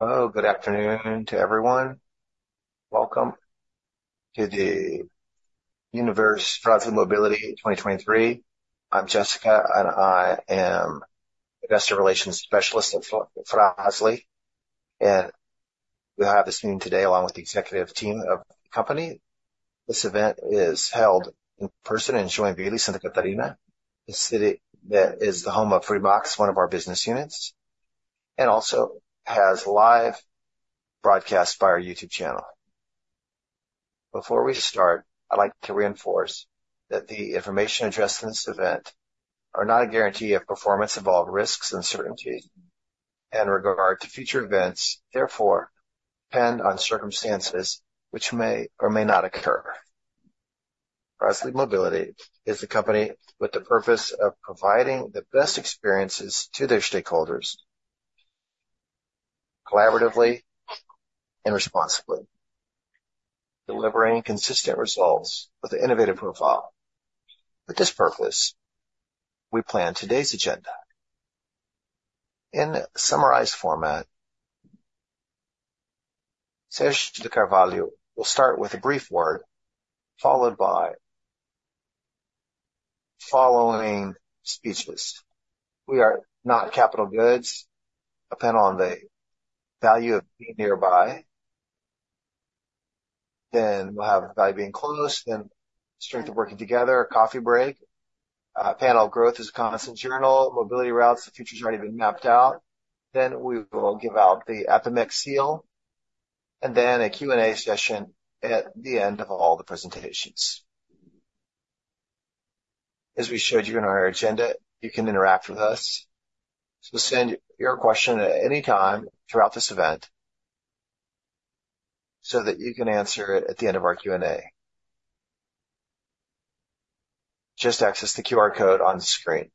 Hello, good afternoon to everyone. Welcome to the Universe Fras-le Mobility 2023. I'm Jessica, and I am Investor Relations Specialist at Fras-le, and we have this meeting today along with the executive team of the company. This event is held in person in Joinville, Santa Catarina, the city that is the home of Fremax, one of our business units, and also has live broadcast by our YouTube channel. Before we start, I'd like to reinforce that the information addressed in this event are not a guarantee of performance involved risks and uncertainties in regard to future events, therefore, depend on circumstances which may or may not occur. Fras-le Mobility is a company with the purpose of providing the best experiences to their stakeholders, collaboratively and responsibly, delivering consistent results with an innovative profile. For this purpose, we plan today's agenda. In a summarized format, Sérgio L. Carvalho will start with a brief word, followed by following speeches. We are not capital goods, depend on the value of being nearby. Then we'll have value being close, then strength of working together, a coffee break, panel growth is a constant journal, mobility routes, the future is already been mapped out. Then we will give out the APIMEC Seal, and then a Q&A session at the end of all the presentations. As we showed you in our agenda, you can interact with us, so send your question at any time throughout this event, so that you can answer it at the end of our Q&A. Just access the QR code on the screen.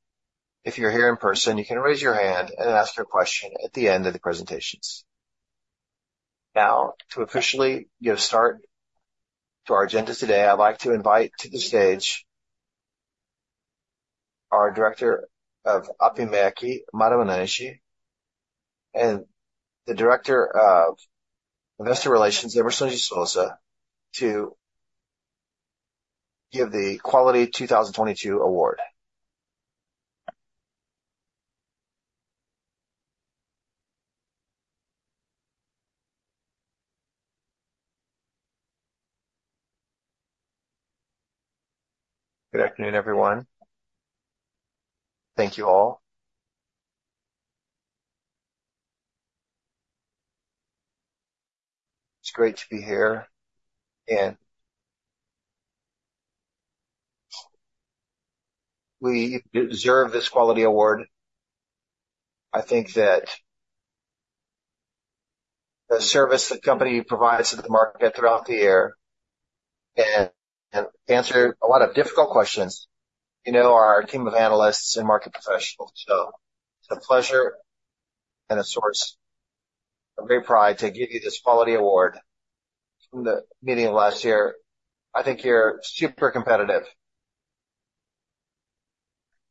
If you're here in person, you can raise your hand and ask your question at the end of the presentations. Now, to officially give start to our agenda today, I'd like to invite to the stage our Director of APIMEC, Mana Mainaishi, and the Director of Investor Relations, Emerson de Souza, to give the Quality 2022 Award. Good afternoon, everyone. Thank you all. It's great to be here, and... We deserve this quality award. I think that the service the company provides to the market throughout the year and answer a lot of difficult questions. You know our team of analysts and market professionals, so it's a pleasure and a source of great pride to give you this quality award from the meeting last year. I think you're super competitive.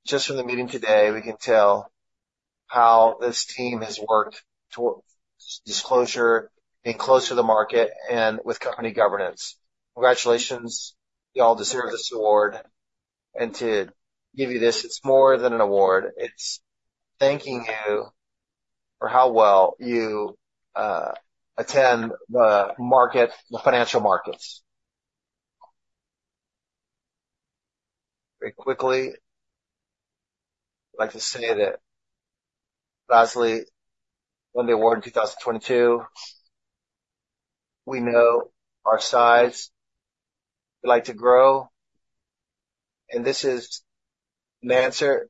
Just from the meeting today, we can tell how this team has worked towards disclosure, being close to the market and with company governance. Congratulations, you all deserve this award, and to give you this, it's more than an award. It's thanking you for how well you attend the market, the financial markets. Very quickly, I'd like to say that Fras-le won the award in 2022. We know our size, we like to grow, and this is an answer.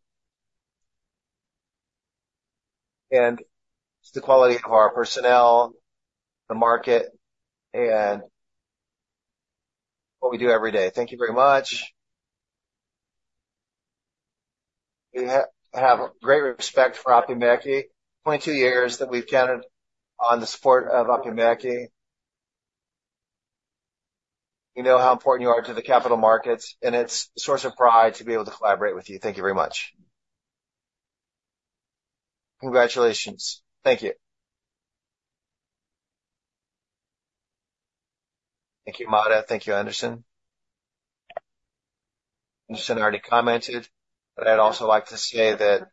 It's the quality of our personnel, the market, and what we do every day. Thank you very much. We have great respect for APIMEC. 22 years that we've counted on the support of APIMEC. We know how important you are to the capital markets, and it's a source of pride to be able to collaborate with you. Thank you very much. Congratulations. Thank you. Thank you, Mada. Thank you, Anderson. Anderson already commented, but I'd also like to say that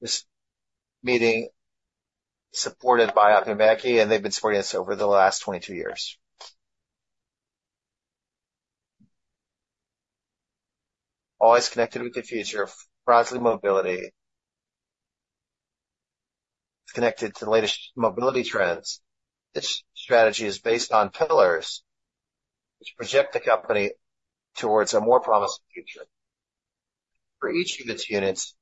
this meeting, supported by APIMEC, and they've been supporting us over the last 22 years. Always connected with the future, Fras-le Mobility is connected to the latest mobility trends. This strategy is based on pillars, which project the company towards a more promising future for each of its units,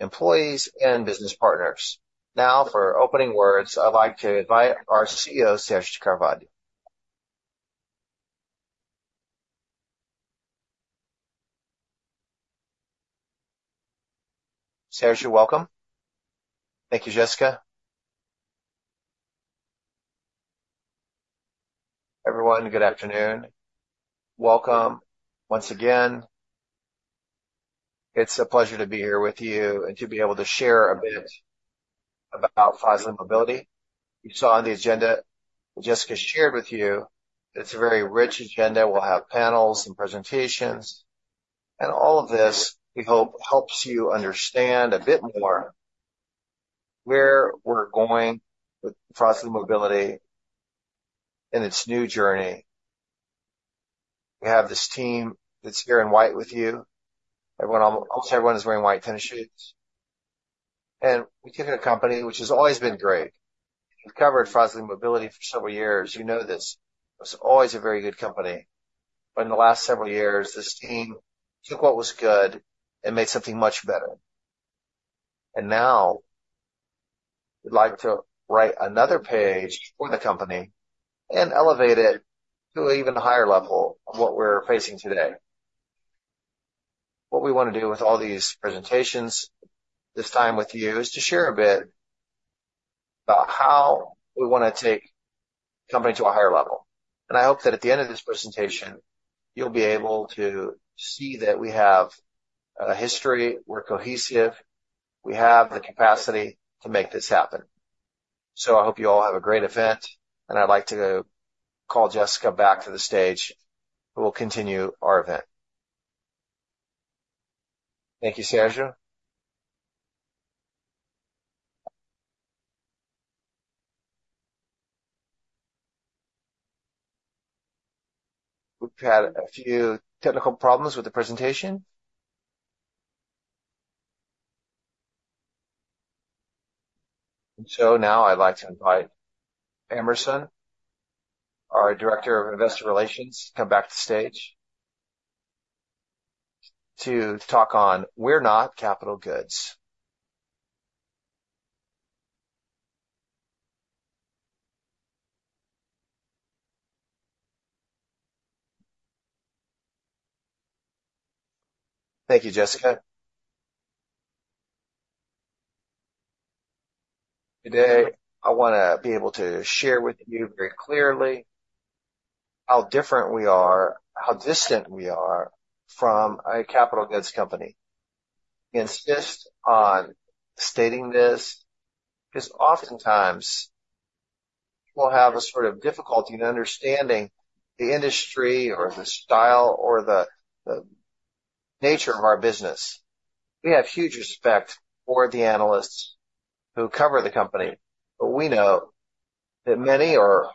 employees, and business partners. Now, for opening words, I'd like to invite our CEO, Sérgio L. Carvalho. Sérgio, welcome. Thank you, Jessica.... Everyone, good afternoon. Welcome once again. It's a pleasure to be here with you and to be able to share a bit about Frasle Mobility. You saw on the agenda that Jessica shared with you, it's a very rich agenda. We'll have panels and presentations, and all of this, we hope, helps you understand a bit more where we're going with Frasle Mobility in its new journey. We have this team that's here in white with you. Everyone, almost everyone is wearing white tennis shoes. And we've taken a company which has always been great. If you've covered Frasle Mobility for several years, you know this. It was always a very good company, but in the last several years, this team took what was good and made something much better. Now we'd like to write another page for the company and elevate it to an even higher level of what we're facing today. What we want to do with all these presentations this time with you is to share a bit about how we wanna take the company to a higher level. I hope that at the end of this presentation, you'll be able to see that we have a history; we're cohesive; we have the capacity to make this happen. I hope you all have a great event, and I'd like to call Jessica back to the stage, who will continue our event. Thank you, Sérgio. We've had a few technical problems with the presentation. Now I'd like to invite Emerson, our Director of Investor Relations, to come back to stage to talk on We're Not Capital Goods. Thank you, Jessica. Today, I wanna be able to share with you very clearly how different we are, how distant we are from a capital goods company. I insist on stating this, because oftentimes, we'll have a sort of difficulty in understanding the industry or the style or the nature of our business. We have huge respect for the analysts who cover the company, but we know that many or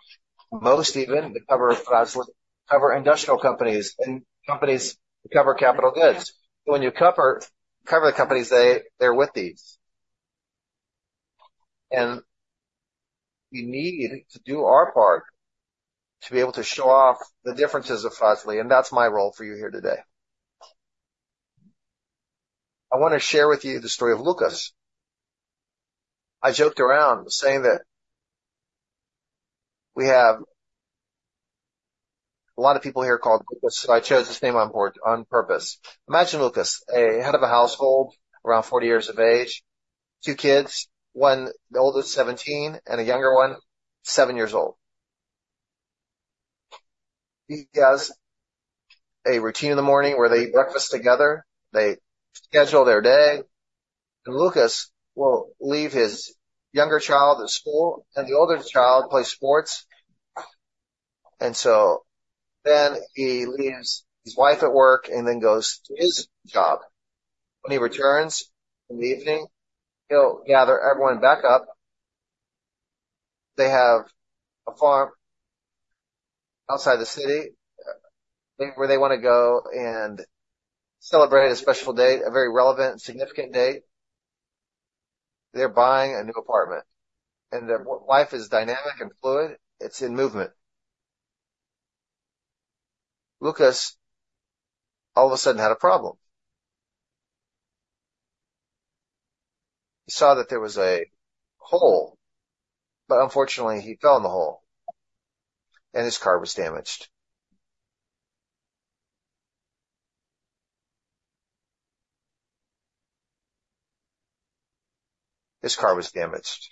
most even, that cover Fras-le, cover industrial companies and companies that cover capital goods. When you cover the companies, they're with these. We need to do our part to be able to show off the differences of Fras-le, and that's my role for you here today. I want to share with you the story of Lucas. I joked around saying that we have a lot of people here called Lucas, so I chose this name on board on purpose. Imagine Lucas, a head of a household, around 40 years of age, 2 kids, one, the oldest, 17, and a younger one, 7 years old. He does a routine in the morning where they eat breakfast together, they schedule their day, and Lucas will leave his younger child at school, and the older child plays sports. So then he leaves his wife at work and then goes to his job. When he returns in the evening, he'll gather everyone back up. They have a farm outside the city where they want to go and celebrate a special date, a very relevant and significant date. They're buying a new apartment, and their wife is dynamic and fluid. It's in movement. Lucas all of a sudden had a problem. He saw that there was a hole, but unfortunately, he fell in the hole and his car was damaged. His car was damaged.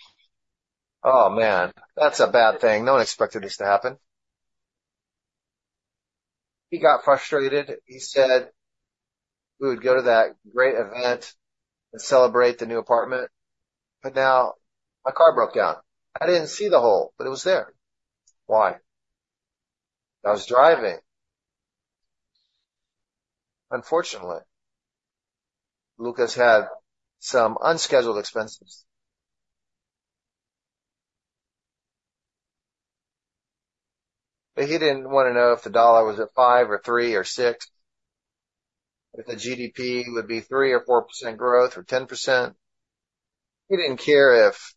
Oh, man, that's a bad thing. No one expected this to happen. He got frustrated. He said, "We would go to that great event and celebrate the new apartment, but now my car broke down. I didn't see the hole, but it was there. Why? I was driving." Unfortunately, Lucas had some unscheduled expenses. But he didn't want to know if the dollar was at 5 or 3 or 6, if the GDP would be 3% or 4% growth or 10%. He didn't care if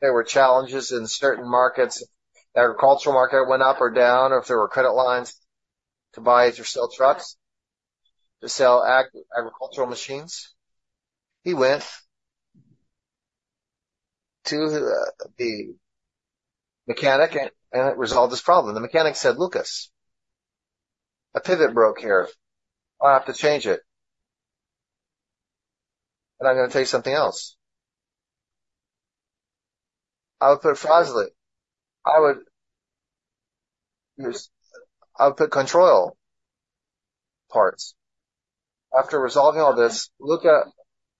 there were challenges in certain markets, the agricultural market went up or down, or if there were credit lines to buy or sell trucks, to sell agricultural machines. He went to the mechanic and resolved this problem. The mechanic said, "Lucas, a pivot broke here. I'll have to change it." And I'm gonna tell you something else. I would put Fras-le. I would use—I would put Controil parts. After resolving all this, Lucas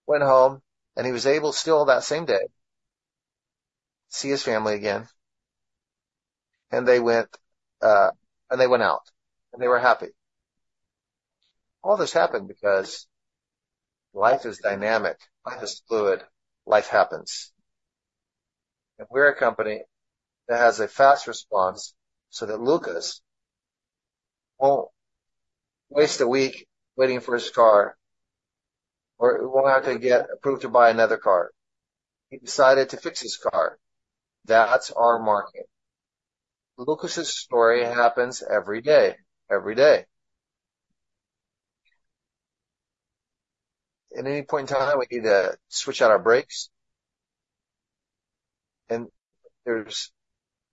went home, and he was able, still that same day, see his family again, and they went, and they went out, and they were happy. All this happened because life is dynamic, life is fluid, life happens. If we're a company that has a fast response so that Lucas won't waste a week waiting for his car, or won't have to get approved to buy another car. He decided to fix his car. That's our market. Lucas's story happens every day, every day. At any point in time, we need to switch out our brakes, and there's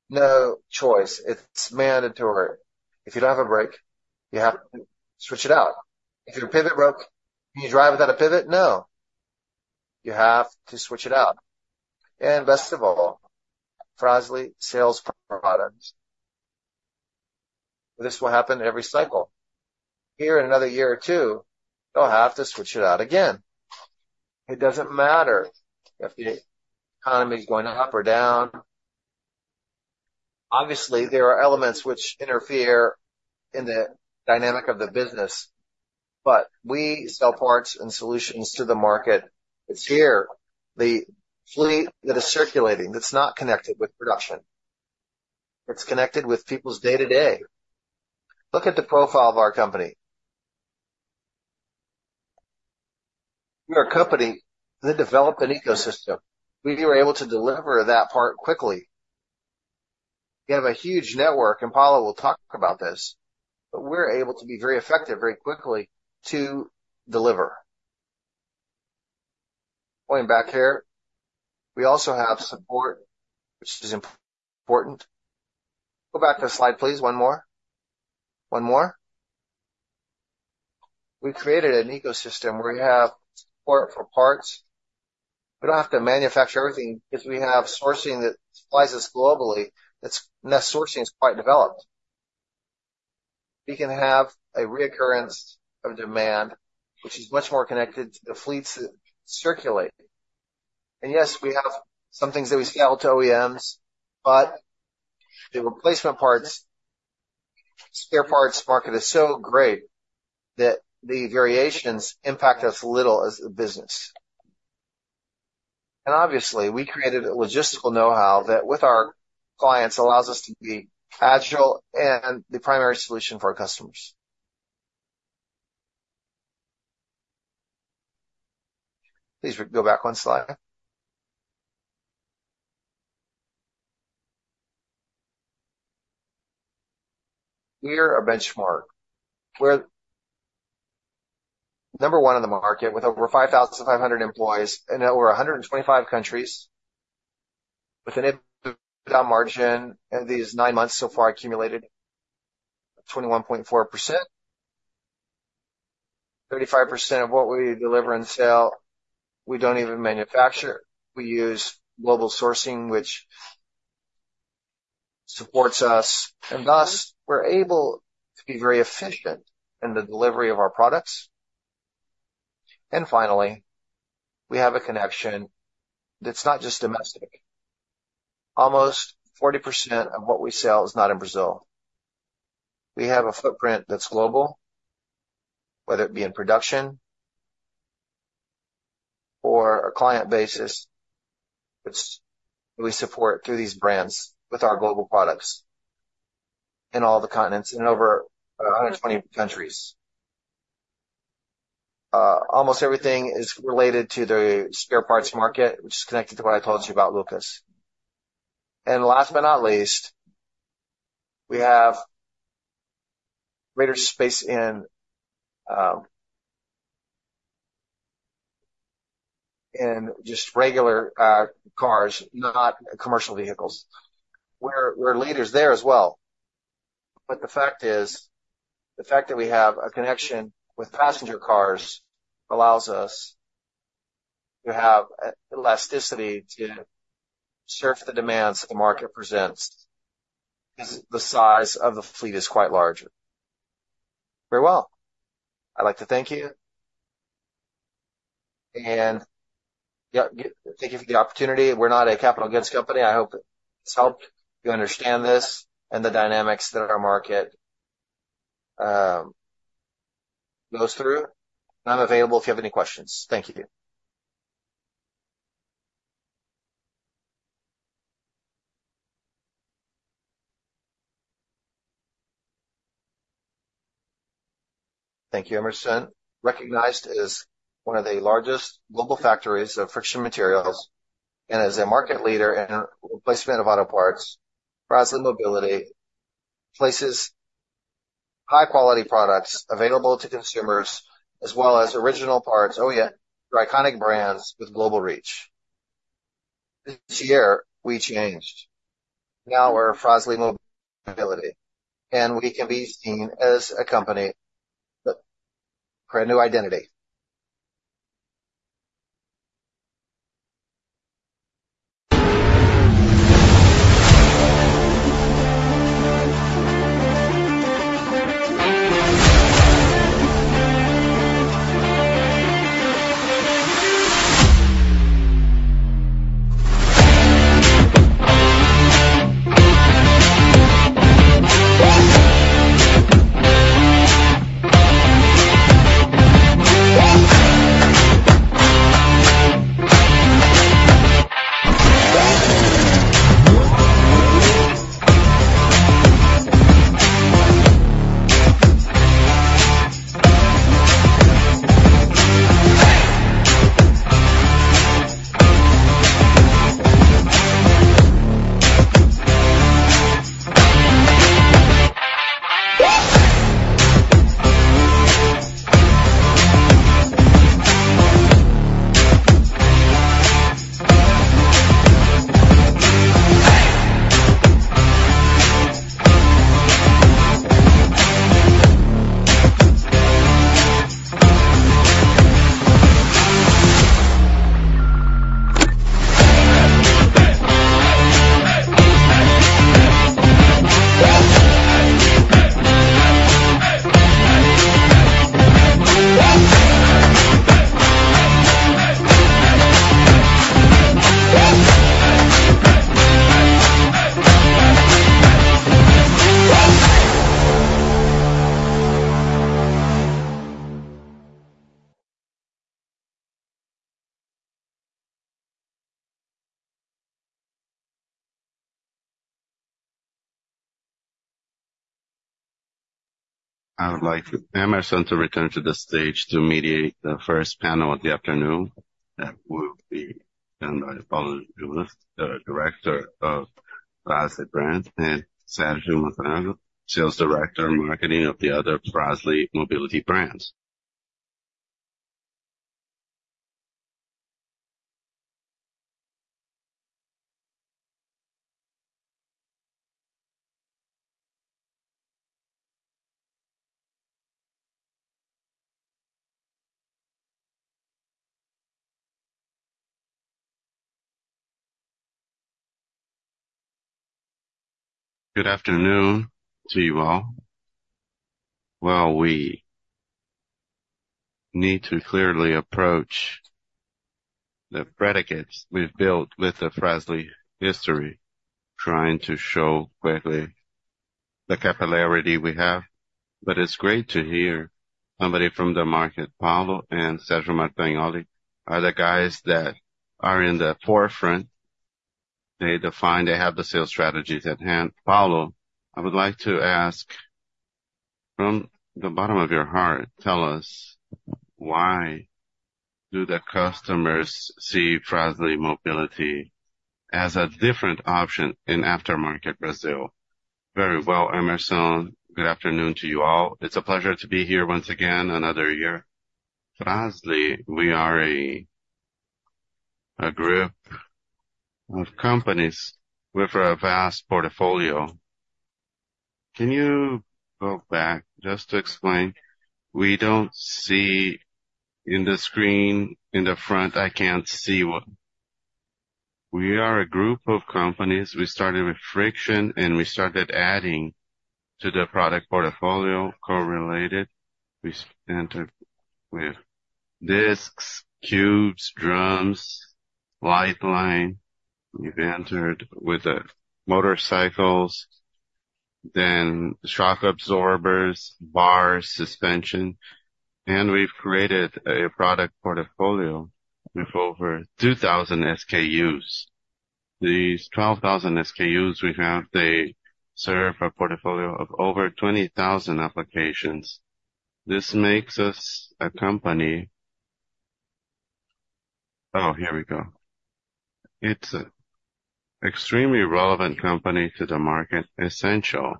no choice. It's mandatory. If you don't have a brake, you have to switch it out. If your pivot broke, can you drive without a pivot? No. You have to switch it out. Best of all, Fras-le sales products, this will happen every cycle. Here in another year or two, they'll have to switch it out again. It doesn't matter if the economy is going up or down. Obviously, there are elements which interfere in the dynamic of the business, but we sell parts and solutions to the market. It's here, the fleet that is circulating, that's not connected with production. It's connected with people's day-to-day. Look at the profile of our company. We are a company that developed an ecosystem. We were able to deliver that part quickly. We have a huge network, and Paulo will talk about this, but we're able to be very effective, very quickly to deliver. Going back here, we also have support, which is important. Go back to the slide, please. One more. One more. We created an ecosystem where we have support for parts. We don't have to manufacture everything because we have sourcing that supplies us globally. That sourcing is quite developed. We can have a reoccurrence of demand, which is much more connected to the fleets that circulate. And yes, we have some things that we sell to OEMs, but the replacement parts, spare parts market is so great that the variations impact us little as a business. And obviously, we created a logistical know-how that with our clients, allows us to be agile and the primary solution for our customers. Please go back one slide. We are a benchmark. We're number one in the market, with over 5,500 employees in over 125 countries, with an EBITDA margin in these nine months so far accumulated 21.4%. 35% of what we deliver and sell, we don't even manufacture. We use global sourcing, which supports us, and thus we're able to be very efficient in the delivery of our products. Finally, we have a connection that's not just domestic. Almost 40% of what we sell is not in Brazil. We have a footprint that's global, whether it be in production or a client basis, which we support through these brands with our global products in all the continents, in over 120 countries. Almost everything is related to the spare parts market, which is connected to what I told you about Lucas. Last but not least, we have greater space in just regular cars, not commercial vehicles. We're leaders there as well. But the fact is, the fact that we have a connection with passenger cars allows us to have elasticity to surf the demands the market presents, because the size of the fleet is quite large. Very well. I'd like to thank you, and yeah, thank you for the opportunity. We're not a capital goods company. I hope it's helped you understand this and the dynamics that our market goes through. And I'm available if you have any questions. Thank you. Thank you, Emerson. Recognized as one of the largest global factories of friction materials and as a market leader in replacement of auto parts, Frasle Mobility places high-quality products available to consumers, as well as original parts, OE, for iconic brands with global reach.... This year, we changed. Now we're Fras-le Mobility, and we can be seen as a company with a new identity. I would like Emerson to return to the stage to mediate the first panel of the afternoon. That will be done by Paulo, the Director of Fras-le Brands, and Sergio Martagnolle, Sales Director, Marketing of the other Fras-le Mobility brands. Good afternoon to you all. Well, we need to clearly approach the predicates we've built with the Fras-le history, trying to show quickly the capillarity we have. But it's great to hear somebody from the market, Paulo and Sérgio Montagnoli, are the guys that are in the forefront. They define, they have the sales strategies at hand. Paulo, I would like to ask, from the bottom of your heart, tell us, why do the customers see Fras-le Mobility as a different option in aftermarket Brazil? Very well, Emerson. Good afternoon to you all. It's a pleasure to be here once again, another year. Fras-le, we are a group of companies with a vast portfolio. Can you go back just to explain? We don't see in the screen in the front, I can't see what... We are a group of companies. We started with friction, and we started adding to the product portfolio, correlated. We entered with discs, cubes, drums, light line. We've entered with motorcycles, then shock absorbers, bars, suspension, and we've created a product portfolio with over 2,000 SKUs. These 12,000 SKUs we have, they serve a portfolio of over 20,000 applications. This makes us a company... Oh, here we go. It's an extremely relevant company to the market, essential.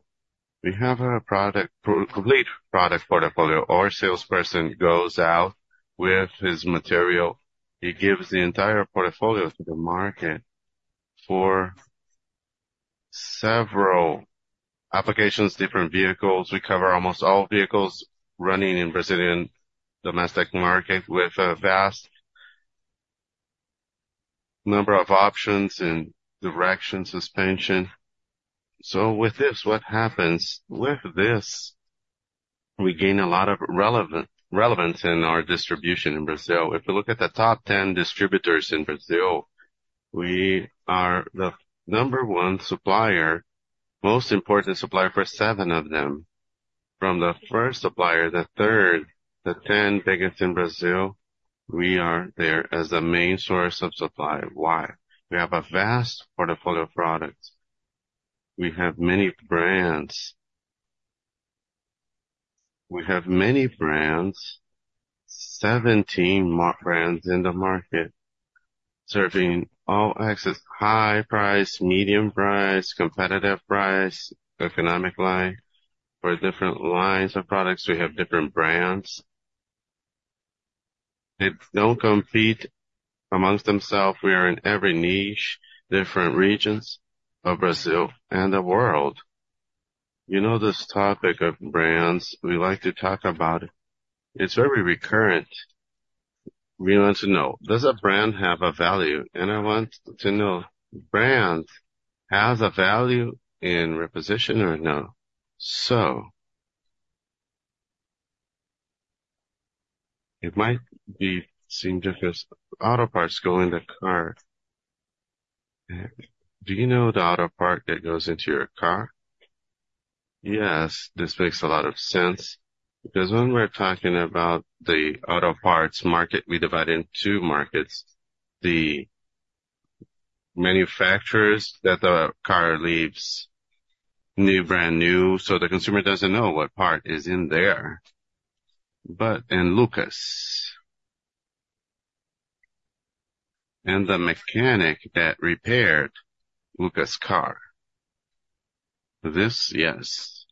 We have a product, complete product portfolio. Our salesperson goes out with his material. He gives the entire portfolio to the market for several applications, different vehicles. We cover almost all vehicles running in Brazilian domestic market, with a vast number of options and direction suspension. So with this, what happens? With this, we gain a lot of relevant, relevance in our distribution in Brazil. If you look at the top 10 distributors in Brazil, we are the number one supplier, most important supplier for 7 of them. From the first supplier, the third, the 10 biggest in Brazil, we are there as the main source of supply. Why? We have a vast portfolio of products. We have many brands. We have many brands, 17 brands in the market, serving all access, high price, medium price, competitive price, economic line. For different lines of products, we have different brands. They don't compete amongst themselves. We are in every niche, different regions of Brazil and the world. You know, this topic of brands, we like to talk about it. It's very recurrent. We want to know, does a brand have a value? And I want to know, brand has a value in reposition or no? So it might be seen different. Auto parts go in the car. Do you know the auto part that goes into your car? Yes, this makes a lot of sense, because when we're talking about the auto parts market, we divide in two markets. The manufacturers, that the car leaves new, brand new, so the consumer doesn't know what part is in there. But in Lucas, and the mechanic that repaired Lucas' car. This, yes,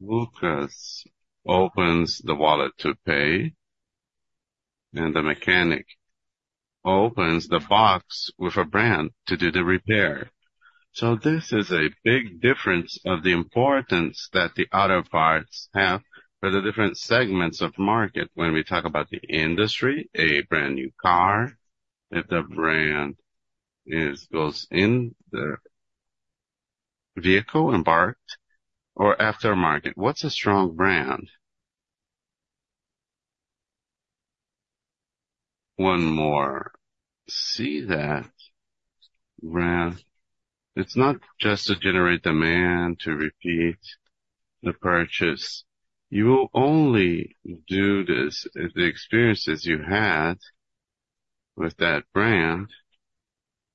Lucas opens the wallet to pay, and the mechanic opens the box with a brand to do the repair. So this is a big difference of the importance that the auto parts have for the different segments of market. When we talk about the industry, a brand new car, that the brand is goes in the vehicle and part or aftermarket. What's a strong brand? One more. See that brand, it's not just to generate demand, to repeat the purchase. You will only do this if the experiences you had with that brand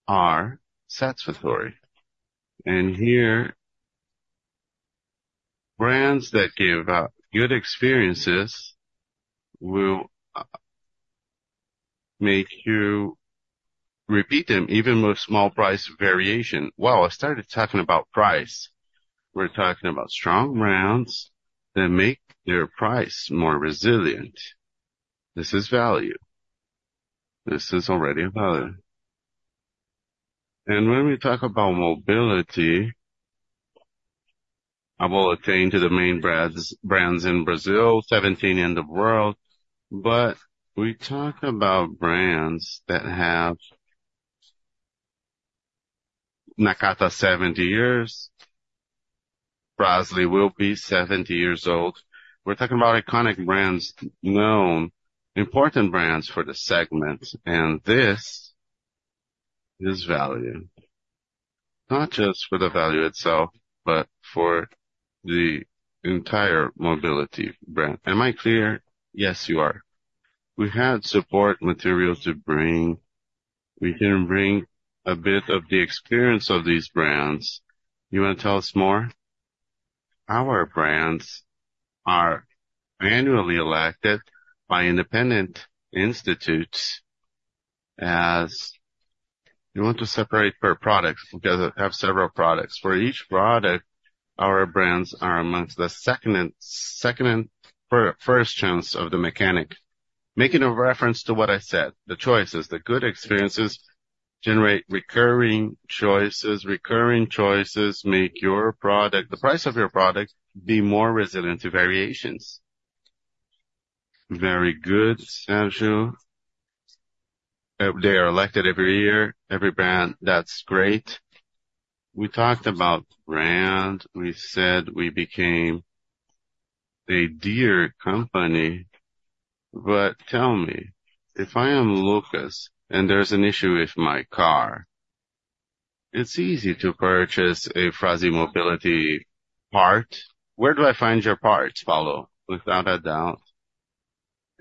are satisfactory. Here, brands that give out good experiences will make you repeat them, even with small price variation. Wow, I started talking about price. We're talking about strong brands that make their price more resilient. This is value. This is already a value. When we talk about mobility, I will attend to the main brands, brands in Brazil, 17 in the world, but we talk about brands that have Nakata, 70 years. Fras-le will be 70 years old. We're talking about iconic brands, known important brands for the segment, and this is value. Not just for the value itself, but for the entire mobility brand. Am I clear? Yes, you are. We had support materials to bring. We didn't bring a bit of the experience of these brands. You want to tell us more? Our brands are annually elected by independent institutes. As you want to separate per product, because I have several products. For each product, our brands are among the second and first choice of the mechanic. Making a reference to what I said, the choices, the good experiences generate recurring choices. Recurring choices make your product, the price of your product, be more resilient to variations. Very good, Sérgio. They are elected every year, every brand. That's great. We talked about brand. We said we became a dear company, but tell me, if I am Lucas and there's an issue with my car, it's easy to purchase a Fras-le Mobility part. Where do I find your parts, Paulo? Without a doubt,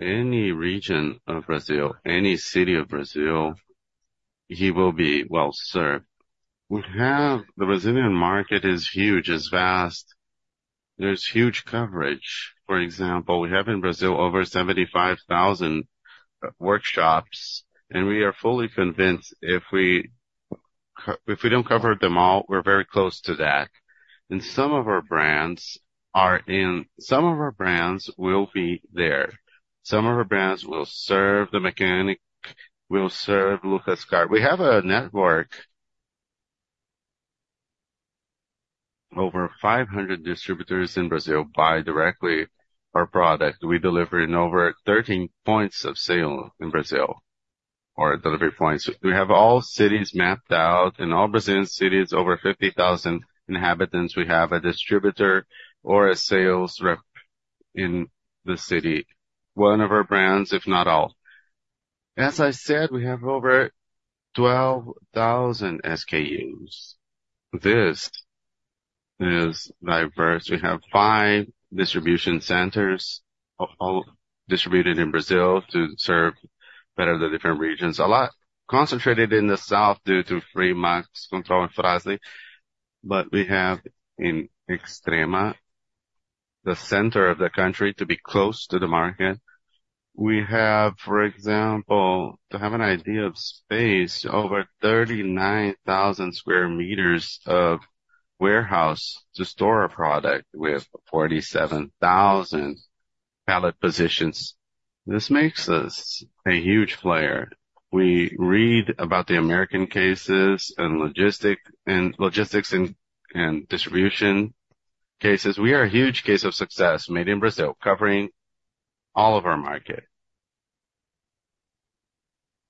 any region of Brazil, any city of Brazil, he will be well served. We have the Brazilian market is huge, is vast. There's huge coverage. For example, we have in Brazil over 75,000 workshops, and we are fully convinced if we don't cover them all, we're very close to that. Some of our brands are in... Some of our brands will be there. Some of our brands will serve the mechanic, will serve LucasCar. We have a network. Over 500 distributors in Brazil buy directly our product. We deliver in over 13 points of sale in Brazil, or delivery points. We have all cities mapped out. In all Brazilian cities, over 50,000 inhabitants, we have a distributor or a sales rep in the city. One of our brands, if not all. As I said, we have over 12,000 SKUs. This is diverse. We have five distribution centers, all distributed in Brazil to serve better the different regions. A lot concentrated in the south due to Fremax Controil in Fras-le, but we have in Extrema, the center of the country, to be close to the market. We have, for example, to have an idea of space, over 39,000 square meters of warehouse to store a product with 47,000 pallet positions. This makes us a huge player. We read about the American cases in logistics and distribution cases. We are a huge case of success made in Brazil, covering all of our market.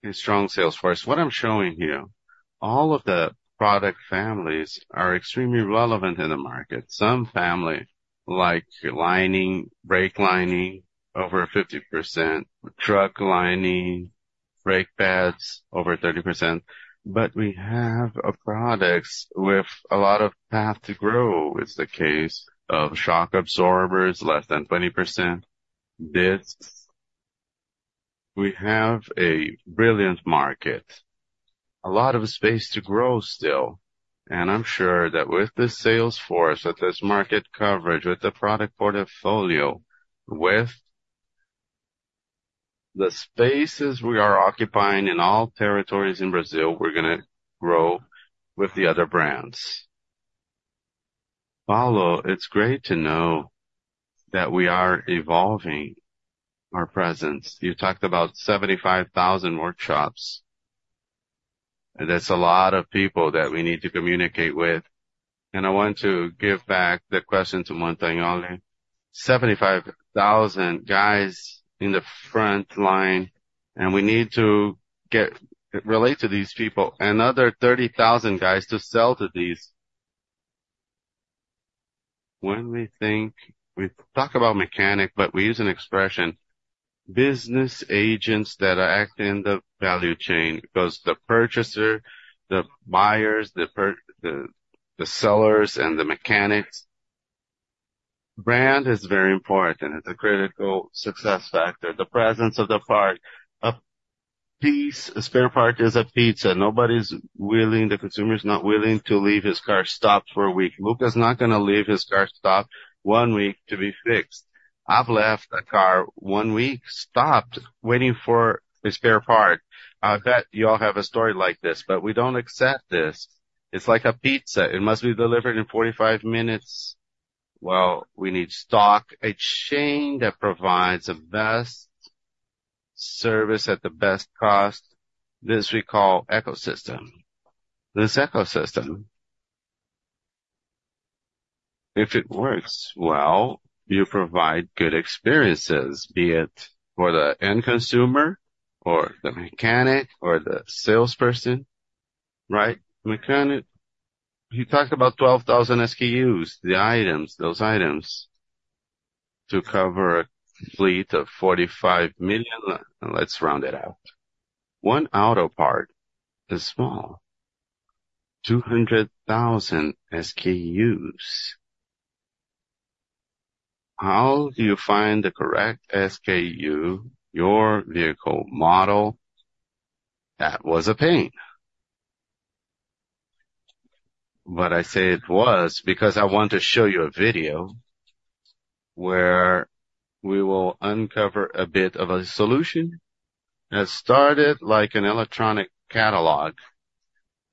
A strong sales force. What I'm showing you, all of the product families are extremely relevant in the market. Some family, like lining, brake lining, over 50%, truck lining, brake pads, over 30%, but we have products with a lot of path to grow. It's the case of shock absorbers, less than 20%, discs. We have a brilliant market, a lot of space to grow still, and I'm sure that with this sales force, with this market coverage, with the product portfolio, with the spaces we are occupying in all territories in Brazil, we're gonna grow with the other brands. Paulo, it's great to know that we are evolving our presence. You talked about 75,000 workshops, and that's a lot of people that we need to communicate with, and I want to give back the question to Montagnole. 75,000 guys in the front line, and we need to get... relate to these people, another 30,000 guys to sell to these. When we think, we talk about mechanic, but we use an expression, business agents that are acting in the value chain, because the purchaser, the buyers, the sellers, and the mechanics, brand is very important. It's a critical success factor. The presence of the part. A piece, a spare part is a pizza. Nobody's willing, the consumer's not willing to leave his car stopped for a week. Luca's not gonna leave his car stopped one week to be fixed. I've left a car one week, stopped, waiting for a spare part. I bet you all have a story like this, but we don't accept this. It's like a pizza. It must be delivered in 45 minutes. Well, we need stock, a chain that provides the best service at the best cost. This we call ecosystem. This ecosystem, if it works well, you provide good experiences, be it for the end consumer, or the mechanic, or the salesperson, right? Mechanic, he talked about 12,000 SKUs, the items, those items, to cover a fleet of 45 million. Let's round it out. One auto part is small, 200,000 SKUs. How do you find the correct SKU, your vehicle model? That was a pain. But I say it was because I want to show you a video where we will uncover a bit of a solution. It started like an electronic catalog,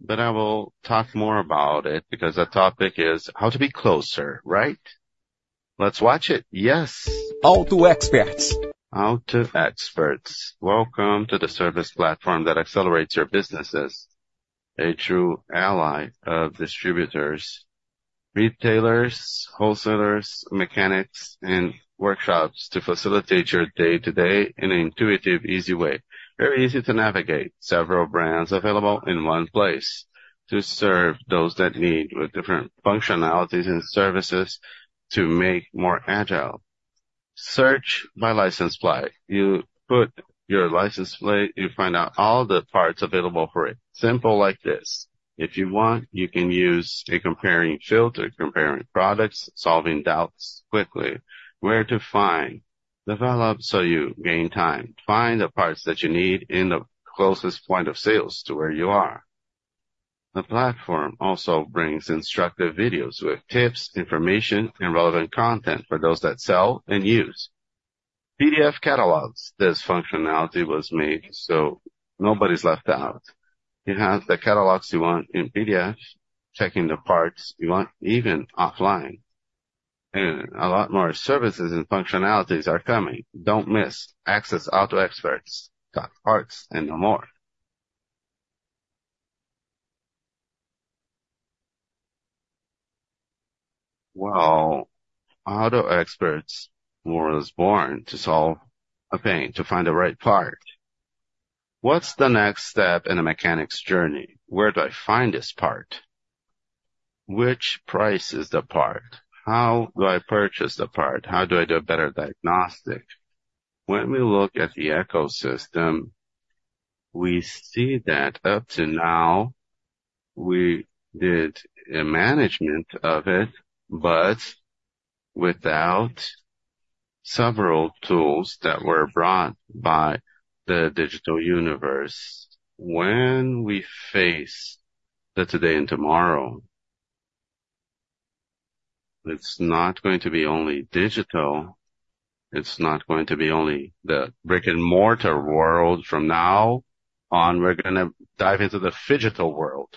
but I will talk more about it because the topic is how to be closer, right? Let's watch it. Yes. Auto Experts. Auto Experts. Welcome to the service platform that accelerates your businesses. A true ally of distributors, retailers, wholesalers, mechanics, and workshops to facilitate your day-to-day in an intuitive, easy way. Very easy to navigate. Several brands available in one place to serve those that need with different functionalities and services to make more agile. Search by license plate. You put your license plate, you find out all the parts available for it. Simple like this. If you want, you can use a comparing filter, comparing products, solving doubts quickly. Where to find, develop so you gain time, find the parts that you need in the closest point of sales to where you are. The platform also brings instructive videos with tips, information, and relevant content for those that sell and use. PDF catalogs. This functionality was made so nobody's left out. You have the catalogs you want in PDF, checking the parts you want, even offline. And a lot more services and functionalities are coming. Don't miss. Access autoexperts.parts and more. Well, Auto Experts was born to solve a pain, to find the right part. What's the next step in a mechanic's journey? Where do I find this part? Which price is the part? How do I purchase the part? How do I do a better diagnostic? When we look at the ecosystem, we see that up to now, we did a management of it, but without several tools that were brought by the digital universe. When we face the today and tomorrow...... It's not going to be only digital, it's not going to be only the brick-and-mortar world. From now on, we're gonna dive into the Phygital world,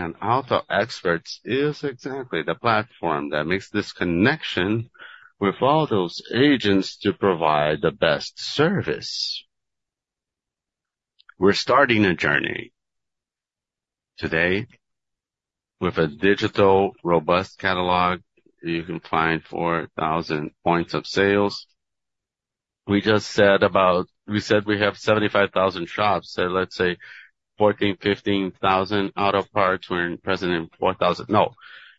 and Auto Experts is exactly the platform that makes this connection with all those agents to provide the best service. We're starting a journey today with a digital, robust catalog. You can find 4,000 points of sales. We just said we have 75,000 shops, so let's say 14,000-15,000 auto parts. We're present in 4,000. No,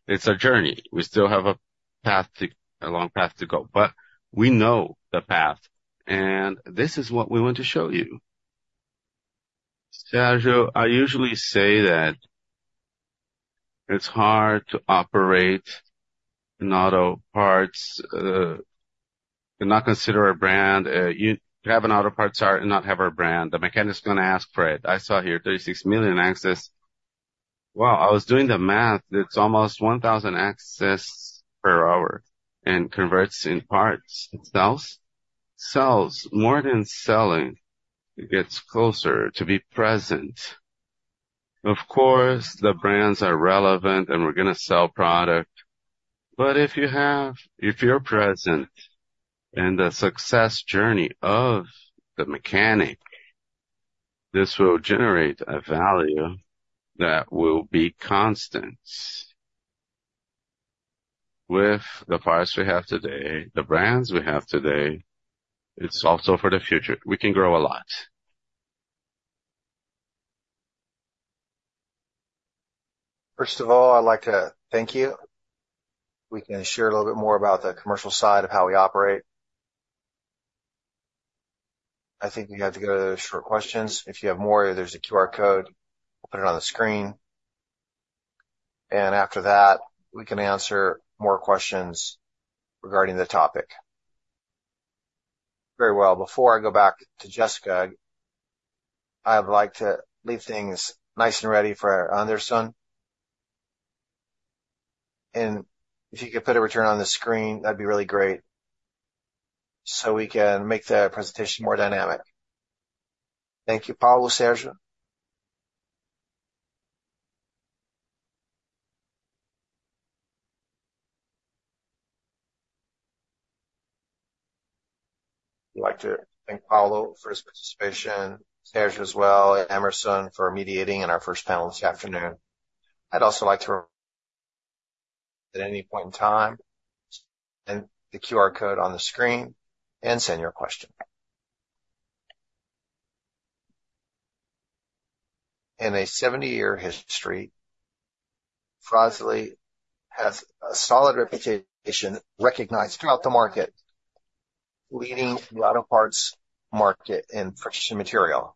it's a journey. We still have a path to a long path to go, but we know the path, and this is what we want to show you. Sérgio, I usually say that it's hard to operate in auto parts and not consider a brand. You have an auto parts and not have a brand. The mechanic is gonna ask for it. I saw here 36 million access. Well, I was doing the math. It's almost 1,000 access per hour and converts in parts. It sells? Sells. More than selling, it gets closer to be present. Of course, the brands are relevant, and we're gonna sell product, but if you have, if you're present in the success journey of the mechanic, this will generate a value that will be constant. With the parts we have today, the brands we have today, it's also for the future. We can grow a lot. First of all, I'd like to thank you. We can share a little bit more about the commercial side of how we operate. I think we have to go to the short questions. If you have more, there's a QR code. We'll put it on the screen, and after that, we can answer more questions regarding the topic. Very well. Before I go back to Jessica, I would like to leave things nice and ready for Anderson. If you could put a return on the screen, that'd be really great, so we can make the presentation more dynamic. Thank you, Paulo, Sérgio. We'd like to thank Paulo for his participation, Sérgio as well, and Emerson for mediating in our first panel this afternoon. I'd also like to... At any point in time, and the QR code on the screen, and send your question. In a 70-year history, Fras-le has a solid reputation, recognized throughout the market, leading the auto parts market in friction material.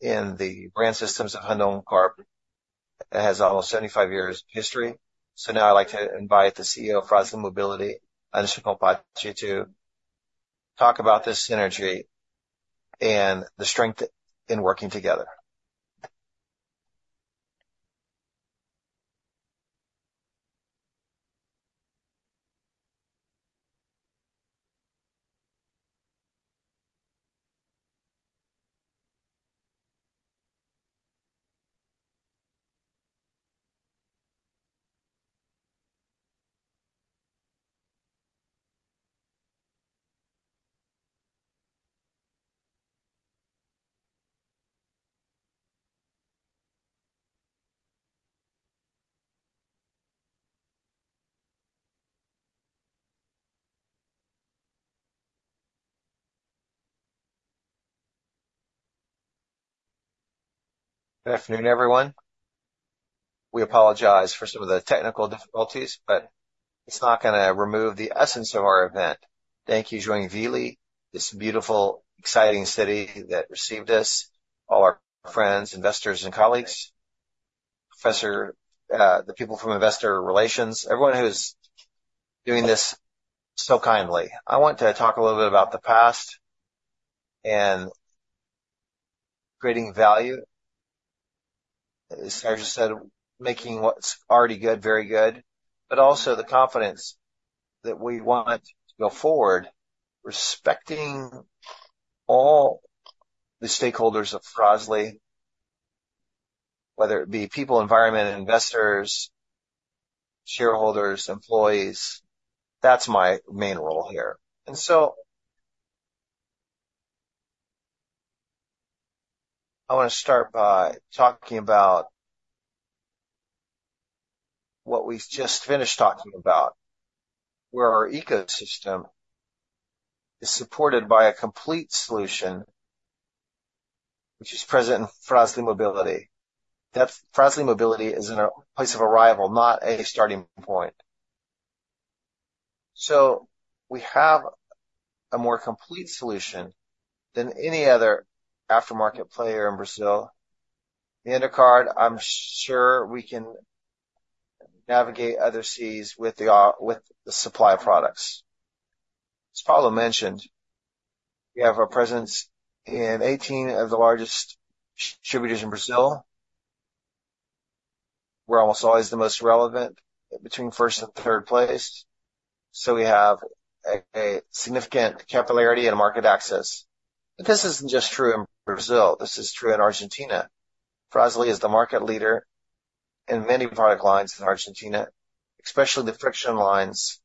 In the brand systems, Randoncorp has almost 75 years of history. Now I'd like to invite the CEO of Frasle Mobility, Anderson Pontalti, to talk about this synergy and the strength in working together. Good afternoon, everyone. We apologize for some of the technical difficulties, but it's not gonna remove the essence of our event. Thank you, Joinville, this beautiful, exciting city that received us, all our friends, investors, and colleagues, professor, the people from investor relations, everyone who's doing this so kindly. I want to talk a little bit about the past and creating value. As Sérgio said, making what's already good, very good, but also the confidence that we want to go forward, respecting all the stakeholders of Fras-le, whether it be people, environment, investors, shareholders, employees. That's my main role here. And so, I want to start by talking about what we've just finished talking about, where our ecosystem is supported by a complete solution, which is present in Fras-le Mobility. That Fras-le Mobility is in a place of arrival, not a starting point. So we have a more complete solution than any other aftermarket player in Brazil. The end of card, I'm sure we can navigate other seas with the supply products.... As Paulo mentioned, we have a presence in 18 of the largest distributors in Brazil. We're almost always the most relevant between first and third place, so we have a significant capillarity and market access. But this isn't just true in Brazil, this is true in Argentina. Fras-le is the market leader in many product lines in Argentina, especially the friction lines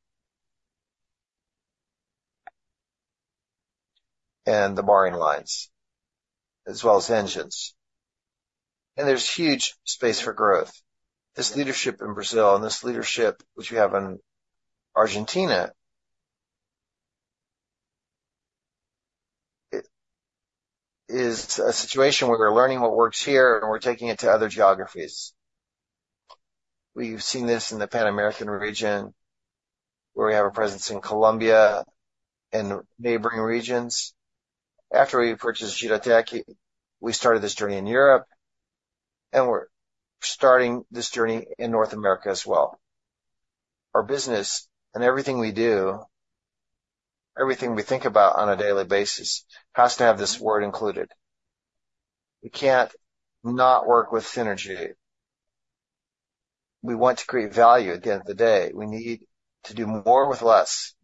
and the braking lines, as well as engines. And there's huge space for growth. This leadership in Brazil and this leadership which we have in Argentina, it is a situation where we're learning what works here and we're taking it to other geographies. We've seen this in the Pan-American region, where we have a presence in Colombia and neighboring regions. After we purchased Juratek, we started this journey in Europe, and we're starting this journey in North America as well. Our business and everything we do, everything we think about on a daily basis, has to have this word included. We can't not work with synergy. We want to create value. At the end of the day, we need to do more with less.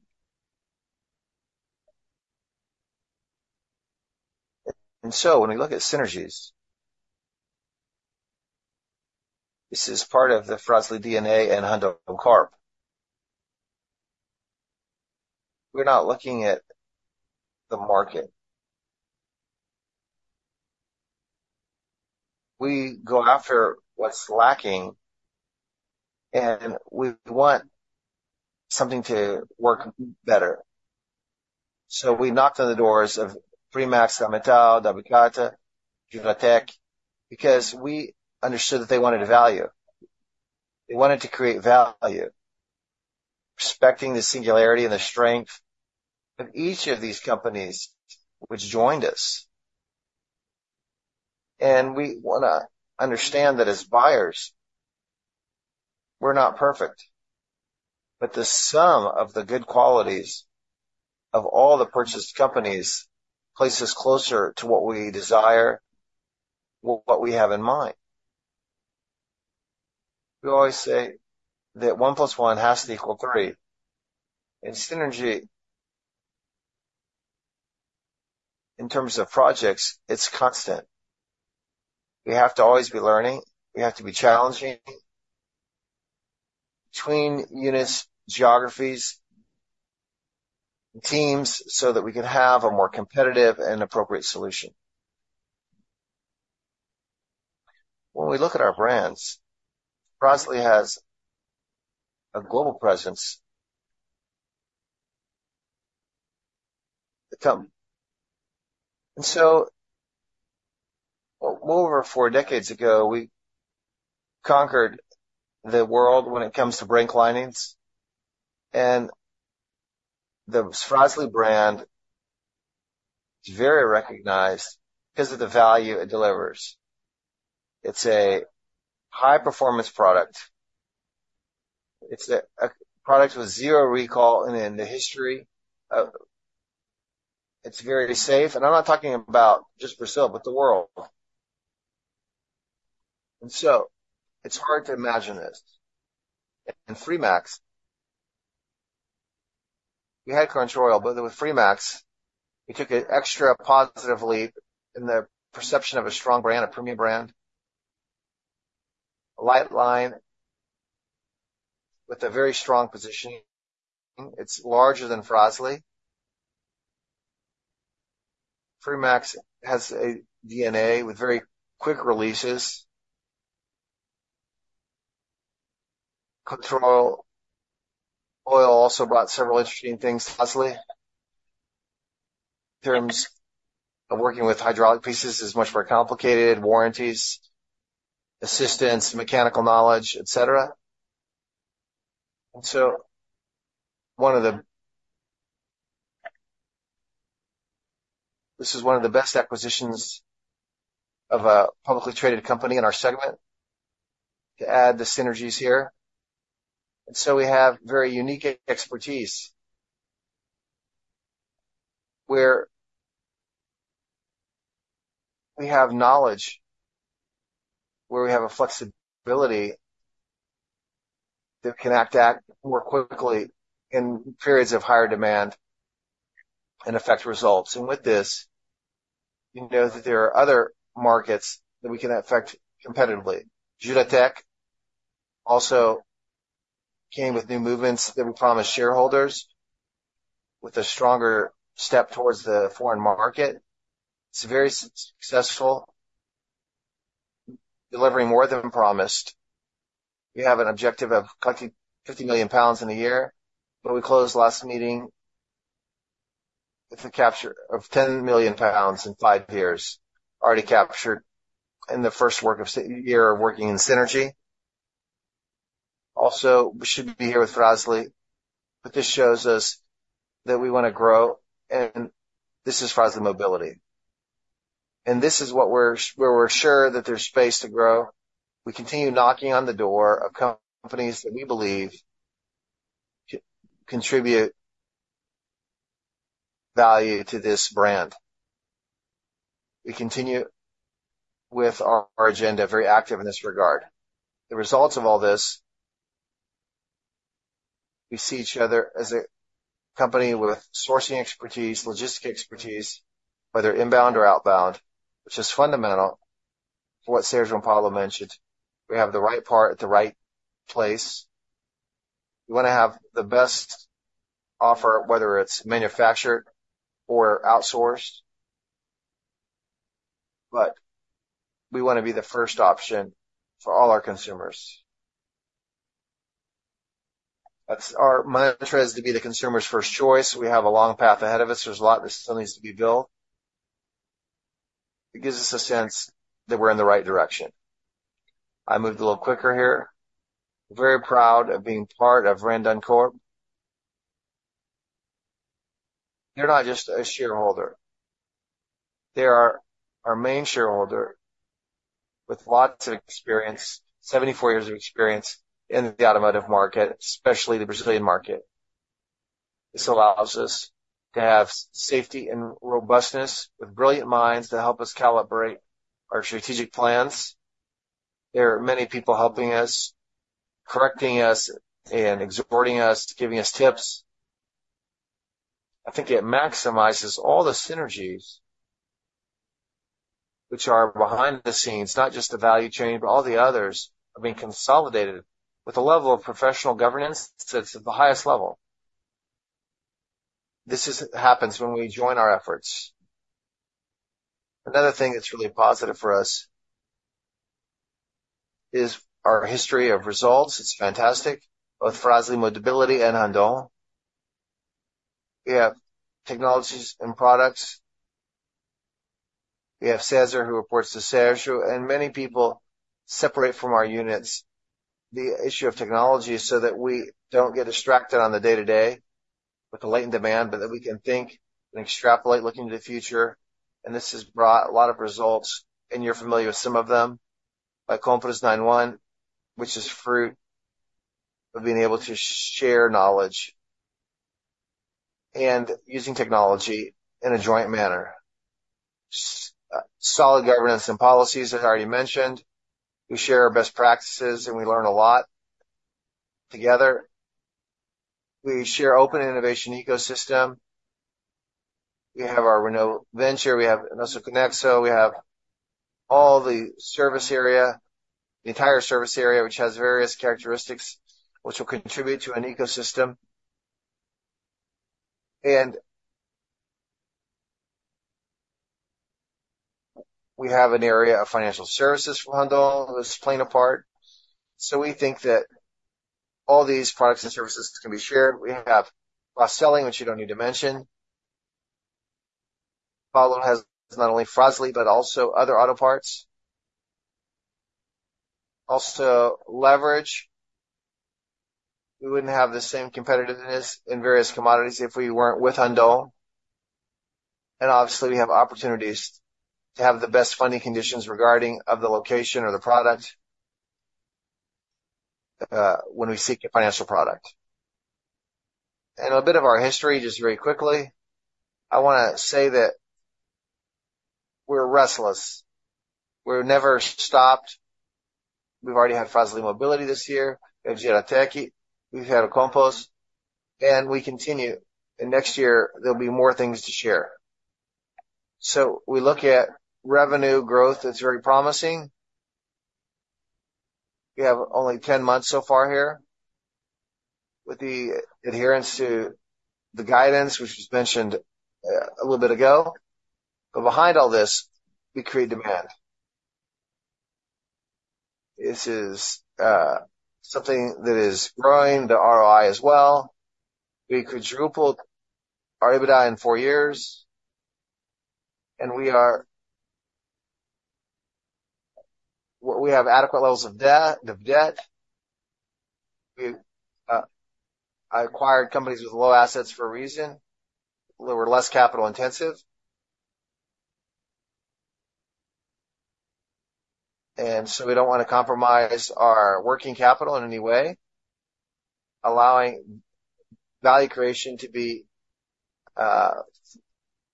So when we look at synergies, this is part of the Fras-le DNA and Randoncorp. We're not looking at the market. We go after what's lacking, and we want something to work better. We knocked on the doors of Fremax, Armetal, Juratek, because we understood that they wanted a value. They wanted to create value, respecting the singularity and the strength of each of these companies which joined us. We wanna understand that as buyers, we're not perfect, but the sum of the good qualities of all the purchased companies places closer to what we desire, what we have in mind. We always say that one plus one has to equal three. In synergy, in terms of projects, it's constant. We have to always be learning. We have to be challenging between units, geographies, teams, so that we can have a more competitive and appropriate solution. When we look at our brands, Fras-le has a global presence. And so over four decades ago, we conquered the world when it comes to brake linings, and the Fras-le brand is very recognized because of the value it delivers. It's a high-performance product. It's a, a product with zero recall, and in the history of... It's very safe, and I'm not talking about just Brazil, but the world. And so it's hard to imagine this. In Fremax, we had Controil, but then with Fremax, we took an extra positive leap in the perception of a strong brand, a premium brand, a light line with a very strong positioning. It's larger than Fras-le. Fremax has a DNA with very quick releases. Controil also brought several interesting things. Fras-le, in terms of working with hydraulic pieces, is much more complicated, warranties, assistance, mechanical knowledge, et cetera. And so this is one of the best acquisitions of a publicly traded company in our segment, to add the synergies here. And so we have very unique expertise, where we have knowledge, where we have a flexibility that can act more quickly in periods of higher demand and affect results. And with this, you know that there are other markets that we can affect competitively. Giratec also came with new movements that we promised shareholders, with a stronger step towards the foreign market. It's very successful, delivering more than promised. We have an objective of collecting 50 million pounds in a year, but we closed last meeting with the capture of 10 million pounds in 5 years, already captured in the first work of year working in synergy. Also, we should be here with Fras-le, but this shows us that we want to grow, and this is Fras-le Mobility. This is what we're, where we're sure that there's space to grow. We continue knocking on the door of co-companies that we believe contribute value to this brand. We continue with our, our agenda, very active in this regard. The results of all this, we see each other as a company with sourcing expertise, logistic expertise, whether inbound or outbound, which is fundamental to what Sérgio and Paulo mentioned. We have the right part at the right place. We want to have the best offer, whether it's manufactured or outsourced, but we want to be the first option for all our consumers. That's our mantra is to be the consumer's first choice. We have a long path ahead of us. There's a lot that still needs to be built. It gives us a sense that we're in the right direction. I moved a little quicker here. Very proud of being part of Randoncorp. They're not just a shareholder, they are our main shareholder with lots of experience, 74 years of experience in the automotive market, especially the Brazilian market. This allows us to have safety and robustness with brilliant minds to help us calibrate our strategic plans. There are many people helping us, correcting us, and exhorting us, giving us tips. I think it maximizes all the synergies which are behind the scenes, not just the value chain, but all the others, are being consolidated with a level of professional governance that's at the highest level. This happens when we join our efforts. Another thing that's really positive for us is our history of results. It's fantastic, both for Fras-le Mobility and Randon. We have technologies and products. We have Casaril, who reports to Sérgio, and many people separate from our units. The issue of technology is so that we don't get distracted on the day-to-day with the light and demand, but that we can think and extrapolate, looking to the future. And this has brought a lot of results, and you're familiar with some of them. Like Compos 91, which is fruit of being able to share knowledge and using technology in a joint manner. Solid governance and policies, as already mentioned. We share our best practices, and we learn a lot together. We share open innovation ecosystem. We have our Randon Venture, we have Conexo, we have all the service area, the entire service area, which has various characteristics which will contribute to an ecosystem. We have an area of financial services for Randon, who is playing a part. So we think that all these products and services can be shared. We have cross-selling, which you don't need to mention. Paulo has not only Fras-le, but also other auto parts. Also, leverage. We wouldn't have the same competitiveness in various commodities if we weren't with Randon. And obviously, we have opportunities to have the best funding conditions regarding of the location or the product, when we seek a financial product. And a bit of our history, just very quickly. I wanna say that we're restless. We're never stopped. We've already had Fras-le Mobility this year, we have Gera Tech, we've had a Compos, and we continue, and next year there'll be more things to share. So we look at revenue growth, that's very promising. We have only 10 months so far here, with the adherence to the guidance, which was mentioned a little bit ago, but behind all this, we create demand. This is something that is growing the ROI as well. We quadrupled our EBITDA in four years, and we are—we have adequate levels of debt, of debt. We, I acquired companies with low assets for a reason. We're less capital intensive. And so we don't want to compromise our working capital in any way, allowing value creation to be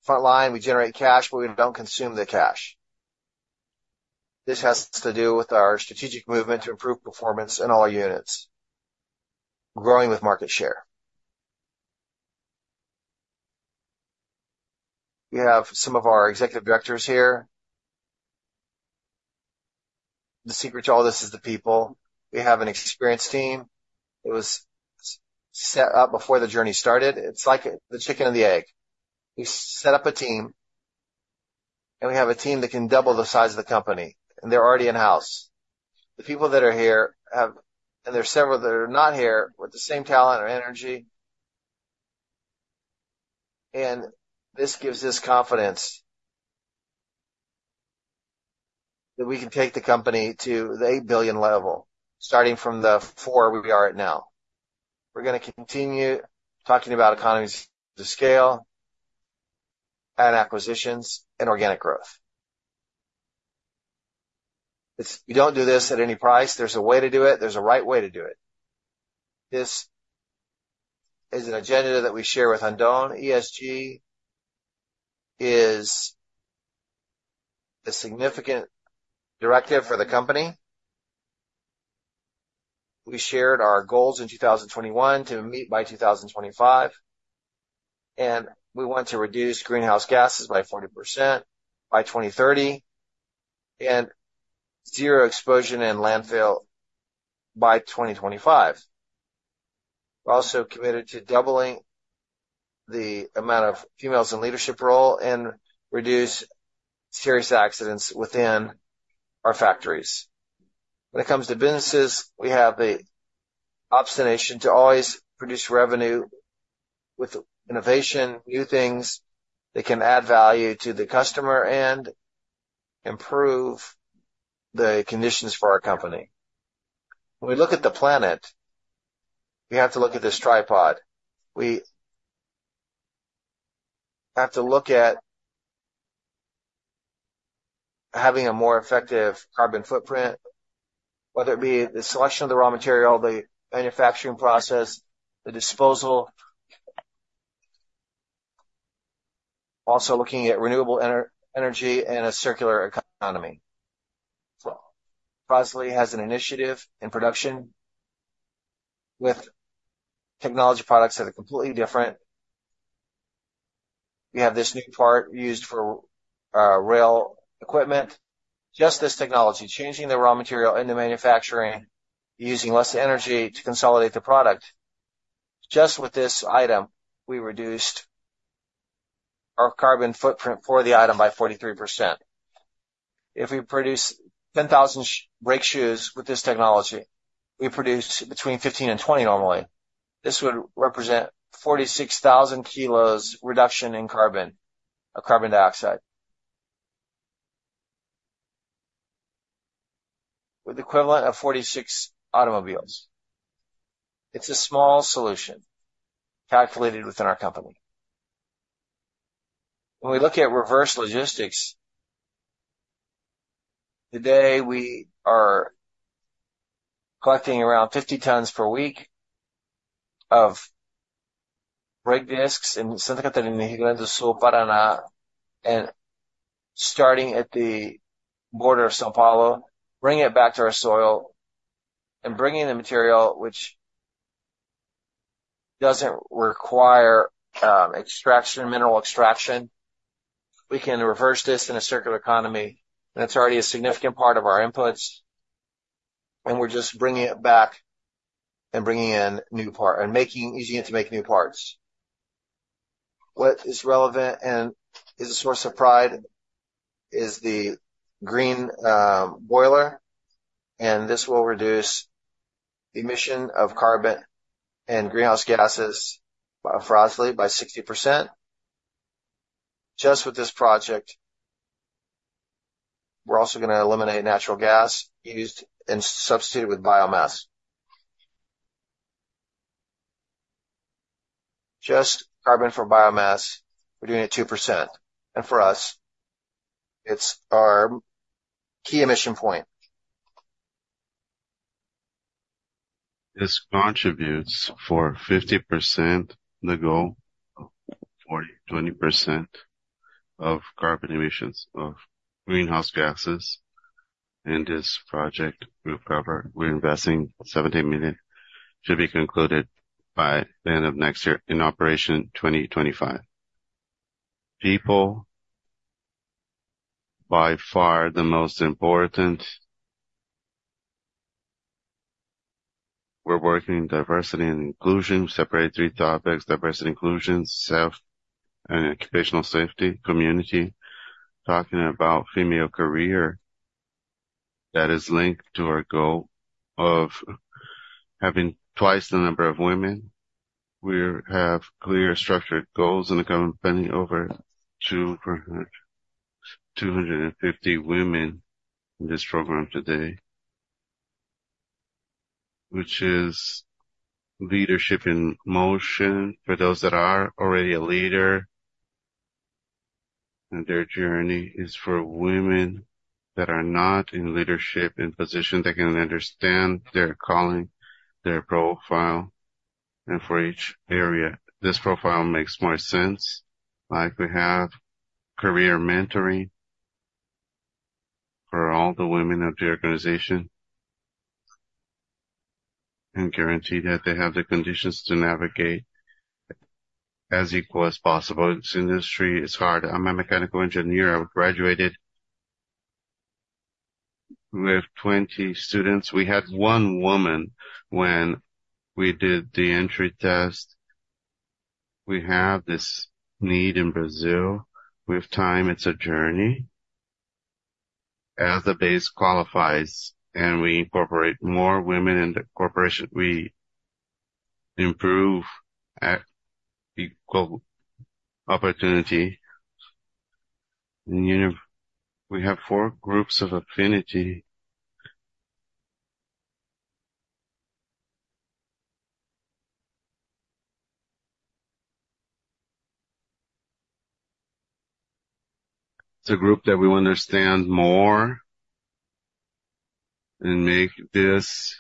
frontline. We generate cash, but we don't consume the cash. This has to do with our strategic movement to improve performance in all units, growing with market share. We have some of our executive directors here. The secret to all this is the people. We have an experienced team. It was set up before the journey started. It's like the chicken and the egg. We set up a team, and we have a team that can double the size of the company, and they're already in-house. The people that are here have... And there are several that are not here, with the same talent or energy, and this gives us confidence.... That we can take the company to the 8 billion level, starting from the 4 billion where we are at now. We're gonna continue talking about economies to scale, and acquisitions, and organic growth. It's. We don't do this at any price. There's a way to do it. There's a right way to do it. This is an agenda that we share with Anderson. ESG is a significant directive for the company. We shared our goals in 2021 to meet by 2025, and we want to reduce greenhouse gases by 40% by 2030, and zero explosion in landfill by 2025. We're also committed to doubling the amount of females in leadership role and reduce serious accidents within our factories. When it comes to businesses, we have the obsession to always produce revenue with innovation, new things that can add value to the customer and improve the conditions for our company. When we look at the planet, we have to look at this tripod. We have to look at... Having a more effective carbon footprint, whether it be the selection of the raw material, the manufacturing process, the disposal. Also, looking at renewable energy and a circular economy. Fras-le has an initiative in production with technology products that are completely different. We have this new part used for rail equipment. Just this technology, changing the raw material in the manufacturing, using less energy to consolidate the product. Just with this item, we reduced our carbon footprint for the item by 43%. If we produce 10,000 brake shoes with this technology, we produce between 15 and 20 normally, this would represent 46,000 kilos reduction in carbon dioxide. With the equivalent of 46 automobiles. It's a small solution calculated within our company. When we look at reverse logistics, today, we are collecting around 50 tons per week of brake discs in Santa Catarina, Rio Grande do Sul, Paraná, and starting at the border of São Paulo, bringing it back to our soil, and bringing the material which doesn't require, extraction, mineral extraction. We can reverse this in a circular economy, and it's already a significant part of our inputs, and we're just bringing it back and bringing in new part, and making easier to make new parts. What is relevant and is a source of pride is the green boiler, and this will reduce emission of carbon and greenhouse gases by Fras-le by 60%. Just with this project, we're also gonna eliminate natural gas used and substitute it with biomass. Just carbon for biomass, we're doing it 2%, and for us, it's our key emission point. This contributes for 50% the goal, or 20% of carbon emissions of greenhouse gases. And this project, we cover... We're investing 17 million to be concluded by the end of next year, in operation 2025. People, by far, the most important. We're working diversity and inclusion, separate three topics: diversity, inclusion, safety, and occupational safety, community. Talking about female career, that is linked to our goal of having twice the number of women. We have clear structured goals in the company, over 200, 250 women in this program today, which is leadership in motion for those that are already a leader. And their journey is for women that are not in leadership, in position, they can understand their calling, their profile, and for each area, this profile makes more sense. Like we have career mentoring for all the women of the organization... We guarantee that they have the conditions to navigate as equal as possible. This industry is hard. I'm a mechanical engineer. I graduated with 20 students. We had 1 woman when we did the entry test. We have this need in Brazil. With time, it's a journey. As the base qualifies and we incorporate more women in the corporation, we improve at equal opportunity. In university we have 4 groups of affinity. It's a group that we understand more, and make this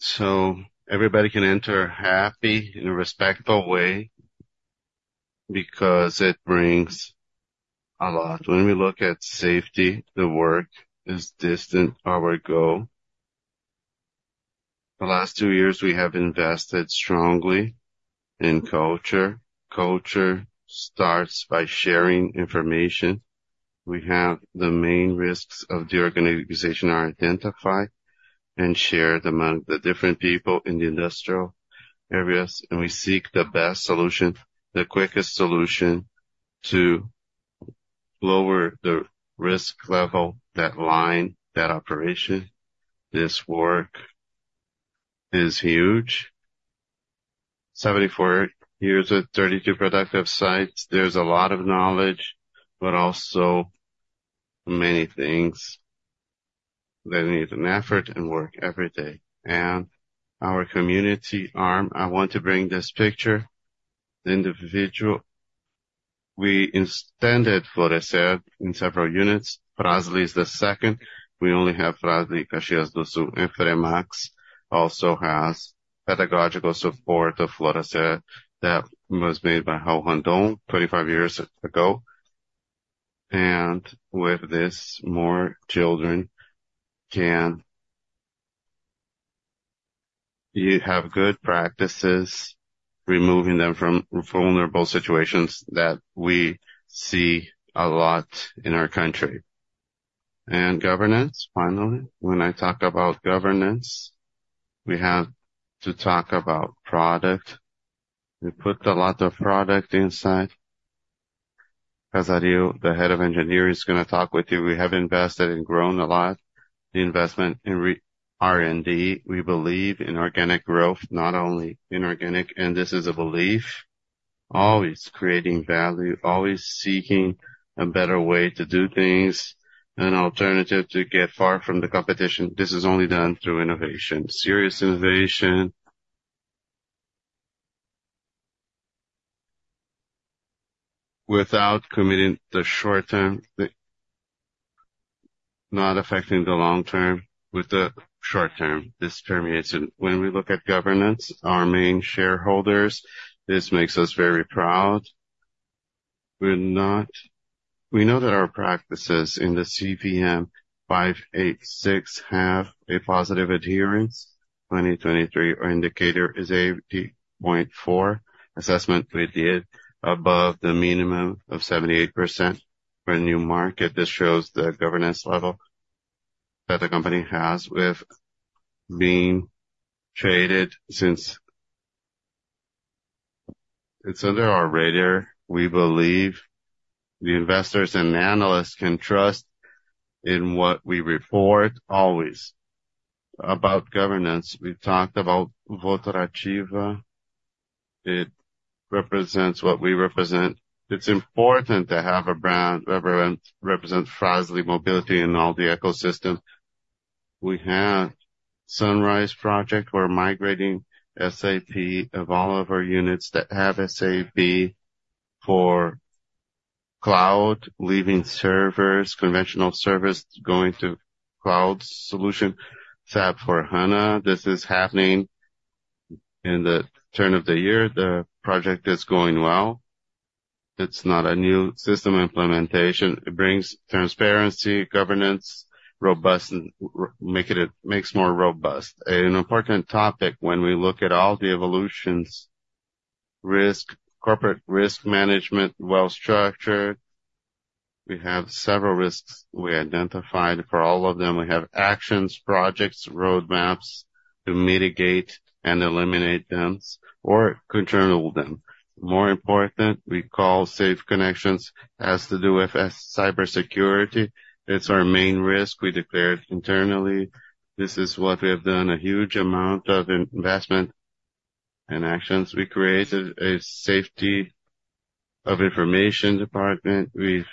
so everybody can enter happy, in a respectful way, because it brings a lot. When we look at safety, the work is distant, our goal. The last 2 years, we have invested strongly in culture. Culture starts by sharing information. We have the main risks of the organization are identified and shared among the different people in the industrial areas, and we seek the best solution, the quickest solution, to lower the risk level, that line, that operation. This work is huge. 74 years at 32 productive sites, there's a lot of knowledge, but also many things that need an effort and work every day. Our community arm, I want to bring this picture, the individual. We extended Florescer in several units. Fras-le is the second. We only have Fras-le, Caxias do Sul, and Fremax also has pedagogical support of Florescer that was made by Raul Randon 25 years ago. With this, more children can... You have good practices, removing them from vulnerable situations that we see a lot in our country. Governance, finally, when I talk about governance, we have to talk about product. We put a lot of product inside. Cesario, the head of engineering, is gonna talk with you. We have invested and grown a lot. The investment in R&D, we believe in organic growth, not only inorganic, and this is a belief. Always creating value, always seeking a better way to do things, an alternative to get far from the competition. This is only done through innovation, serious innovation. Without committing the short term, not affecting the long term with the short term. This terminates it. When we look at governance, our main shareholders, this makes us very proud. We know that our practices in the CVM 586 have a positive adherence. 2023, our indicator is 80.4. Assessment we did above the minimum of 78% for a new market. This shows the governance level that the company has with being traded since... It's under our radar. We believe the investors and analysts can trust in what we report always. About governance, we've talked about Votorantim. It represents what we represent. It's important to have a brand represent, represent Frasle Mobility in all the ecosystems. We have Sunrise project. We're migrating SAP of all of our units that have SAP for cloud, leaving servers, conventional servers, going to cloud solution, SAP S/4HANA. This is happening in the turn of the year. The project is going well. It's not a new system implementation. It brings transparency, governance, robust, and re-make it, it makes more robust. An important topic when we look at all the evolutions, risk, corporate risk management, well structured. We have several risks we identified. For all of them, we have actions, projects, roadmaps to mitigate and eliminate them or control them. More important, we call safe connections, has to do with cybersecurity. It's our main risk. We declared internally, this is what we have done, a huge amount of investment and actions. We created a safety of information department with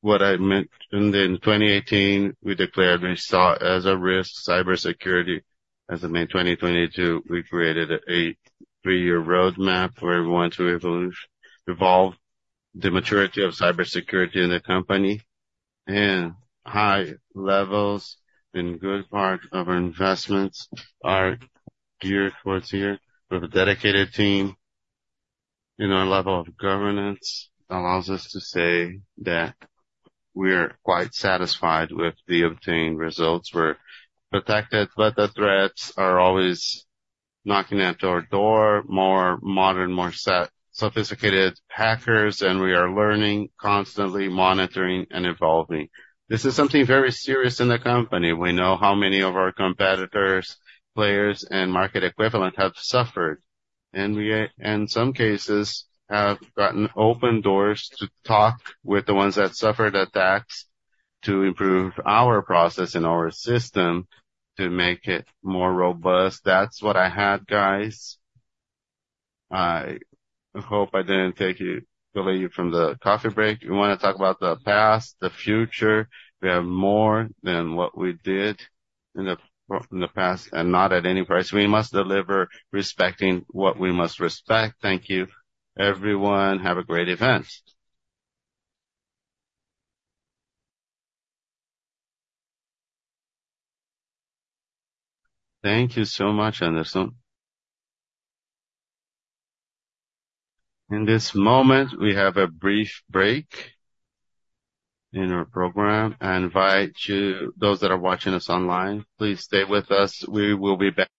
what I mentioned in 2018, we declared we saw as a risk, cybersecurity. As of May 2022, we created a three-year roadmap where we want to evolve the maturity of cybersecurity in the company. And high levels, in good part of our investments are geared towards here. We have a dedicated team, and our level of governance allows us to say that we're quite satisfied with the obtained results. We're protected, but the threats are always knocking at our door, more modern, more sophisticated hackers, and we are learning, constantly monitoring and evolving. This is something very serious in the company. We know how many of our competitors, players, and market equivalent have suffered. And we, in some cases, have gotten open doors to talk with the ones that suffered attacks to improve our process and our system to make it more robust. That's what I had, guys. I hope I didn't take you, delay you from the coffee break. We wanna talk about the past, the future. We have more than what we did in the past, and not at any price. We must deliver, respecting what we must respect. Thank you, everyone. Have a great event! Thank you so much, Anderson. In this moment, we have a brief break in our program. I invite you, those that are watching us online, please stay with us. We will be back....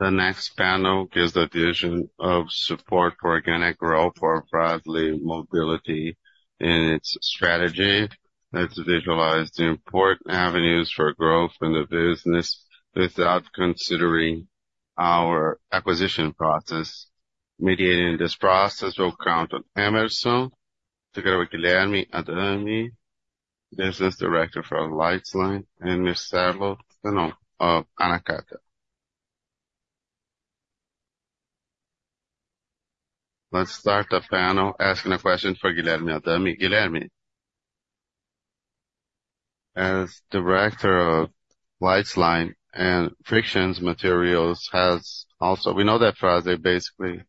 The next panel gives the vision of support for organic growth for Fras-le Mobility in its strategy. Let's visualize the important avenues for growth in the business without considering our acquisition process. Mediating this process will count on Emerson, together with Guilherme Adami, business director for Light Line, and Marcelo Tonon of Nakata. Let's start the panel asking a question for Guilherme Adami. Guilherme, as director of Light Line and Friction Materials, has also. We know that Fras-le, basically,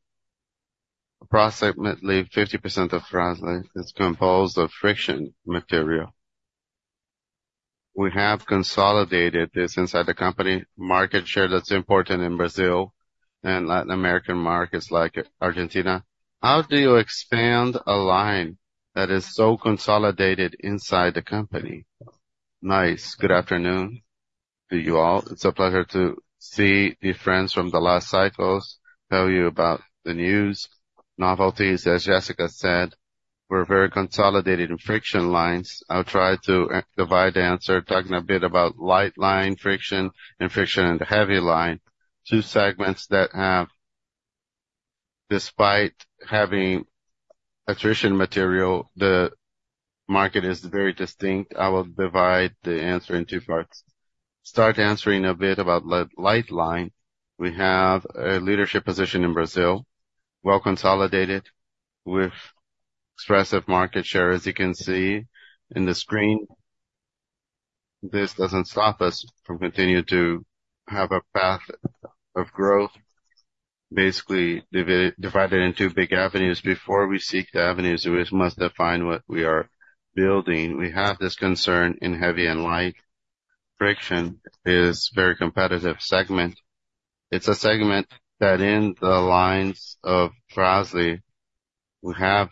approximately 50% of Fras-le is composed of friction material. We have consolidated this inside the company, market share that's important in Brazil and Latin American markets like Argentina. How do you expand a line that is so consolidated inside the company? Nice. Good afternoon to you all. It's a pleasure to see the friends from the last cycles, tell you about the news, novelties. As Jessica said, we're very consolidated in friction lines. I'll try to divide the answer, talking a bit about light line friction and friction in the heavy line. Two segments that have... Despite having friction material, the market is very distinct. I will divide the answer in two parts. Start answering a bit about light line. We have a leadership position in Brazil, well consolidated, with expressive market share, as you can see in the screen. This doesn't stop us from continuing to have a path of growth, basically divided into big avenues. Before we seek the avenues, we must define what we are building. We have this concern in heavy and light. Friction is very competitive segment. It's a segment that in the lines of Fras-le, we have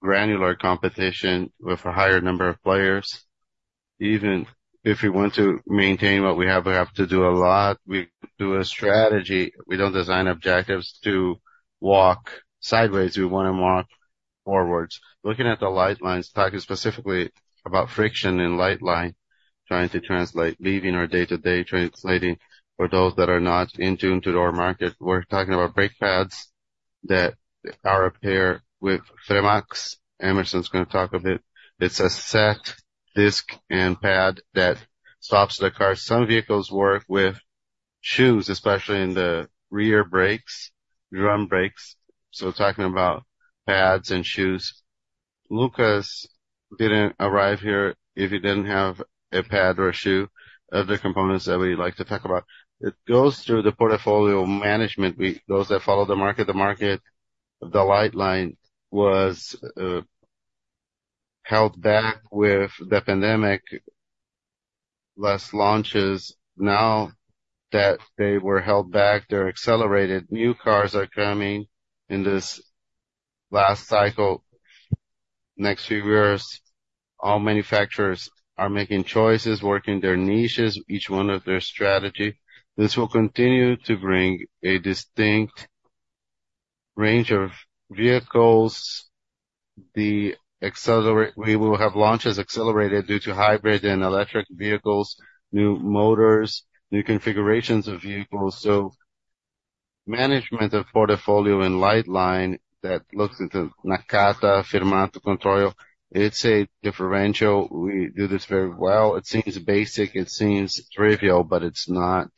granular competition with a higher number of players. Even if we want to maintain what we have, we have to do a lot. We do a strategy. We don't design objectives to walk sideways, we wanna walk forwards. Looking at the light lines, talking specifically about friction and light line, trying to translate, leaving our day-to-day, translating for those that are not in tune to our market. We're talking about brake pads that are a pair with Fremax. Emerson's gonna talk a bit. It's a set, disc, and pad that stops the car. Some vehicles work with shoes, especially in the rear brakes, drum brakes, so talking about pads and shoes. Lucas didn't arrive here if he didn't have a pad or a shoe. Other components that we like to talk about, it goes through the portfolio management. Those that follow the market, the market, the light line was held back with the pandemic, less launches. Now that they were held back, they're accelerated. New cars are coming in this last cycle. Next few years, all manufacturers are making choices, working their niches, each one of their strategy. This will continue to bring a distinct range of vehicles. We will have launches accelerated due to hybrid and electric vehicles, new motors, new configurations of vehicles. Management of portfolio in light line that looks into Nakata, Fremax, Controil, it's a differential. We do this very well. It seems basic, it seems trivial, but it's not.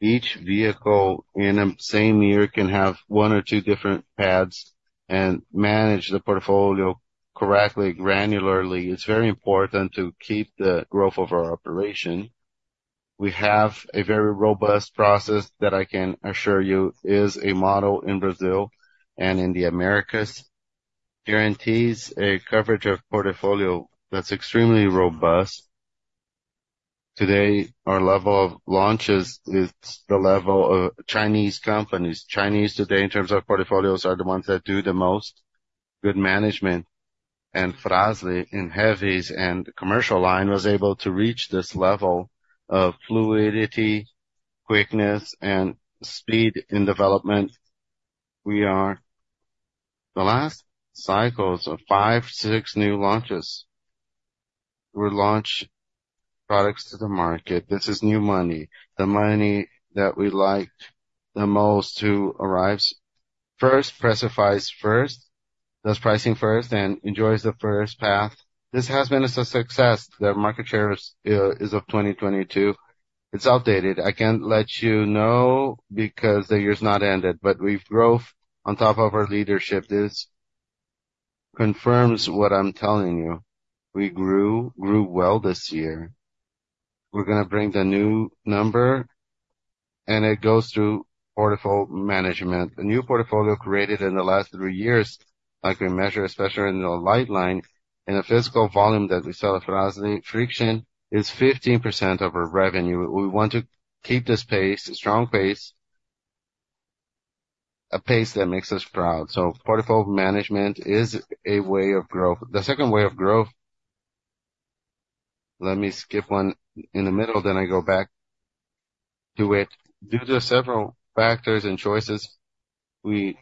Each vehicle in a same year can have one or two different pads, and manage the portfolio correctly, granularly. It's very important to keep the growth of our operation. We have a very robust process that I can assure you is a model in Brazil and in the Americas. Guarantees a coverage of portfolio that's extremely robust. Today, our level of launches is the level of Chinese companies. Chinese today, in terms of portfolios, are the ones that do the most good management, and Fras-le in heavies and commercial line was able to reach this level of fluidity, quickness, and speed in development. We are the last cycles of five, six new launches. We launch products to the market. This is new money, the money that we like the most, to arrives first, pressifies first, does pricing first and enjoys the first path. This has been a success. The market shares is of 2022. It's outdated. I can't let you know because the year's not ended, but we've growth on top of our leadership. This confirms what I'm telling you. We grew, grew well this year. We're gonna bring the new number, and it goes through portfolio management. The new portfolio created in the last three years, I can measure, especially in the light line, in a physical volume that we sell at Fras-le. Friction is 15% of our revenue. We want to keep this pace, a strong pace, a pace that makes us proud. So portfolio management is a way of growth. The second way of growth... Let me skip one in the middle, then I go back to it. Due to several factors and choices, we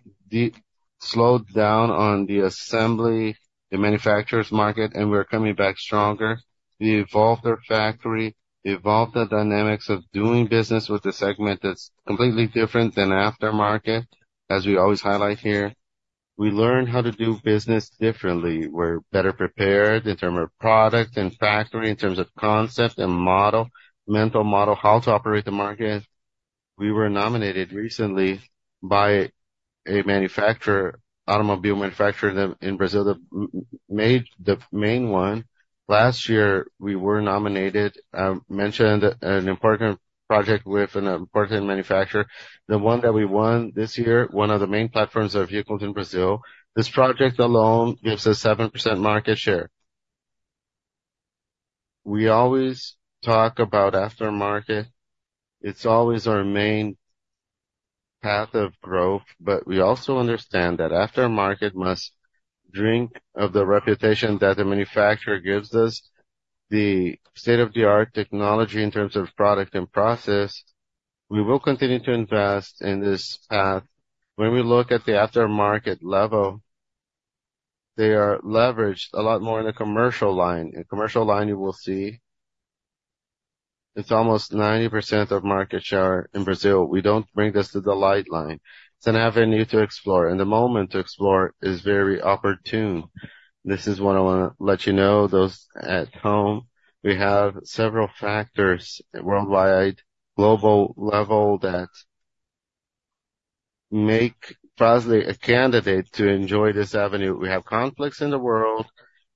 slowed down on the assembly, the manufacturer's market, and we're coming back stronger. We evolved our factory, evolved the dynamics of doing business with a segment that's completely different than aftermarket, as we always highlight here. We learned how to do business differently. We're better prepared in term of product and factory, in terms of concept and model, mental model, how to operate the market. We were nominated recently by a manufacturer, automobile manufacturer in Brazil, that made the main one. Last year, we were nominated, mentioned an important project with an important manufacturer. The one that we won this year, one of the main platforms of vehicles in Brazil. This project alone gives us 7% market share. We always talk about Aftermarket. It's always our main path of growth, but we also understand that Aftermarket must drink of the reputation that the manufacturer gives us. The state-of-the-art technology in terms of product and process, we will continue to invest in this path. When we look at the Aftermarket level, they are leveraged a lot more in the commercial line. In commercial line, you will see it's almost 90% of market share in Brazil. We don't bring this to the light line. It's an avenue to explore, and the moment to explore is very opportune. This is what I wanna let you know, those at home. We have several factors worldwide, global level, that make Fras-le a candidate to enjoy this avenue. We have conflicts in the world.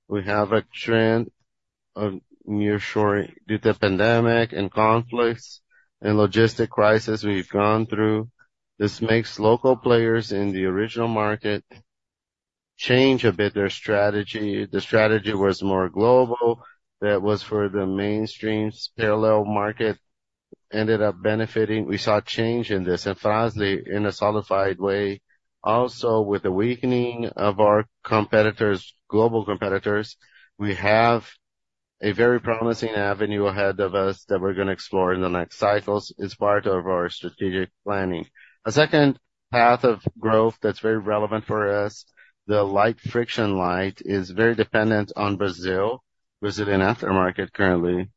We have a trend of nearshoring. Due to the pandemic and conflicts and logistic crisis we've gone through, this makes local players in the original market change a bit their strategy. The strategy was more global. That was for the mainstream parallel market, ended up benefiting. We saw a change in this, and Fras-le in a solidified way, also, with the weakening of our competitors, global competitors, we have a very promising avenue ahead of us that we're gonna explore in the next cycles. It's part of our strategic planning. A second path of growth that's very relevant for us, the light, friction light, is very dependent on Brazil, Brazilian aftermarket currently,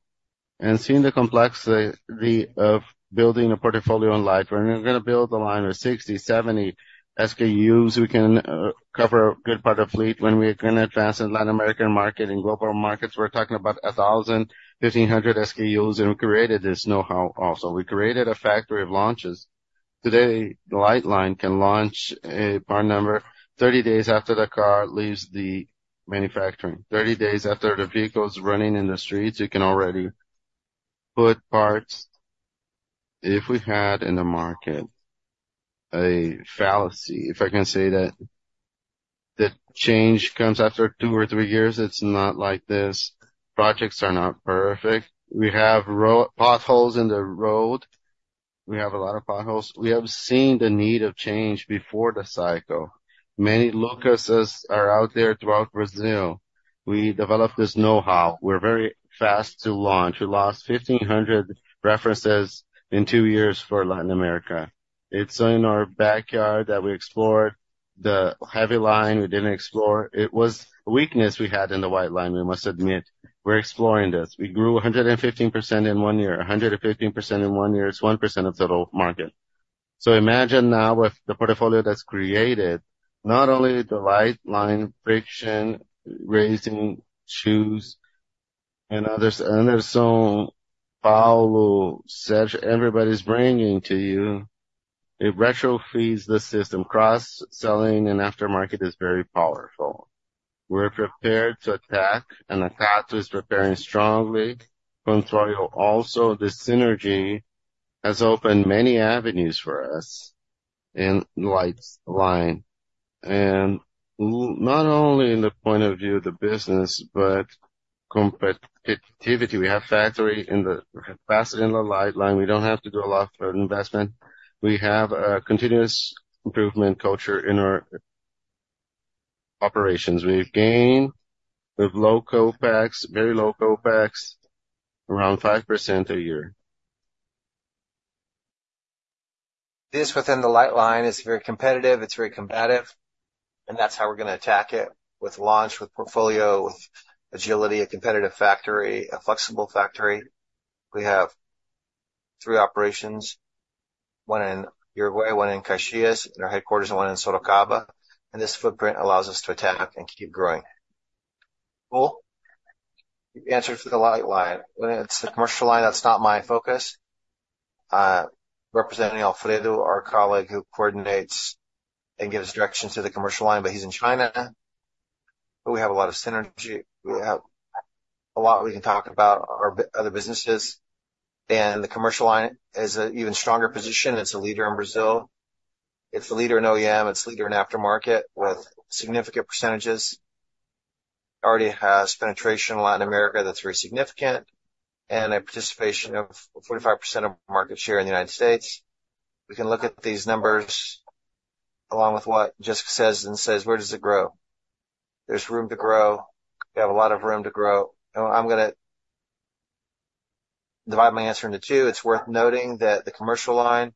and seeing the complexity of building a portfolio in light. When we're gonna build a line of 60, 70 SKUs, we can cover a good part of fleet. When we are gonna advance in Latin American market and global markets, we're talking about a 1,000, 1,500 SKUs, and we created this know-how also. We created a factory of launches. Today, the light line can launch a part number 30 days after the car leaves the manufacturing. Thirty days after the vehicle is running in the streets, you can already put parts. If we had, in the market, a fallacy, if I can say that, that change comes after 2 or 3 years, it's not like this. Projects are not perfect. We have potholes in the road. We have a lot of potholes. We have seen the need of change before the cycle. Many Focuses are out there throughout Brazil. We developed this know-how. We're very fast to launch. We lost 1,500 references in 2 years for Latin America. It's in our backyard that we explored. The heavy line we didn't explore. It was a weakness we had in the white line, we must admit. We're exploring this. We grew 115% in one year. 115% in one year is 1% of the total market. So imagine now with the portfolio that's created, not only the light line, friction, racing shoes and others. Anderson, Paulo, Sérgio, everybody's bringing to you. It retro feeds the system. Cross-selling and aftermarket is very powerful. We're prepared to attack, and attack is preparing strongly. Controil, also, the synergy has opened many avenues for us in light line, and not only in the point of view of the business, but competitiveness. We have factory capacity in the light line. We don't have to do a lot for investment. We have a continuous improvement culture in our operations. We've gained with low CapEx, very low CapEx, around 5% a year. This within the light line is very competitive, it's very combative, and that's how we're gonna attack it with launch, with portfolio, with agility, a competitive factory, a flexible factory. We have three operations, one in Uruguay, one in Caxias, in our headquarters, and one in Sorocaba, and this footprint allows us to attack and keep growing. Paulo, answer for the light line. When it's the commercial line, that's not my focus. Representing Alfredo, our colleague, who coordinates and gives direction to the commercial line, but he's in China. But we have a lot of synergy. We have a lot we can talk about our other businesses, and the commercial line is an even stronger position. It's a leader in Brazil. It's a leader in OEM, it's a leader in aftermarket with significant percentages. Already has penetration in Latin America that's very significant, and a participation of 45% of market share in the United States. We can look at these numbers along with what just says, and says, where does it grow? There's room to grow. We have a lot of room to grow, and I'm gonna divide my answer into two. It's worth noting that the commercial line,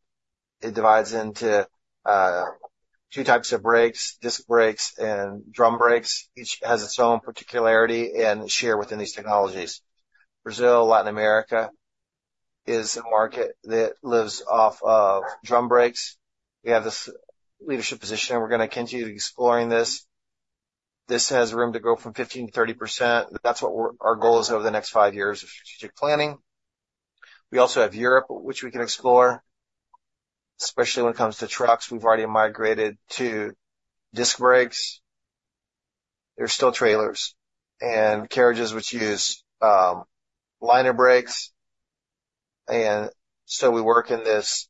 it divides into two types of brakes, disc brakes and drum brakes. Each has its own particularity and share within these technologies. Brazil, Latin America, is a market that lives off of drum brakes. We have this leadership position, and we're gonna continue exploring this. This has room to grow from 15%-30%. That's what we're-- our goal is over the next 5 years of strategic planning. We also have Europe, which we can explore, especially when it comes to trucks. We've already migrated to disc brakes. There are still trailers and carriages which use lining brakes, and so we work in this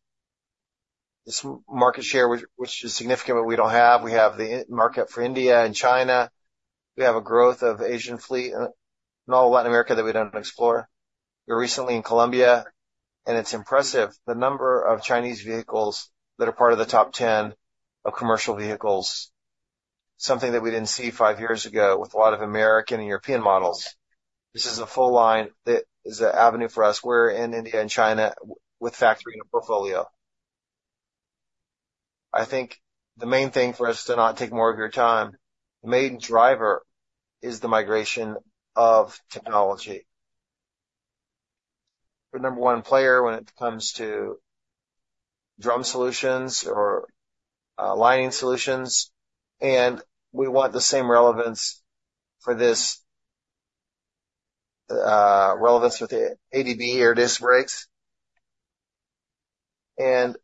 market share, which is significant, but we don't have. We have the market for India and China. We have a growth of Asian fleet and all Latin America that we don't explore. We're recently in Colombia, and it's impressive, the number of Chinese vehicles that are part of the top 10 of commercial vehicles, something that we didn't see 5 years ago with a lot of American and European models. This is a full line. It is an avenue for us. We're in India and China with factory and a portfolio. I think the main thing for us to not take more of your time, the main driver is the migration of technology. We're number one player when it comes to drum solutions or lining solutions, and we want the same relevance for this relevance with the ADB or disc brakes. And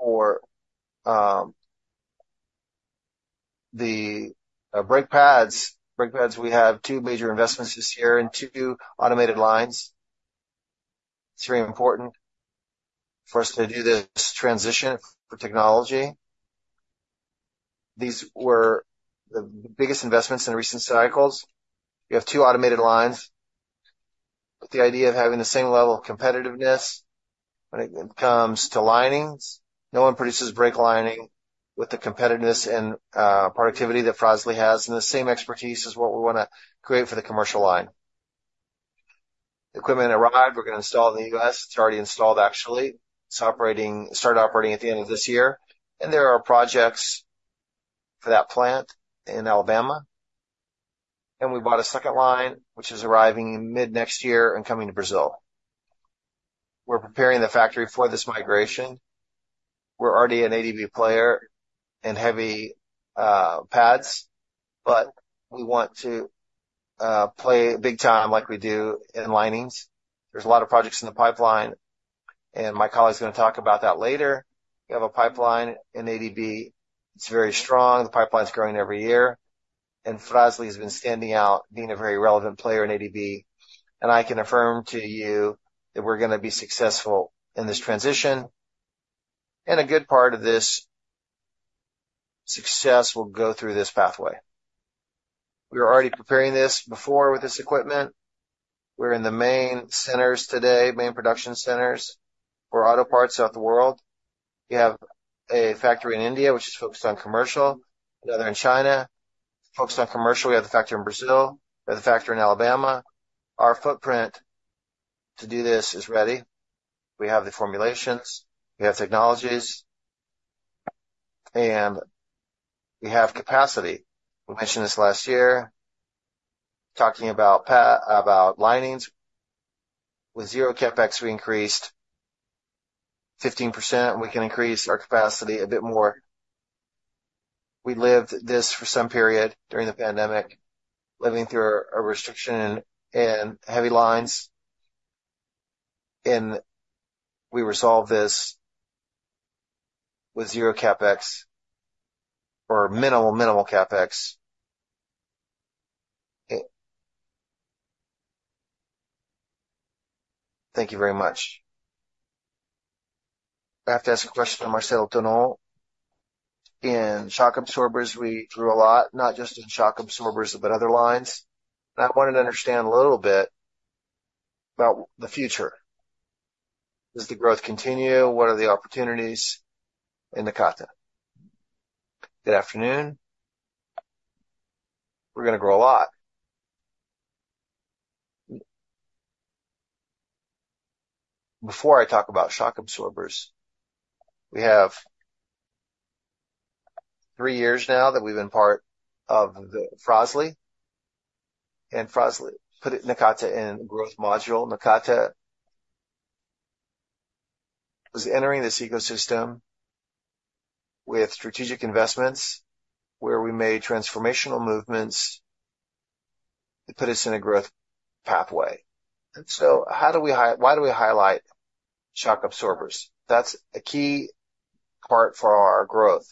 for the brake pads. Brake pads, we have two major investments this year and two automated lines. It's very important for us to do this transition for technology. These were the biggest investments in recent cycles. We have two automated lines, with the idea of having the same level of competitiveness when it comes to linings. No one produces brake lining with the competitiveness and productivity that Fras-le has, and the same expertise is what we wanna create for the commercial line. The equipment arrived. We're gonna install it in the U.S. It's already installed, actually. It's operating. It started operating at the end of this year, and there are projects for that plant in Alabama. And we bought a second line, which is arriving in mid-next year and coming to Brazil. We're preparing the factory for this migration. We're already an ADB player in heavy pads, but we want to play big time like we do in linings. There's a lot of projects in the pipeline, and my colleague is gonna talk about that later. We have a pipeline in ADB. It's very strong. The pipeline is growing every year, and Fras-le has been standing out, being a very relevant player in ADB, and I can affirm to you that we're gonna be successful in this transition, and a good part of this success will go through this pathway. We were already preparing this before with this equipment. We're in the main centers today, main production centers for auto parts throughout the world. We have a factory in India, which is focused on commercial, another in China, focused on commercial. We have a factory in Brazil. We have a factory in Alabama. Our footprint. To do this is ready. We have the formulations, we have technologies, and we have capacity. We mentioned this last year, talking about linings. With zero CapEx, we increased 15%, and we can increase our capacity a bit more. We lived this for some period during the pandemic, living through a restriction and heavy lines, and we resolved this with zero CapEx or minimal CapEx. Thank you very much. I have to ask a question of Marcelo Dunal. In shock absorbers, we grew a lot, not just in shock absorbers, but other lines, and I wanted to understand a little bit about the future. Does the growth continue? What are the opportunities in Nakata? Good afternoon. We're gonna grow a lot. Before I talk about shock absorbers, we have three years now that we've been part of the Fras-le, and Fras-le put Nakata in growth module. Nakata is entering this ecosystem with strategic investments where we made transformational movements that put us in a growth pathway. So how do we—why do we highlight shock absorbers? That's a key part for our growth.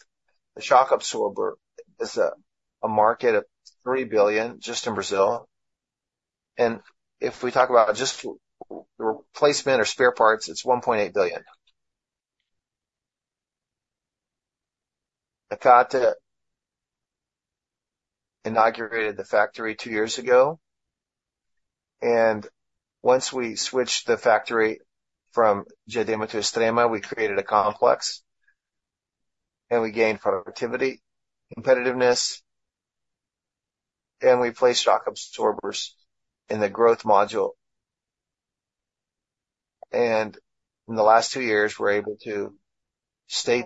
The shock absorber is a market of 3 billion just in Brazil, and if we talk about just the replacement or spare parts, it's 1.8 billion. Nakata inaugurated the factory two years ago, and once we switched the factory from Diadema to Extrema, we created a complex, and we gained productivity, competitiveness, and we placed shock absorbers in the growth module. In the last two years, we're able to state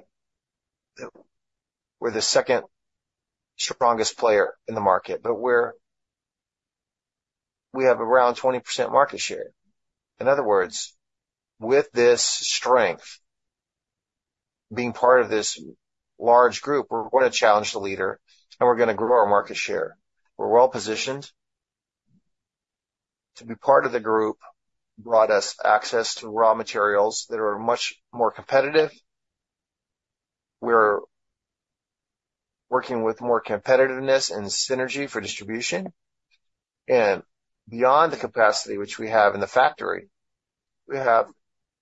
that we're the second strongest player in the market, but we're... We have around 20% market share. In other words, with this strength, being part of this large group, we're going to challenge the leader, and we're gonna grow our market share. We're well-positioned. To be part of the group brought us access to raw materials that are much more competitive. We're working with more competitiveness and synergy for distribution, and beyond the capacity which we have in the factory, we have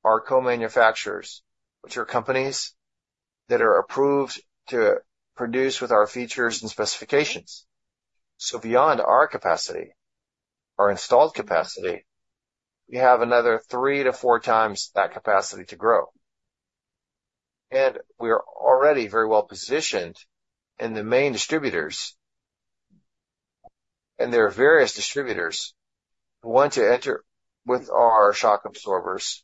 our co-manufacturers, which are companies that are approved to produce with our features and specifications. So beyond our capacity, our installed capacity, we have another 3-4 times that capacity to grow. We are already very well positioned in the main distributors. There are various distributors who want to enter with our shock absorbers,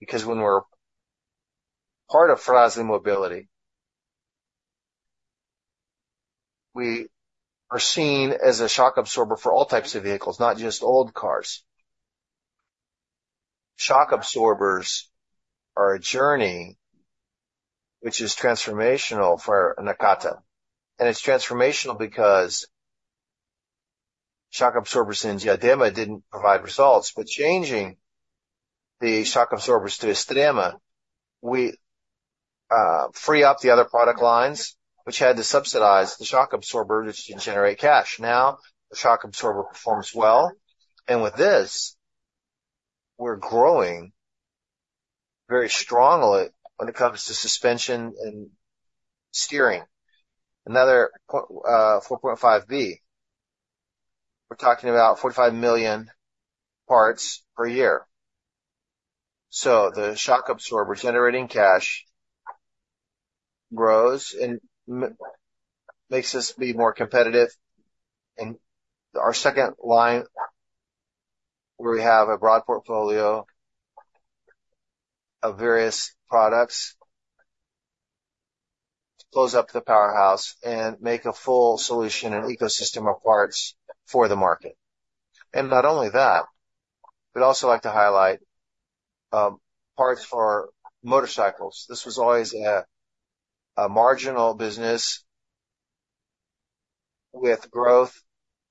because when we're part of Frasle Mobility, we are seen as a shock absorber for all types of vehicles, not just old cars. Shock absorbers are a journey which is transformational for Nakata, and it's transformational because shock absorbers in Diadema didn't provide results, but changing the shock absorbers to Extrema, we free up the other product lines, which had to subsidize the shock absorber just to generate cash. Now, the shock absorber performs well, and with this, we're growing very strongly when it comes to suspension and steering. Another point, 4.5 B. We're talking about 45 million parts per year. So the shock absorber generating cash grows and makes us be more competitive. Our second line, where we have a broad portfolio of various products, close up the powerhouse and make a full solution and ecosystem of parts for the market. And not only that, we'd also like to highlight parts for motorcycles. This was always a marginal business with growth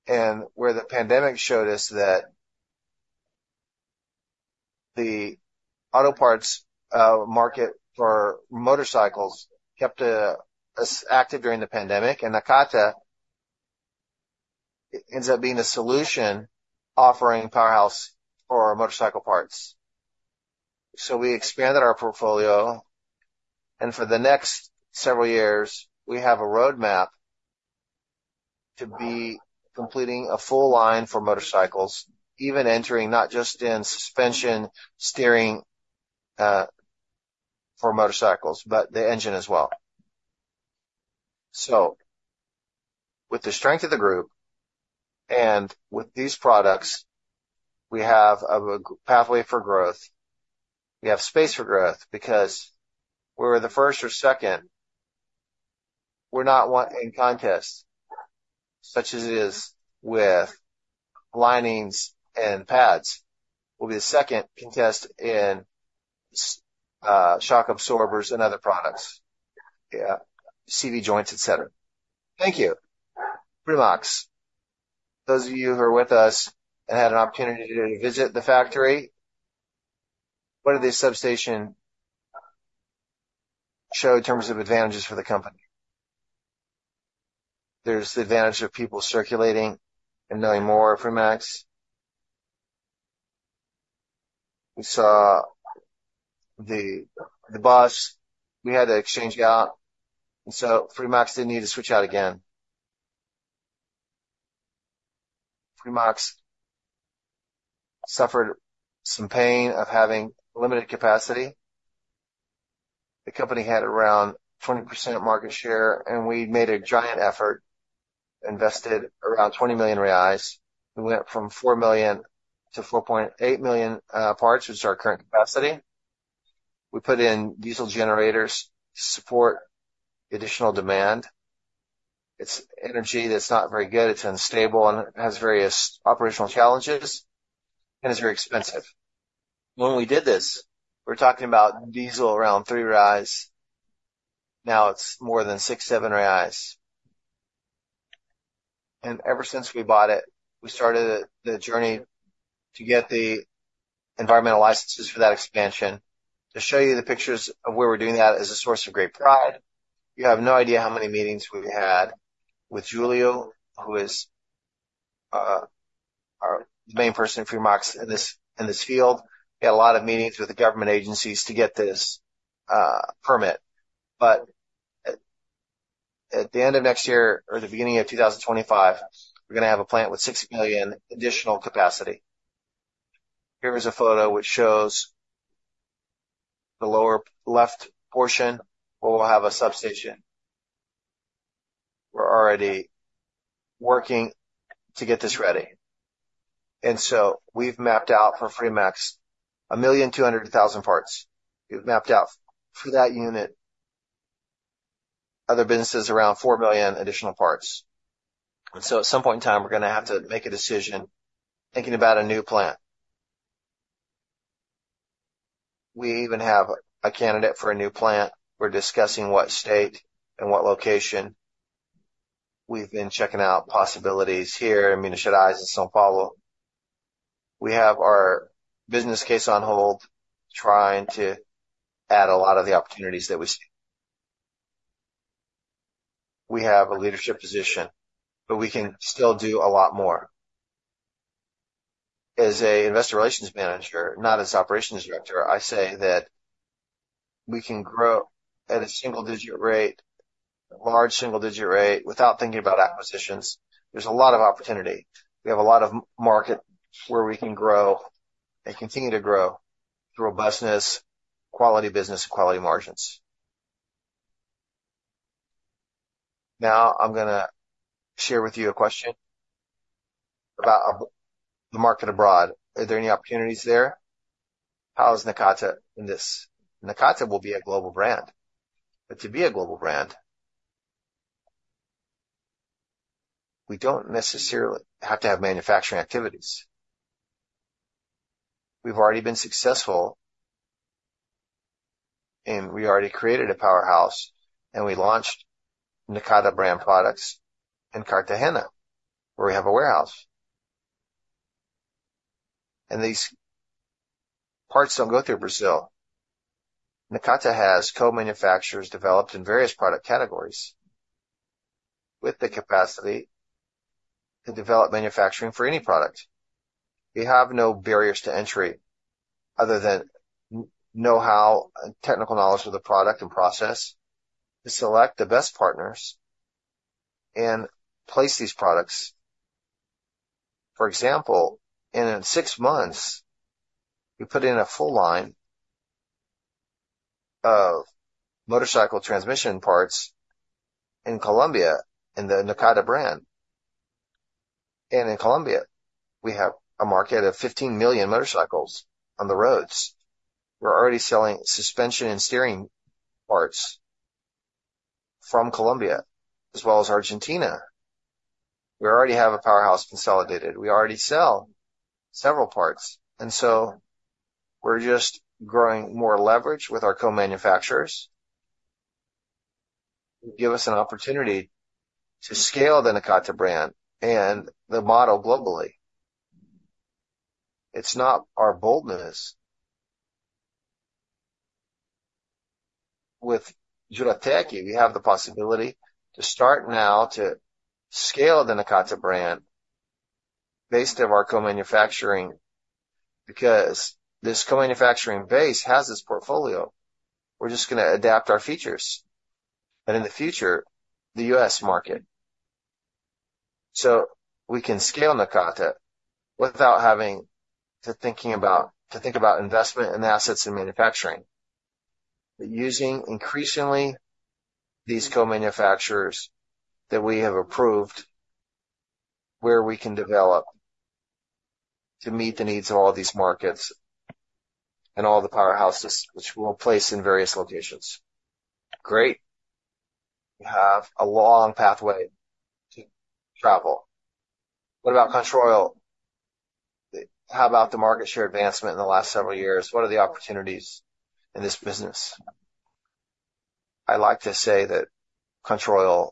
and where the pandemic showed us that the auto parts market for motorcycles kept us active during the pandemic, and Nakata ends up being the solution, offering powerhouse for our motorcycle parts. So we expanded our portfolio, and for the next several years, we have a roadmap to be completing a full line for motorcycles, even entering not just in suspension, steering for motorcycles, but the engine as well. So with the strength of the group and with these products, we have a pathway for growth. We have space for growth because we're the first or second. We're not one contestant, such as it is with linings and pads. We'll be the second contestant in shock absorbers and other products. Yeah, CV joints, et cetera. Thank you. Fremax, those of you who are with us and had an opportunity to visit the factory, what did the situation show in terms of advantages for the company? There's the advantage of people circulating and knowing more of Fremax. We saw the bus we had to exchange out, and so Fremax didn't need to switch out again. Fremax suffered some pain of having limited capacity. The company had around 20% of market share, and we made a giant effort, invested around 20 million reais. We went from 4 million to 4.8 million parts, which is our current capacity. We put in diesel generators to support additional demand. It's energy that's not very good, it's unstable and it has various operational challenges, and it's very expensive. When we did this, we're talking about diesel around 3 reais. Now it's more than 6-7 reais. Ever since we bought it, we started the journey to get the environmental licenses for that expansion. To show you the pictures of where we're doing that is a source of great pride. You have no idea how many meetings we've had with Julio, who is our main person in Fremax in this field. We had a lot of meetings with the government agencies to get this permit. But at the end of next year or the beginning of 2025, we're gonna have a plant with 60 million additional capacity. Here is a photo which shows the lower left portion, where we'll have a substation. We're already working to get this ready, and so we've mapped out for Fremax 1.2 million parts. We've mapped out for that unit, other businesses, around 4 million additional parts. And so at some point in time, we're gonna have to make a decision, thinking about a new plant. We even have a candidate for a new plant. We're discussing what state and what location. We've been checking out possibilities here in municipalities in São Paulo. We have our business case on hold, trying to add a lot of the opportunities that we see. We have a leadership position, but we can still do a lot more. As an investor relations manager, not as operations director, I say that we can grow at a single-digit rate, a large single-digit rate, without thinking about acquisitions. There's a lot of opportunity. We have a lot of market where we can grow and continue to grow, robustness, quality business, quality margins. Now, I'm gonna share with you a question about the market abroad. Are there any opportunities there? How is Nakata in this? Nakata will be a global brand, but to be a global brand, we don't necessarily have to have manufacturing activities. We've already been successful, and we already created a powerhouse, and we launched Nakata brand products in Cartagena, where we have a warehouse. These parts don't go through Brazil. Nakata has co-manufacturers developed in various product categories with the capacity to develop manufacturing for any product. We have no barriers to entry other than know-how and technical knowledge of the product and process, to select the best partners and place these products. For example, in six months, we put in a full line of motorcycle transmission parts in Colombia, in the Nakata brand. In Colombia, we have a market of 15 million motorcycles on the roads. We're already selling suspension and steering parts from Colombia as well as Argentina. We already have a powerhouse consolidated. We already sell several parts, and so we're just growing more leverage with our co-manufacturers. Give us an opportunity to scale the Nakata brand and the model globally. It's not our boldness. With Juratek, we have the possibility to start now to scale the Nakata brand based on our co-manufacturing, because this co-manufacturing base has this portfolio. We're just gonna adapt our features, and in the future, the U.S. market. So we can scale Nakata without having to think about investment in assets and manufacturing. But using increasingly these co-manufacturers that we have approved, where we can develop to meet the needs of all these markets and all the powerhouses which we'll place in various locations. Great. We have a long pathway to travel. What about Controil? How about the market share advancement in the last several years? What are the opportunities in this business? I like to say that Controil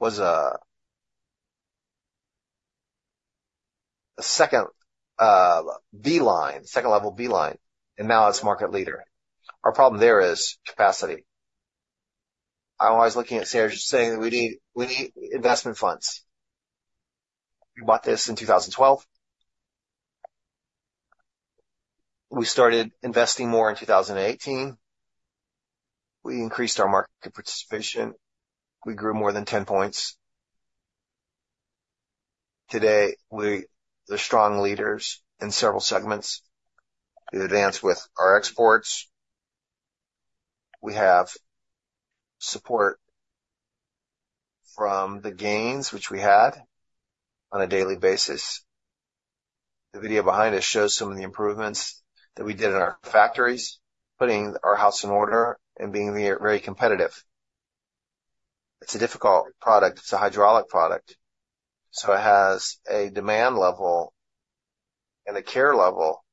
was a, a second, B-line, second level B-line, and now it's market leader. Our problem there is capacity. I'm always looking at saying, we need, we need investment funds. We bought this in 2012. We started investing more in 2018. We increased our market participation. We grew more than 10 points. Today, we-- they're strong leaders in several segments. We advanced with our exports. We have support from the gains which we had on a daily basis. The video behind us shows some of the improvements that we did in our factories, putting our house in order and being very competitive. It's a difficult product. It's a hydraulic product, so it has a demand level and a care level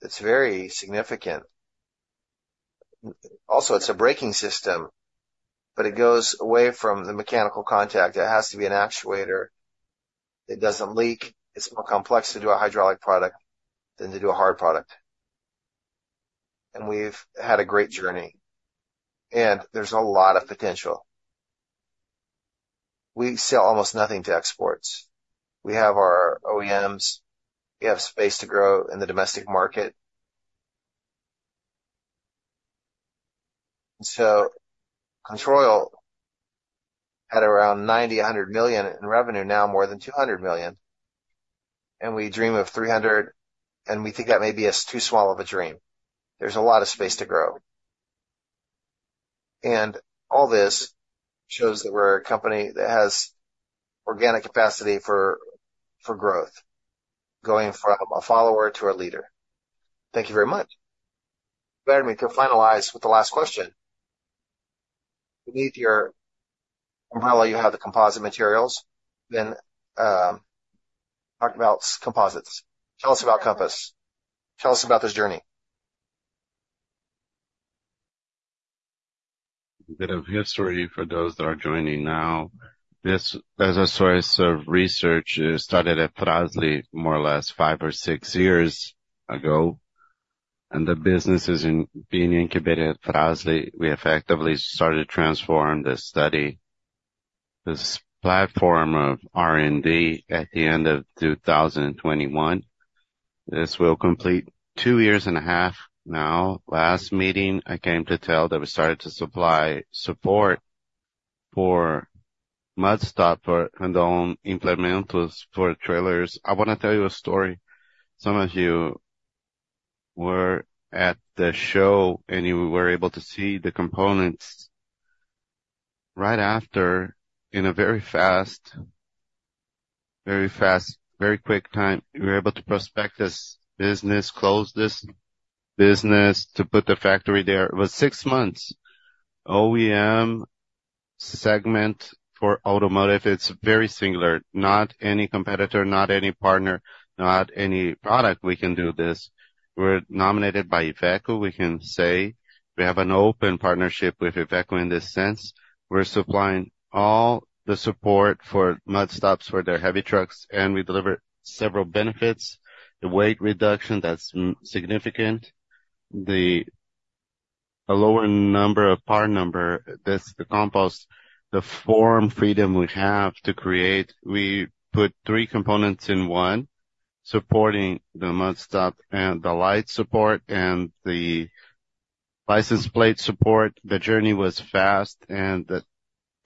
that's very significant. Also, it's a braking system, but it goes away from the mechanical contact. It has to be an actuator. It doesn't leak. It's more complex to do a hydraulic product than to do a hard product. And we've had a great journey, and there's a lot of potential. We sell almost nothing to exports. We have our OEMs, we have space to grow in the domestic market. So Controil had around 90-100 million in revenue, now more than 200 million, and we dream of 300, and we think that may be as too small of a dream. There's a lot of space to grow. And all this shows that we're a company that has organic capacity for growth, going from a follower to a leader. Thank you very much. Let me finalize with the last question. Before you... how you have the composite materials, then, talk about composites. Tell us about Compos. Tell us about this journey. A bit of history for those that are joining now. This, as a source of research, started at Fras-le more or less five or six years ago, and the business is in being incubated at Fras-le. We effectively started to transform this study, this platform of R&D at the end of 2021. This will complete two years and a half now. Last meeting, I came to tell that we started to supply support for mud stop for Randon Implementos, for trailers. I want to tell you a story. Some of you were at the show and you were able to see the components right after in a very fast, very fast, very quick time. We were able to prospect this business, close this business, to put the factory there. It was 6 months. OEM segment for automotive, it's very singular. Not any competitor, not any partner, not any product we can do this. We're nominated by IVECO. We can say we have an open partnership with IVECO in this sense. We're supplying all the support for mud stops for their heavy trucks, and we deliver several benefits. The weight reduction, that's significant. The, a lower number of part number, that's the composite, the form freedom we have to create. We put three components in one, supporting the mud stop and the light support and the license plate support. The journey was fast, and the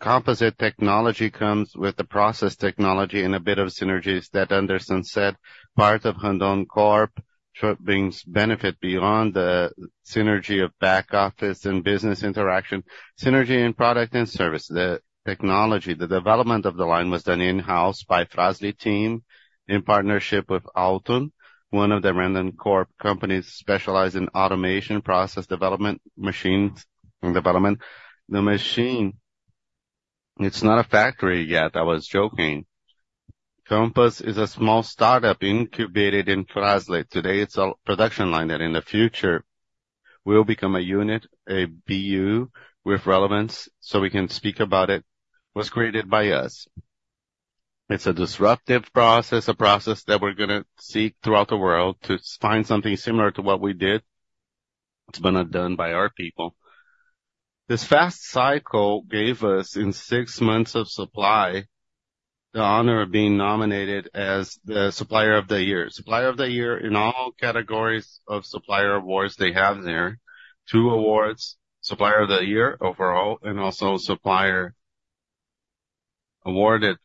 composite technology comes with the process technology and a bit of synergies that Anderson said. Part of Randoncorp brings benefit beyond the synergy of back office and business interaction, synergy in product and service. The technology, the development of the line was done in-house by Fras-le team in partnership with Auttom, one of the Randoncorp companies specialize in automation, process development, machines and development. The machine, it's not a factory yet. I was joking. Compos is a small startup incubated in Fras-le. Today, it's a production line that in the future will become a unit, a BU, with relevance, so we can speak about it, was created by us. It's a disruptive process, a process that we're gonna see throughout the world to find something similar to what we did. It's been done by our people. This fast cycle gave us, in six months of supply-... the honor of being nominated as the Supplier of the Year. Supplier of the Year in all categories of supplier awards they have there. Two awards, Supplier of the Year overall, and also supplier awarded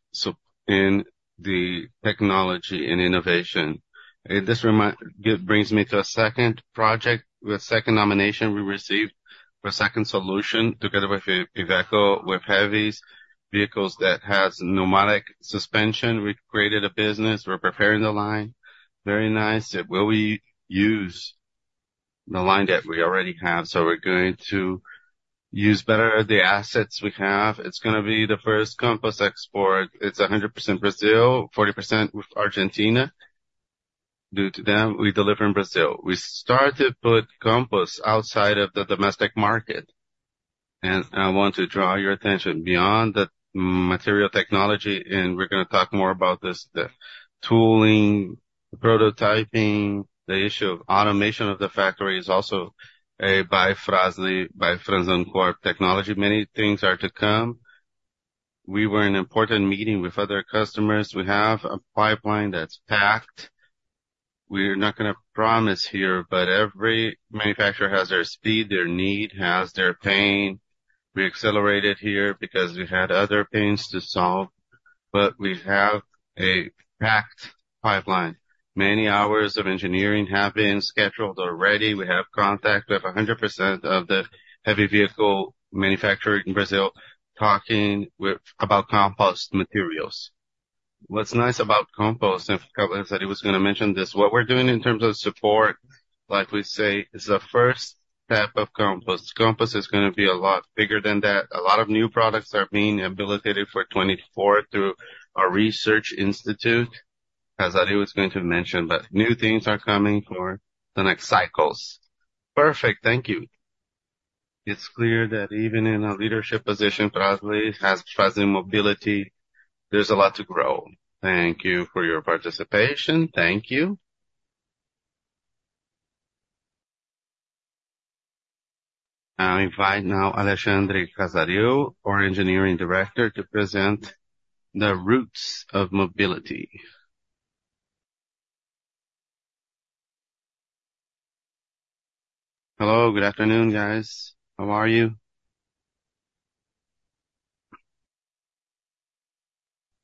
in the technology and innovation. This reminds me to a second project, the second nomination we received, for a second solution, together with IVECO, with heavy vehicles that has pneumatic suspension. We created a business. We're preparing the line. Very nice. It will use the line that we already have, so we're going to use better the assets we have. It's gonna be the first composite export. It's 100% Brazil, 40% with Argentina. Due to them, we deliver in Brazil. We start to put composite outside of the domestic market, and I want to draw your attention beyond the material technology, and we're gonna talk more about this, the tooling, prototyping, the issue of automation of the factory is also by Fras-le, by Fras-le core technology. Many things are to come. We were in an important meeting with other customers. We have a pipeline that's packed. We're not gonna promise here, but every manufacturer has their speed, their need, has their pain. We accelerated here because we had other pains to solve, but we have a packed pipeline. Many hours of engineering have been scheduled already. We have contact with 100% of the heavy vehicle manufacturer in Brazil, talking about composite materials. What's nice about composite, and I said I was gonna mention this, what we're doing in terms of support, like we say, is the first step of composite. Composite is gonna be a lot bigger than that. A lot of new products are being habilitated for 2024 through our research institute, as Ari was going to mention, but new things are coming for the next cycles. Perfect. Thank you. It's clear that even in a leadership position, Fras-le has Fras-le Mobility, there's a lot to grow. Thank you for your participation. Thank you. I invite now Alexandre Casaril, our engineering director, to present the roots of mobility. Hello, good afternoon, guys. How are you?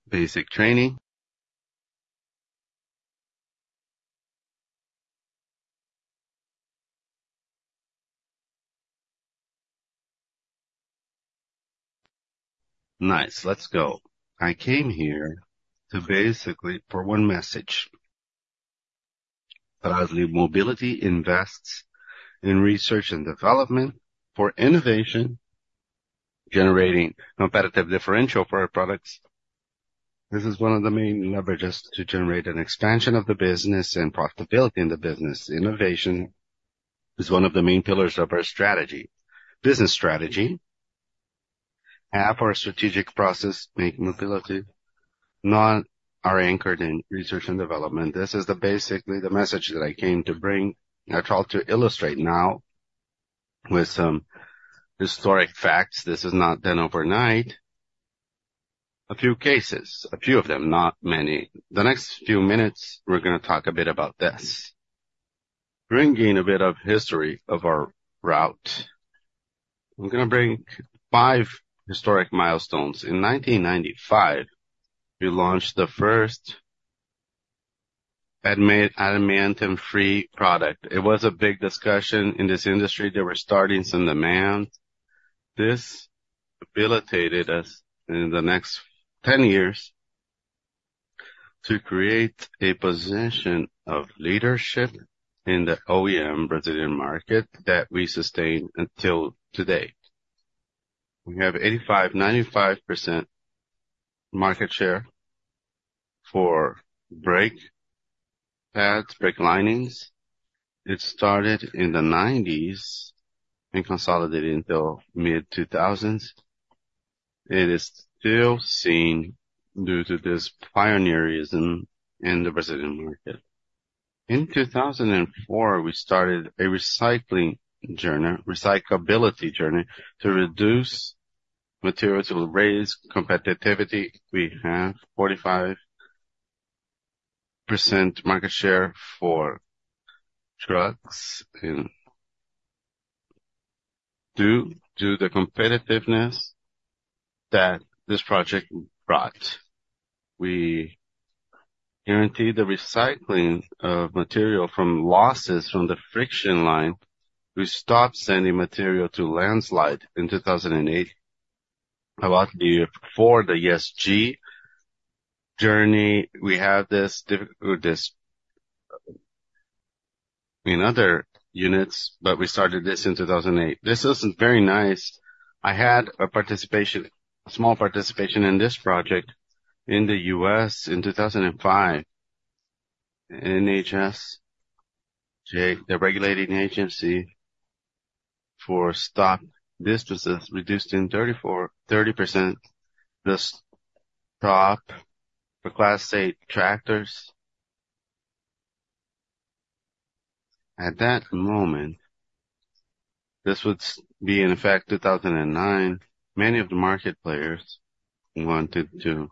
Basic training. Nice. Let's go. I came here to basically for one message. Fras-le Mobility invests in research and development for innovation, generating competitive differential for our products. This is one of the main leverages to generate an expansion of the business and profitability in the business. Innovation is one of the main pillars of our strategy, business strategy. Half our strategic process, make mobility, not are anchored in research and development. This is the basically the message that I came to bring. I try to illustrate now with some historic facts. This is not done overnight. A few cases, a few of them, not many. The next few minutes, we're gonna talk a bit about this. Bringing a bit of history of our route. I'm gonna bring five historic milestones. In 1995, we launched the first asbestos-free product. It was a big discussion in this industry. They were starting some demand. This habilitated us in the next ten years to create a position of leadership in the OEM Brazilian market that we sustain until today. We have 85%-95% market share for brake pads, brake linings. It started in the 1990s and consolidated until mid-2000s. It is still seen due to this pioneerism in the Brazilian market. In 2004, we started a recycling journey, recyclability journey to reduce materials, to raise competitiveness. We have 45% market share for trucks, and due to the competitiveness that this project brought, we guaranteed the recycling of material from losses from the friction line. We stopped sending material to landfill in 2008, about the year before the ESG journey. We have this in other units, but we started this in 2008. This is very nice. I had a participation, a small participation in this project in the U.S. in 2005. NHTSA, the regulating agency for stopping distances, reduced by 34-30% the stock for Class 8 tractors. At that moment, this would be in effect 2009, many of the market players wanted to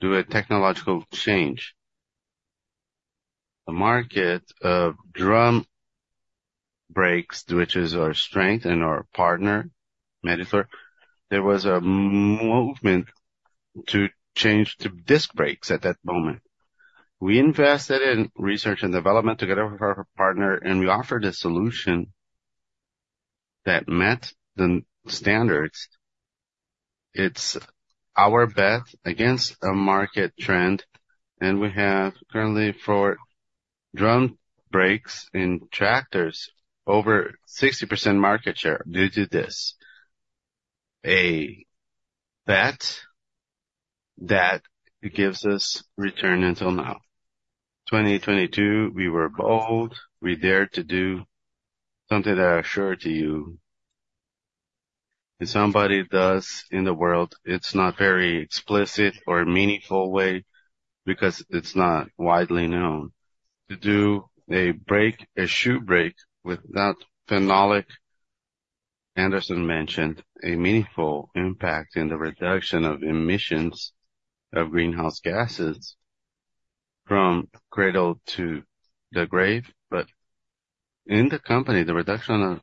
do a technological change. The market of drum brakes, which is our strength and our partner, Meritor, there was a movement to change to disc brakes at that moment. We invested in research and development together with our partner, and we offered a solution that met the standards. It's our bet against a market trend, and we have currently, for drum brakes in tractors, over 60% market share due to this. A bet that gives us return until now. 2022, we were bold. We dared to do something that I assure to you, if somebody does in the world, it's not very explicit or meaningful way because it's not widely known. To do a brake, a shoe brake with that phenolic, Anderson mentioned, a meaningful impact in the reduction of emissions of greenhouse gases from cradle to the grave. But in the company, the reduction of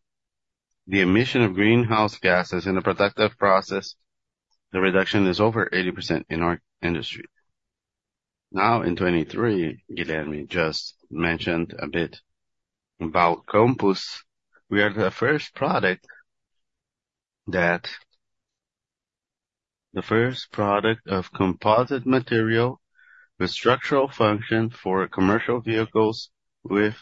the emission of greenhouse gases in the productive process, the reduction is over 80% in our industry. Now, in 2023, Guilherme just mentioned a bit about Compos. We are the first product that... The first product of composite material with structural function for commercial vehicles with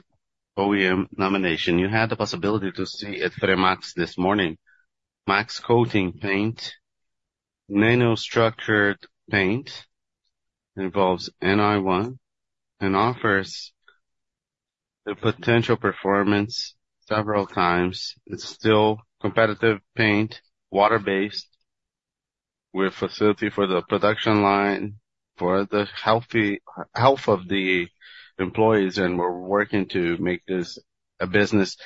OEM nomination. You had the possibility to see at Fremax this morning. Max Coating paint, nano-structured paint, involves NiOne, and offers the potential performance several times. It's still competitive paint, water-based, with facility for the production line, for the healthy-health of the employees, and we're working to make this a business.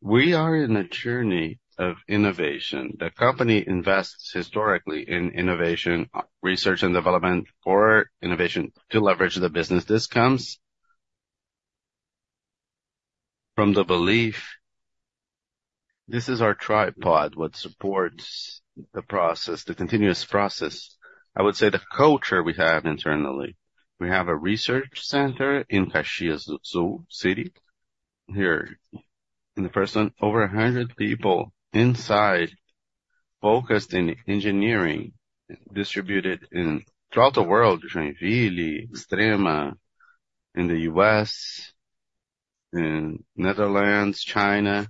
We are in a journey of innovation. The company invests historically in innovation, research and development, for innovation to leverage the business. This comes from the belief, this is our tripod, what supports the process, the continuous process. I would say the culture we have internally. We have a research center in Caxias do Sul City here, in person, over 100 people inside, focused in engineering, distributed in throughout the world, Joinville, Extrema, in the U.S., in Netherlands, China,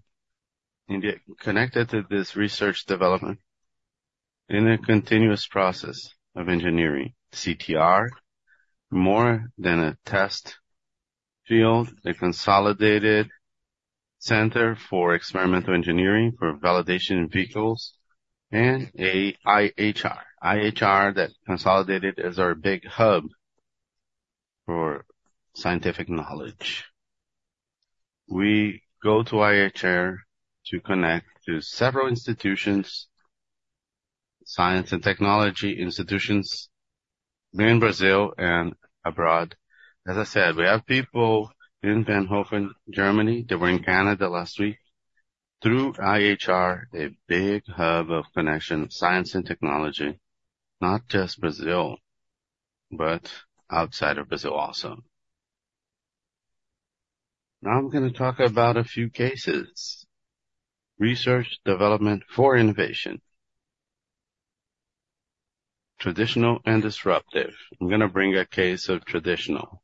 India, connected to this research development in a continuous process of engineering. CTR, more than a test field, a consolidated center for experimental engineering, for validation in vehicles, and a IHR. IHR, that consolidated as our big hub for scientific knowledge. We go to IHR to connect to several institutions, science and technology institutions, here in Brazil and abroad. As I said, we have people in Fraunhofer, Germany. They were in Canada last week. Through IHR, a big hub of connection, science and technology, not just Brazil, but outside of Brazil also. Now I'm going to talk about a few cases. Research development for innovation. Traditional and disruptive. I'm gonna bring a case of traditional,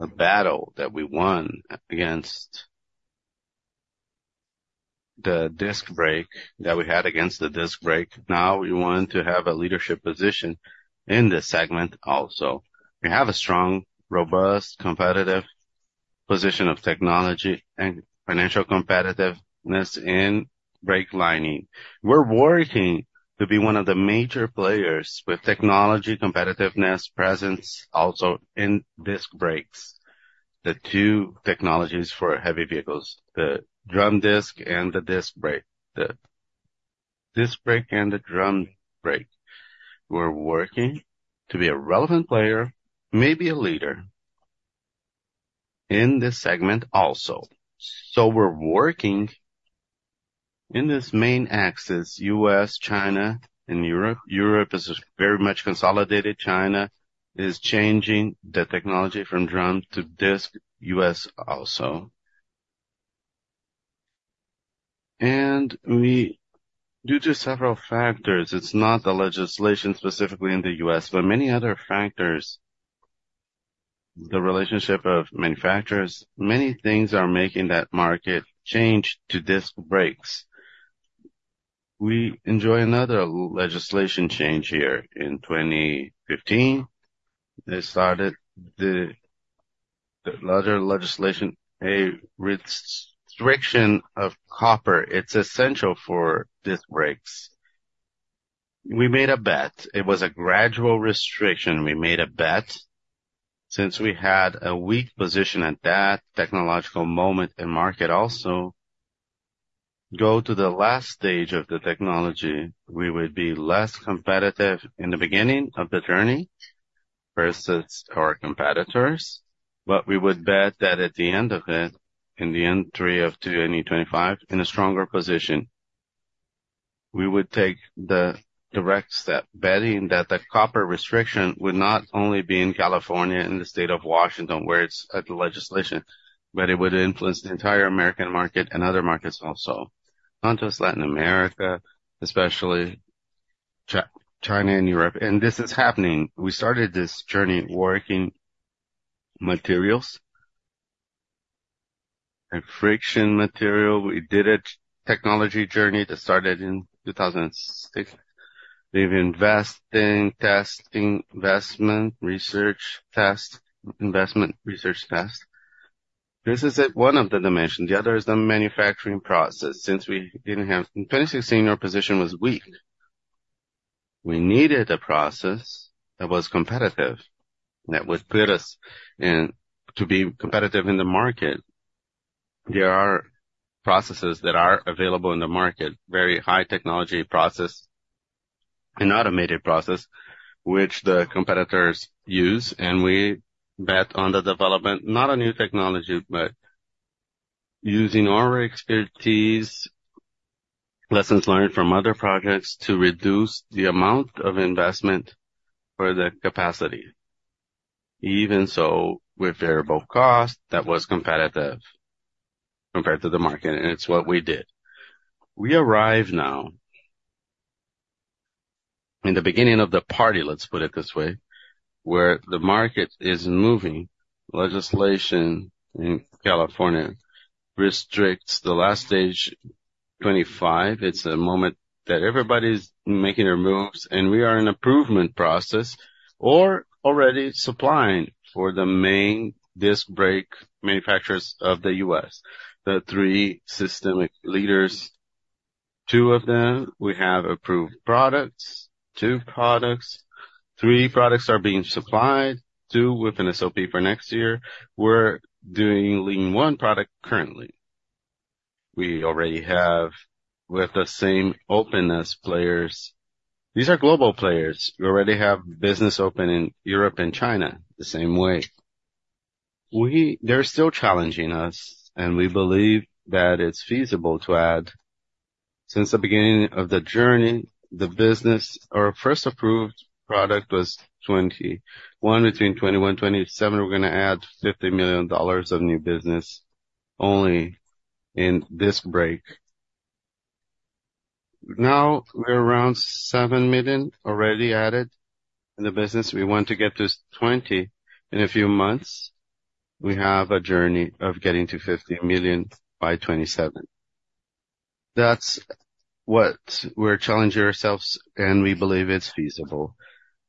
a battle that we won against the disc brake, that we had against the disc brake. Now we want to have a leadership position in this segment also. We have a strong, robust, competitive position of technology and financial competitiveness in brake lining. We're working to be one of the major players with technology, competitiveness, presence, also in disc brakes. The two technologies for heavy vehicles, the drum disc and the disc brake. The disc brake and the drum brake. We're working to be a relevant player, maybe a leader, in this segment also. So we're working in this main axis, U.S., China, and Europe. Europe is very much consolidated. China is changing the technology from drum to disc, U.S. also. We—due to several factors, it's not the legislation specifically in the US, but many other factors, the relationship of manufacturers, many things are making that market change to disc brakes. We enjoy another legislation change here. In 2015, they started the larger legislation, a restriction of copper. It's essential for disc brakes.... We made a bet. It was a gradual restriction. We made a bet, since we had a weak position at that technological moment in market also, go to the last stage of the technology, we would be less competitive in the beginning of the journey versus our competitors, but we would bet that at the end of it, in the end of 2025, in a stronger position, we would take the direct step, betting that the copper restriction would not only be in California, in the state of Washington, where it's at the legislation, but it would influence the entire American market and other markets also. Onto Latin America, especially China and Europe. And this is happening. We started this journey working materials and friction material. We did a technology journey that started in 2006. We've investing, testing, investment, research, test, investment, research, test. This is it, one of the dimensions. The other is the manufacturing process. Since we didn't have in 2016, our position was weak. We needed a process that was competitive, that would put us in to be competitive in the market. There are processes that are available in the market, very high technology process, an automated process, which the competitors use, and we bet on the development, not a new technology, but using our expertise, lessons learned from other projects to reduce the amount of investment for the capacity. Even so, with variable cost, that was competitive compared to the market, and it's what we did. We arrive now in the beginning of the party, let's put it this way, where the market is moving. Legislation in California restricts the last stage 25. It's a moment that everybody's making their moves, and we are in improvement process or already supplying for the main disc brake manufacturers of the U.S. The three systemic leaders, two of them, we have approved products, two products. Three products are being supplied, two with an SOP for next year. We're doing only one product currently. We already have, with the same OEM players. These are global players. We already have business open in Europe and China the same way. We-- They're still challenging us, and we believe that it's feasible to add. Since the beginning of the journey, the business, our first approved product was 2021. Between 2021 and 2027, we're going to add $50 million of new business only in this brake. Now, we're around $7 million already added in the business. We want to get to $20 million in a few months. We have a journey of getting to 50 million by 2027. That's what we're challenging ourselves, and we believe it's feasible.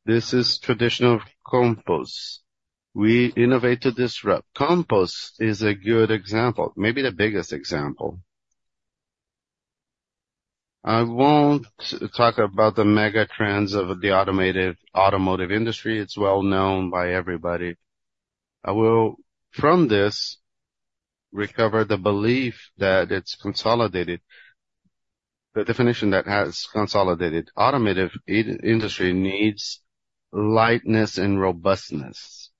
This is traditional composites. We innovate to disrupt. Composites is a good example, maybe the biggest example. I won't talk about the mega trends of the automotive, automotive industry. It's well known by everybody. I will, from this, recover the belief that it's consolidated, the definition that has consolidated. Automotive industry needs lightness and robustness.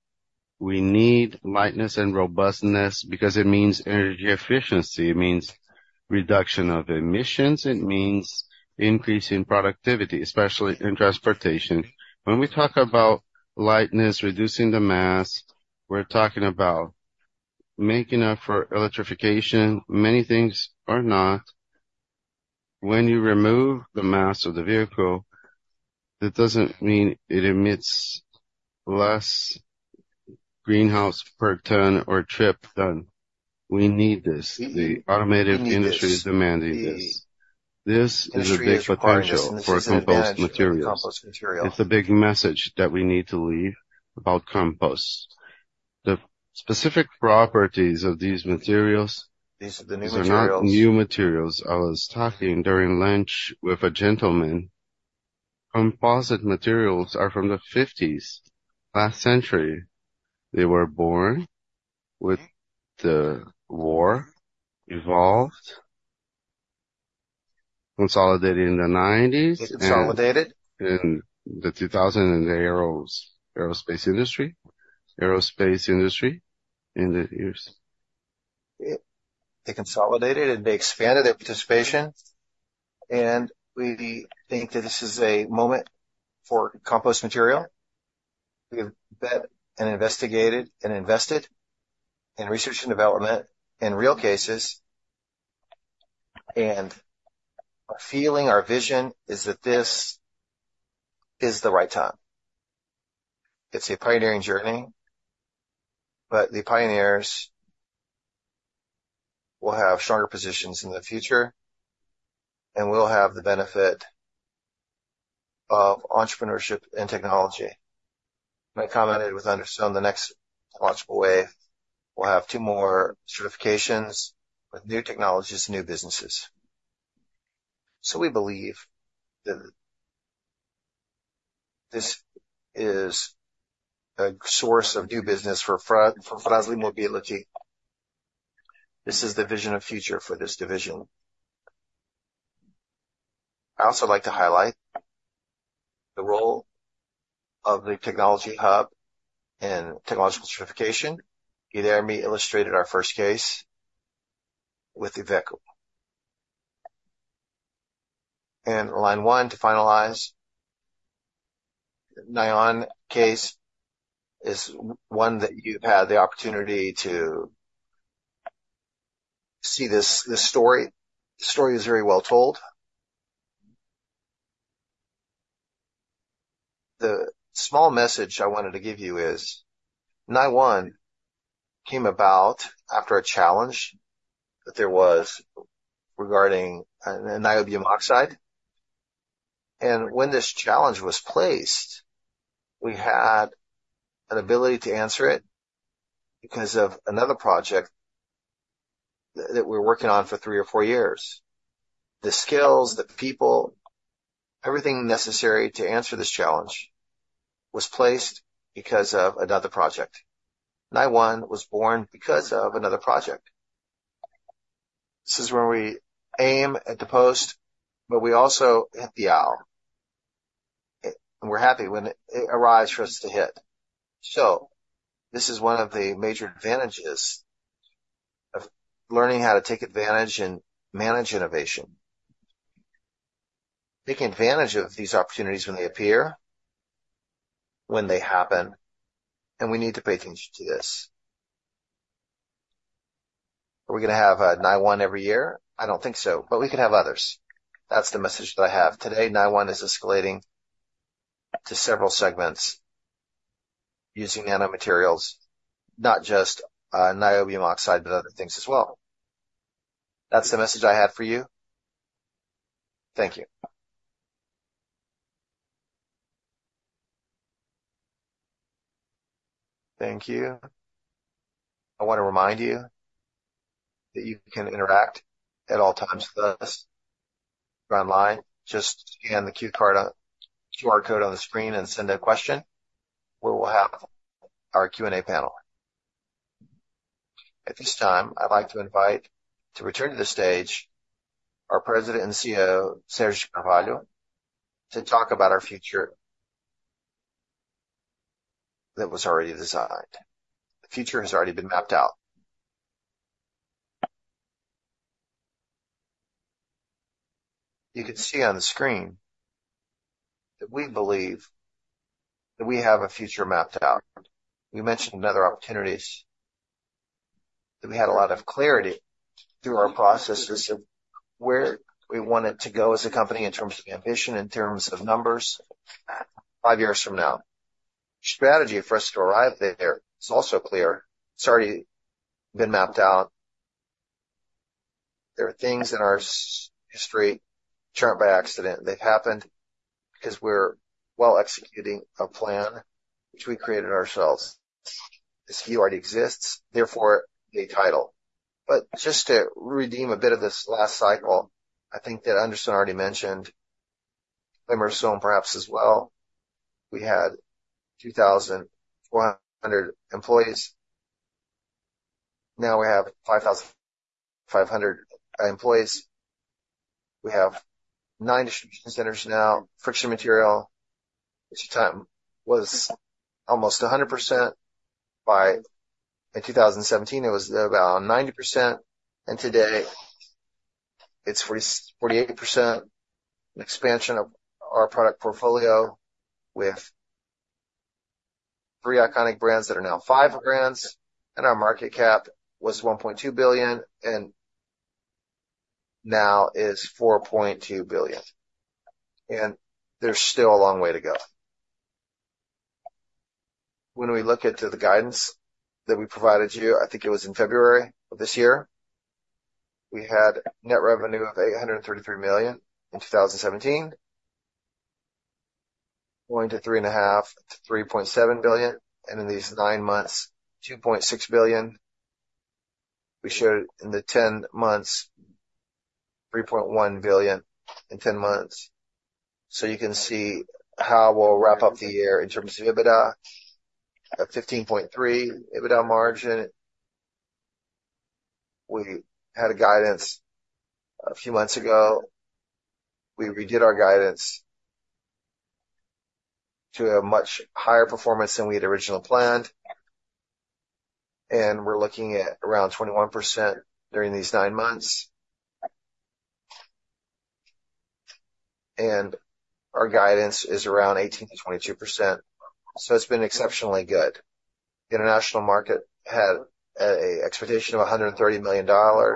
We need lightness and robustness because it means energy efficiency, it means reduction of emissions, it means increase in productivity, especially in transportation. When we talk about lightness, reducing the mass, we're talking about making up for electrification. Many things are not. When you remove the mass of the vehicle, that doesn't mean it emits less greenhouse per ton or trip done. We need this. The automotive industry is demanding this. This is a big potential for composite materials. It's a big message that we need to leave about composite. The specific properties of these materials- These are the new materials. These are not new materials. I was talking during lunch with a gentleman. Composite materials are from the 1950s, last century. They were born with the war, evolved, consolidated in the 1990s- Consolidated. In the 2000 and the aerospace industry, in the years. They consolidated, and they expanded their participation, and we think that this is a moment for composite material. We have bet and investigated and invested in research and development in real cases, and our feeling, our vision is that this is the right time. It's a pioneering journey, but the pioneers will have stronger positions in the future, and we'll have the benefit of entrepreneurship and technology. When I commented with Anderson, the next logical wave will have two more certifications with new technologies, new businesses. So we believe that this is a source of new business for Fras-le Mobility. This is the vision of future for this division. I also like to highlight the role of the technology hub and technological certification. Guy de Hermy illustrated our first case with the vehicle. Line one, to finalize, NiOne case is one that you've had the opportunity to see this story. The story is very well told. The small message I wanted to give you is, NiOne came about after a challenge that there was regarding niobium oxide, and when this challenge was placed, we had an ability to answer it because of another project that we were working on for three or four years. The skills, the people, everything necessary to answer this challenge was placed because of another project. NiOne was born because of another project. This is where we aim at the post, but we also hit the owl, and we're happy when it arrives for us to hit. So this is one of the major advantages of learning how to take advantage and manage innovation, taking advantage of these opportunities when they appear, when they happen, and we need to pay attention to this. Are we going to have a NiOne every year? I don't think so, but we can have others. That's the message that I have. Today, NiOne is escalating to several segments using nanomaterials, not just niobium oxide, but other things as well. That's the message I have for you. Thank you. Thank you. I want to remind you that you can interact at all times with us online. Just scan the QR code on the screen and send a question. We will have our Q&A panel. At this time, I'd like to invite to return to the stage our President and CEO, Sérgio Carvalho, to talk about our future that was already designed. The future has already been mapped out. You can see on the screen that we believe that we have a future mapped out. We mentioned other opportunities, that we had a lot of clarity through our processes of where we wanted to go as a company in terms of ambition, in terms of numbers, five years from now. Strategy for us to arrive there is also clear. It's already been mapped out. There are things in our history turned by accident. They've happened because we're well executing a plan which we created ourselves. This view already exists, therefore, the title. But just to redeem a bit of this last cycle, I think that Anderson already mentioned, and Emerson perhaps as well, we had 2,400 employees. Now we have 5,500 employees. We have nine distribution centers now. Friction material at the time was almost 100%. By—in 2017, it was about 90%, and today it's 48%. An expansion of our product portfolio with three iconic brands that are now five brands, and our market cap was 1.2 billion, and now is 4.2 billion. And there's still a long way to go. When we look at the guidance that we provided you, I think it was in February of this year, we had net revenue of 833 million in 2017, going to 3.5-3.7 billion, and in these nine months, 2.6 billion. We showed in the ten months, 3.1 billion in ten months. So you can see how we'll wrap up the year in terms of EBITDA, at 15.3% EBITDA margin. We had a guidance a few months ago. We redid our guidance to a much higher performance than we had originally planned, and we're looking at around 21% during these nine months. Our guidance is around 18%-22%, so it's been exceptionally good. International market had an expectation of $130 million. Our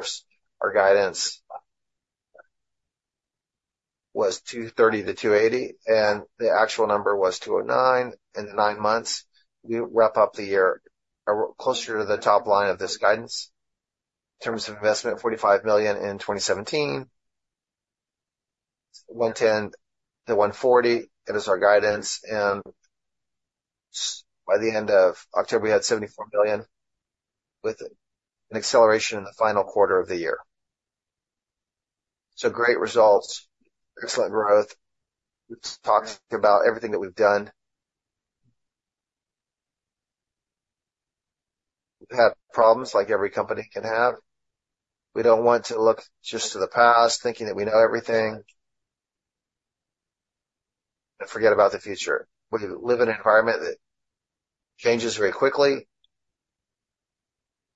guidance was 230-280, and the actual number was 209. In the 9 months, we wrap up the year closer to the top line of this guidance. In terms of investment, 45 million in 2017 went to end at 140, that is our guidance, and by the end of October, we had 74 billion, with an acceleration in the final quarter of the year. So great results, excellent growth. We've talked about everything that we've done. We've had problems like every company can have. We don't want to look just to the past, thinking that we know everything, and forget about the future. We live in an environment that changes very quickly.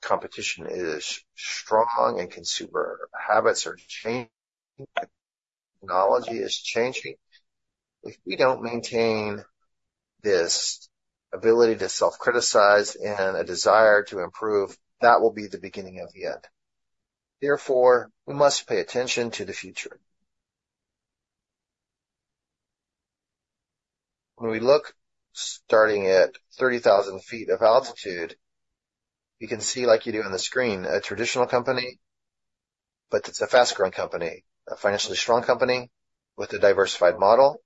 Competition is strong and consumer habits are changing, technology is changing. If we don't maintain this ability to self-criticize and a desire to improve, that will be the beginning of the end. Therefore, we must pay attention to the future. When we look, starting at 30,000 feet of altitude, you can see, like you do on the screen, a traditional company, but it's a fast-growing company, a financially strong company with a diversified model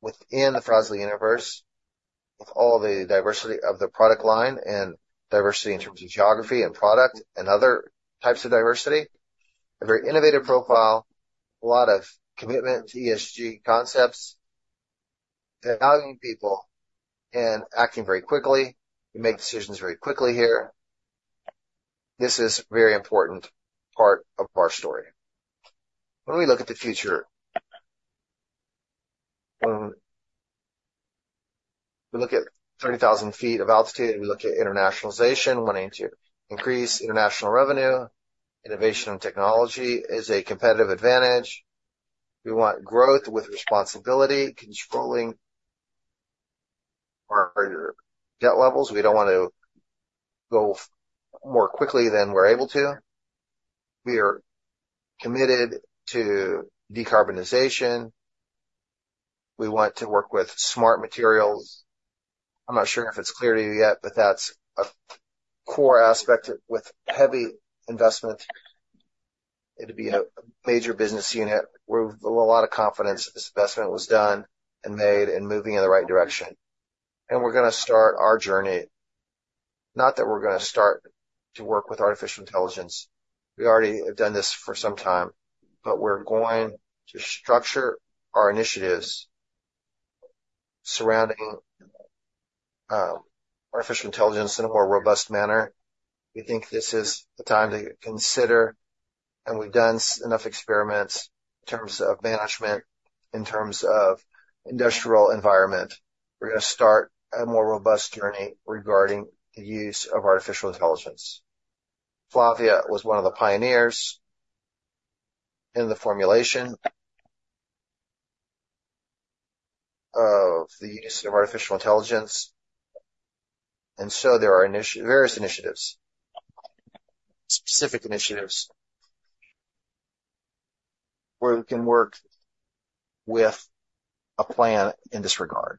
within the Fras-le universe, with all the diversity of the product line and diversity in terms of geography and product and other types of diversity. A very innovative profile, a lot of commitment to ESG concepts, and valuing people and acting very quickly. We make decisions very quickly here. This is a very important part of our story. When we look at the future, we look at 30,000 feet of altitude, and we look at internationalization, wanting to increase international revenue. Innovation and technology is a competitive advantage. We want growth with responsibility, controlling our debt levels. We don't want to go more quickly than we're able to. We are committed to decarbonization. We want to work with smart materials. I'm not sure if it's clear to you yet, but that's a core aspect with heavy investment. It'll be a major business unit with a lot of confidence. This investment was done and made and moving in the right direction. We're gonna start our journey. Not that we're gonna start to work with artificial intelligence, we already have done this for some time, but we're going to structure our initiatives surrounding artificial intelligence in a more robust manner. We think this is the time to consider, and we've done enough experiments in terms of management, in terms of industrial environment. We're gonna start a more robust journey regarding the use of artificial intelligence. Flavia was one of the pioneers in the formulation of the use of artificial intelligence, and so there are various initiatives, specific initiatives, where we can work with a plan in this regard.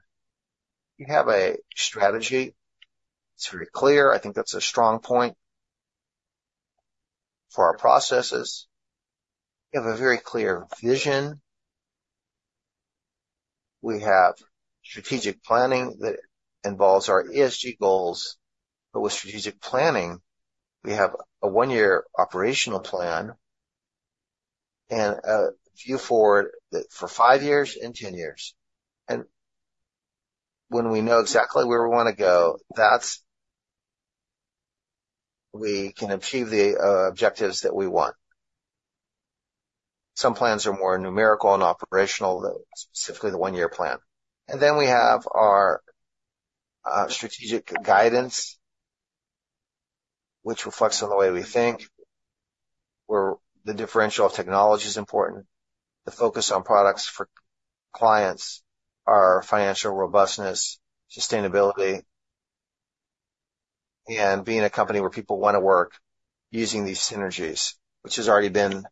You have a strategy. It's very clear. I think that's a strong point for our processes. We have a very clear vision. We have strategic planning that involves our ESG goals, but with strategic planning, we have a one-year operational plan and a view forward that for five years and ten years. And when we know exactly where we want to go, that's... We can achieve the objectives that we want. Some plans are more numerical and operational, specifically the one-year plan. And then we have our strategic guidance, which reflects on the way we think, where the differential of technology is important, the focus on products for clients, our financial robustness, sustainability, and being a company where people want to work using these synergies, which has already been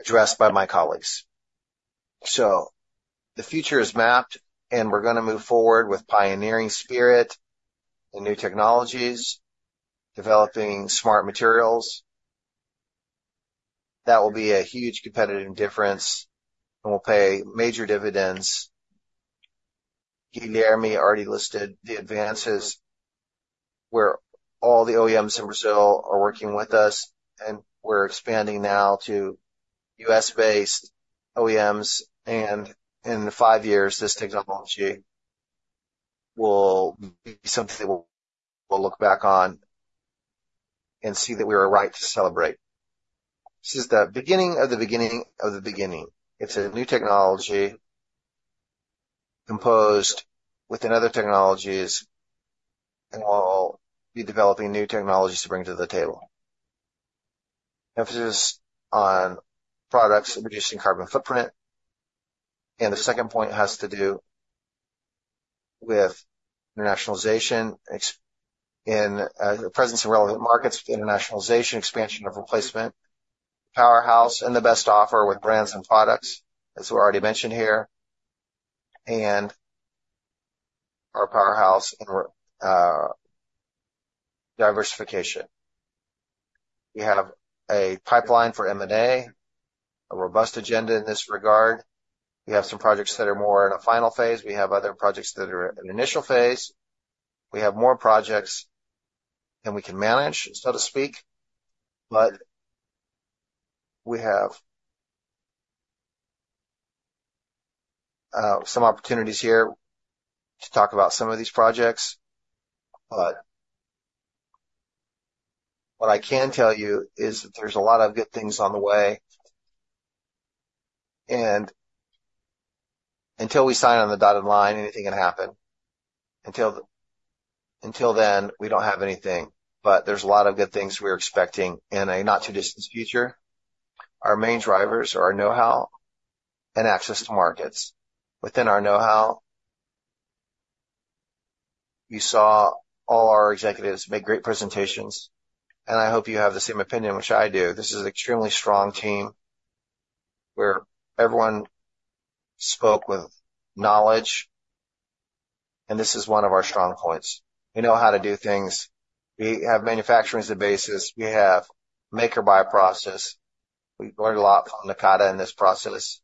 addressed by my colleagues. So the future is mapped, and we're gonna move forward with pioneering spirit and new technologies, developing smart materials. That will be a huge competitive difference, and will pay major dividends. Guilherme already listed the advances where all the OEMs in Brazil are working with us, and we're expanding now to U.S.-based OEMs, and in five years, this technology will be something that we'll, we'll look back on and see that we were right to celebrate. This is the beginning of the beginning of the beginning. It's a new technology composed within other technologies, and we'll be developing new technologies to bring to the table. Emphasis on products, reducing carbon footprint, and the second point has to do with internationalization, expansion and the presence in relevant markets, internationalization, expansion of replacement, powerhouse, and the best offer with brands and products, as we already mentioned here. Our powerhouse and our diversification. We have a pipeline for M&A, a robust agenda in this regard. We have some projects that are more in a final phase. We have other projects that are in initial phase. We have more projects than we can manage, so to speak, but we have some opportunities here to talk about some of these projects. But what I can tell you is that there's a lot of good things on the way, and until we sign on the dotted line, anything can happen. Until then, we don't have anything, but there's a lot of good things we're expecting in a not-too-distant future. Our main drivers are our know-how and access to markets. Within our know-how, you saw all our executives make great presentations, and I hope you have the same opinion, which I do. This is an extremely strong team where everyone spoke with knowledge, and this is one of our strong points. We know how to do things. We have manufacturing as a basis. We have make or buy process. We've learned a lot from Nakata in this process,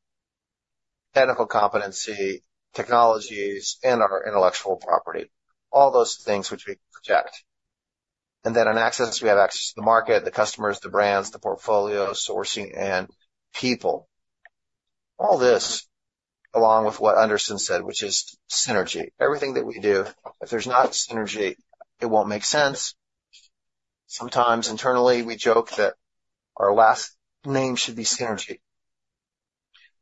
technical competency, technologies, and our intellectual property, all those things which we protect. And then on access, we have access to the market, the customers, the brands, the portfolio, sourcing, and people. All this, along with what Anderson said, which is synergy. Everything that we do, if there's not synergy, it won't make sense. Sometimes internally, we joke that our last name should be Synergy.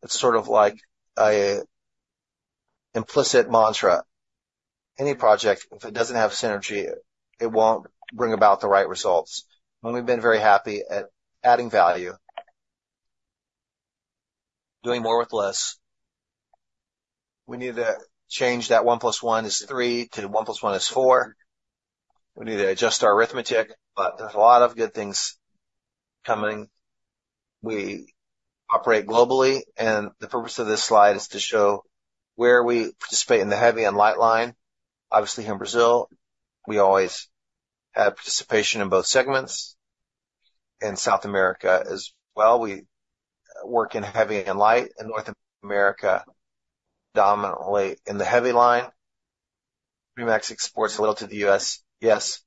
It's sort of like an implicit mantra. Any project, if it doesn't have synergy, it won't bring about the right results. And we've been very happy at adding value, doing more with less. We need to change that one plus one is three to one plus one is four. We need to adjust our arithmetic, but there's a lot of good things coming. We operate globally, and the purpose of this slide is to show where we participate in the heavy and light line. Obviously, in Brazil, we always have participation in both segments. In South America as well, we work in heavy and light. In North America, dominantly in the heavy line. Fremax exports a little to the U.S., yes,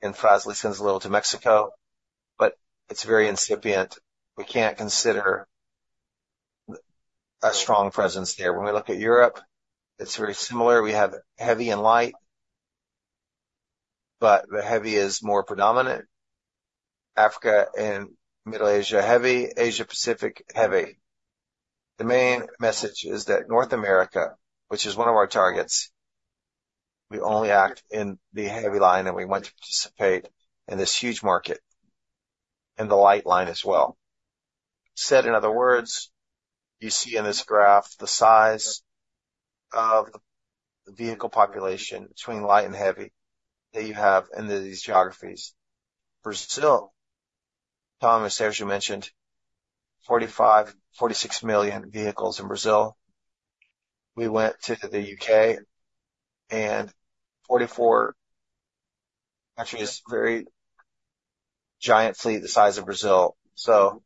and Fras-le sends a little to Mexico, but it's very incipient. We can't consider a strong presence there. When we look at Europe, it's very similar. We have heavy and light, but the heavy is more predominant. Africa and Middle Asia, heavy. Asia Pacific, heavy. The main message is that North America, which is one of our targets, we only act in the heavy line, and we want to participate in this huge market, in the light line as well. Said, in other words, you see in this graph the size of the vehicle population between light and heavy that you have under these geographies. Brazil, Tom and Sérgio mentioned 45, 46 million vehicles in Brazil. We went to the U.K., and 44, actually, is very giant fleet the size of Brazil. So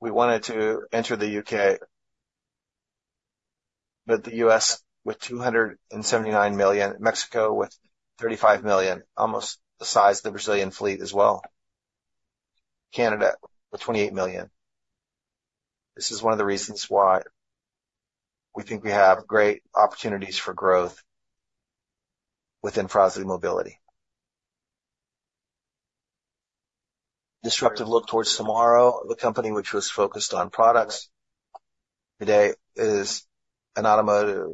we wanted to enter the U.K., but the U.S., with 279 million, Mexico with 35 million, almost the size of the Brazilian fleet as well. Canada with 28 million. This is one of the reasons why we think we have great opportunities for growth within Frasle Mobility. Disruptive look towards tomorrow. The company, which was focused on products, today is an automotive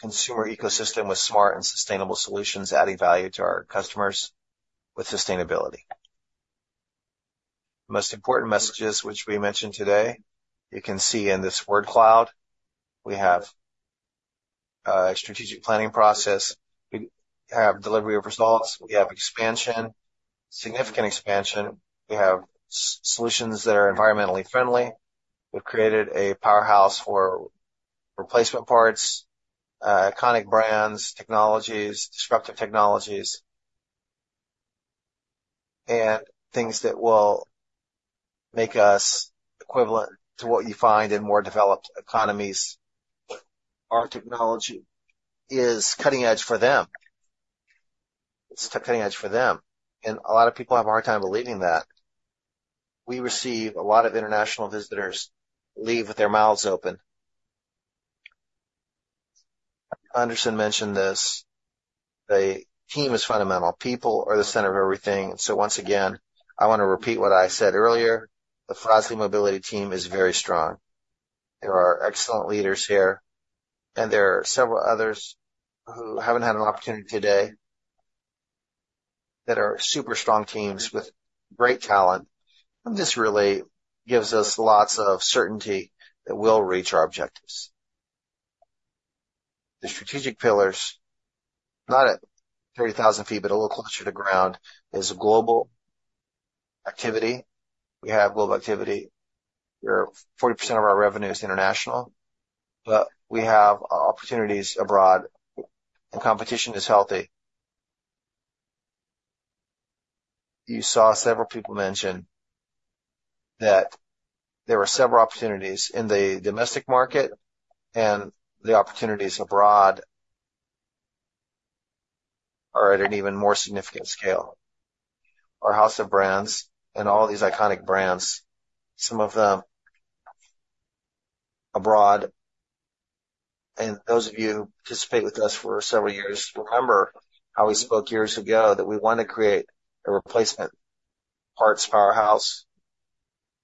consumer ecosystem with smart and sustainable solutions, adding value to our customers with sustainability. Most important messages, which we mentioned today, you can see in this word cloud, we have a strategic planning process. We have delivery of results. We have expansion, significant expansion. We have solutions that are environmentally friendly. We've created a powerhouse for replacement parts, iconic brands, technologies, disruptive technologies, and things that will make us equivalent to what you find in more developed economies. Our technology is cutting edge for them. It's cutting edge for them, and a lot of people have a hard time believing that. We receive a lot of international visitors leave with their mouths open. Anderson mentioned this, the team is fundamental. People are the center of everything. So once again, I want to repeat what I said earlier, the Frasle Mobility team is very strong. There are excellent leaders here, and there are several others who haven't had an opportunity today that are super strong teams with great talent, and this really gives us lots of certainty that we'll reach our objectives. The strategic pillars, not at thirty thousand feet, but a little closer to ground, is a global activity. We have global activity, where 40% of our revenue is international, but we have opportunities abroad, and competition is healthy. You saw several people mention that there are several opportunities in the domestic market, and the opportunities abroad are at an even more significant scale. Our house of brands and all these iconic brands, some of them abroad, and those of you who participate with us for several years, remember how we spoke years ago, that we want to create a replacement parts powerhouse.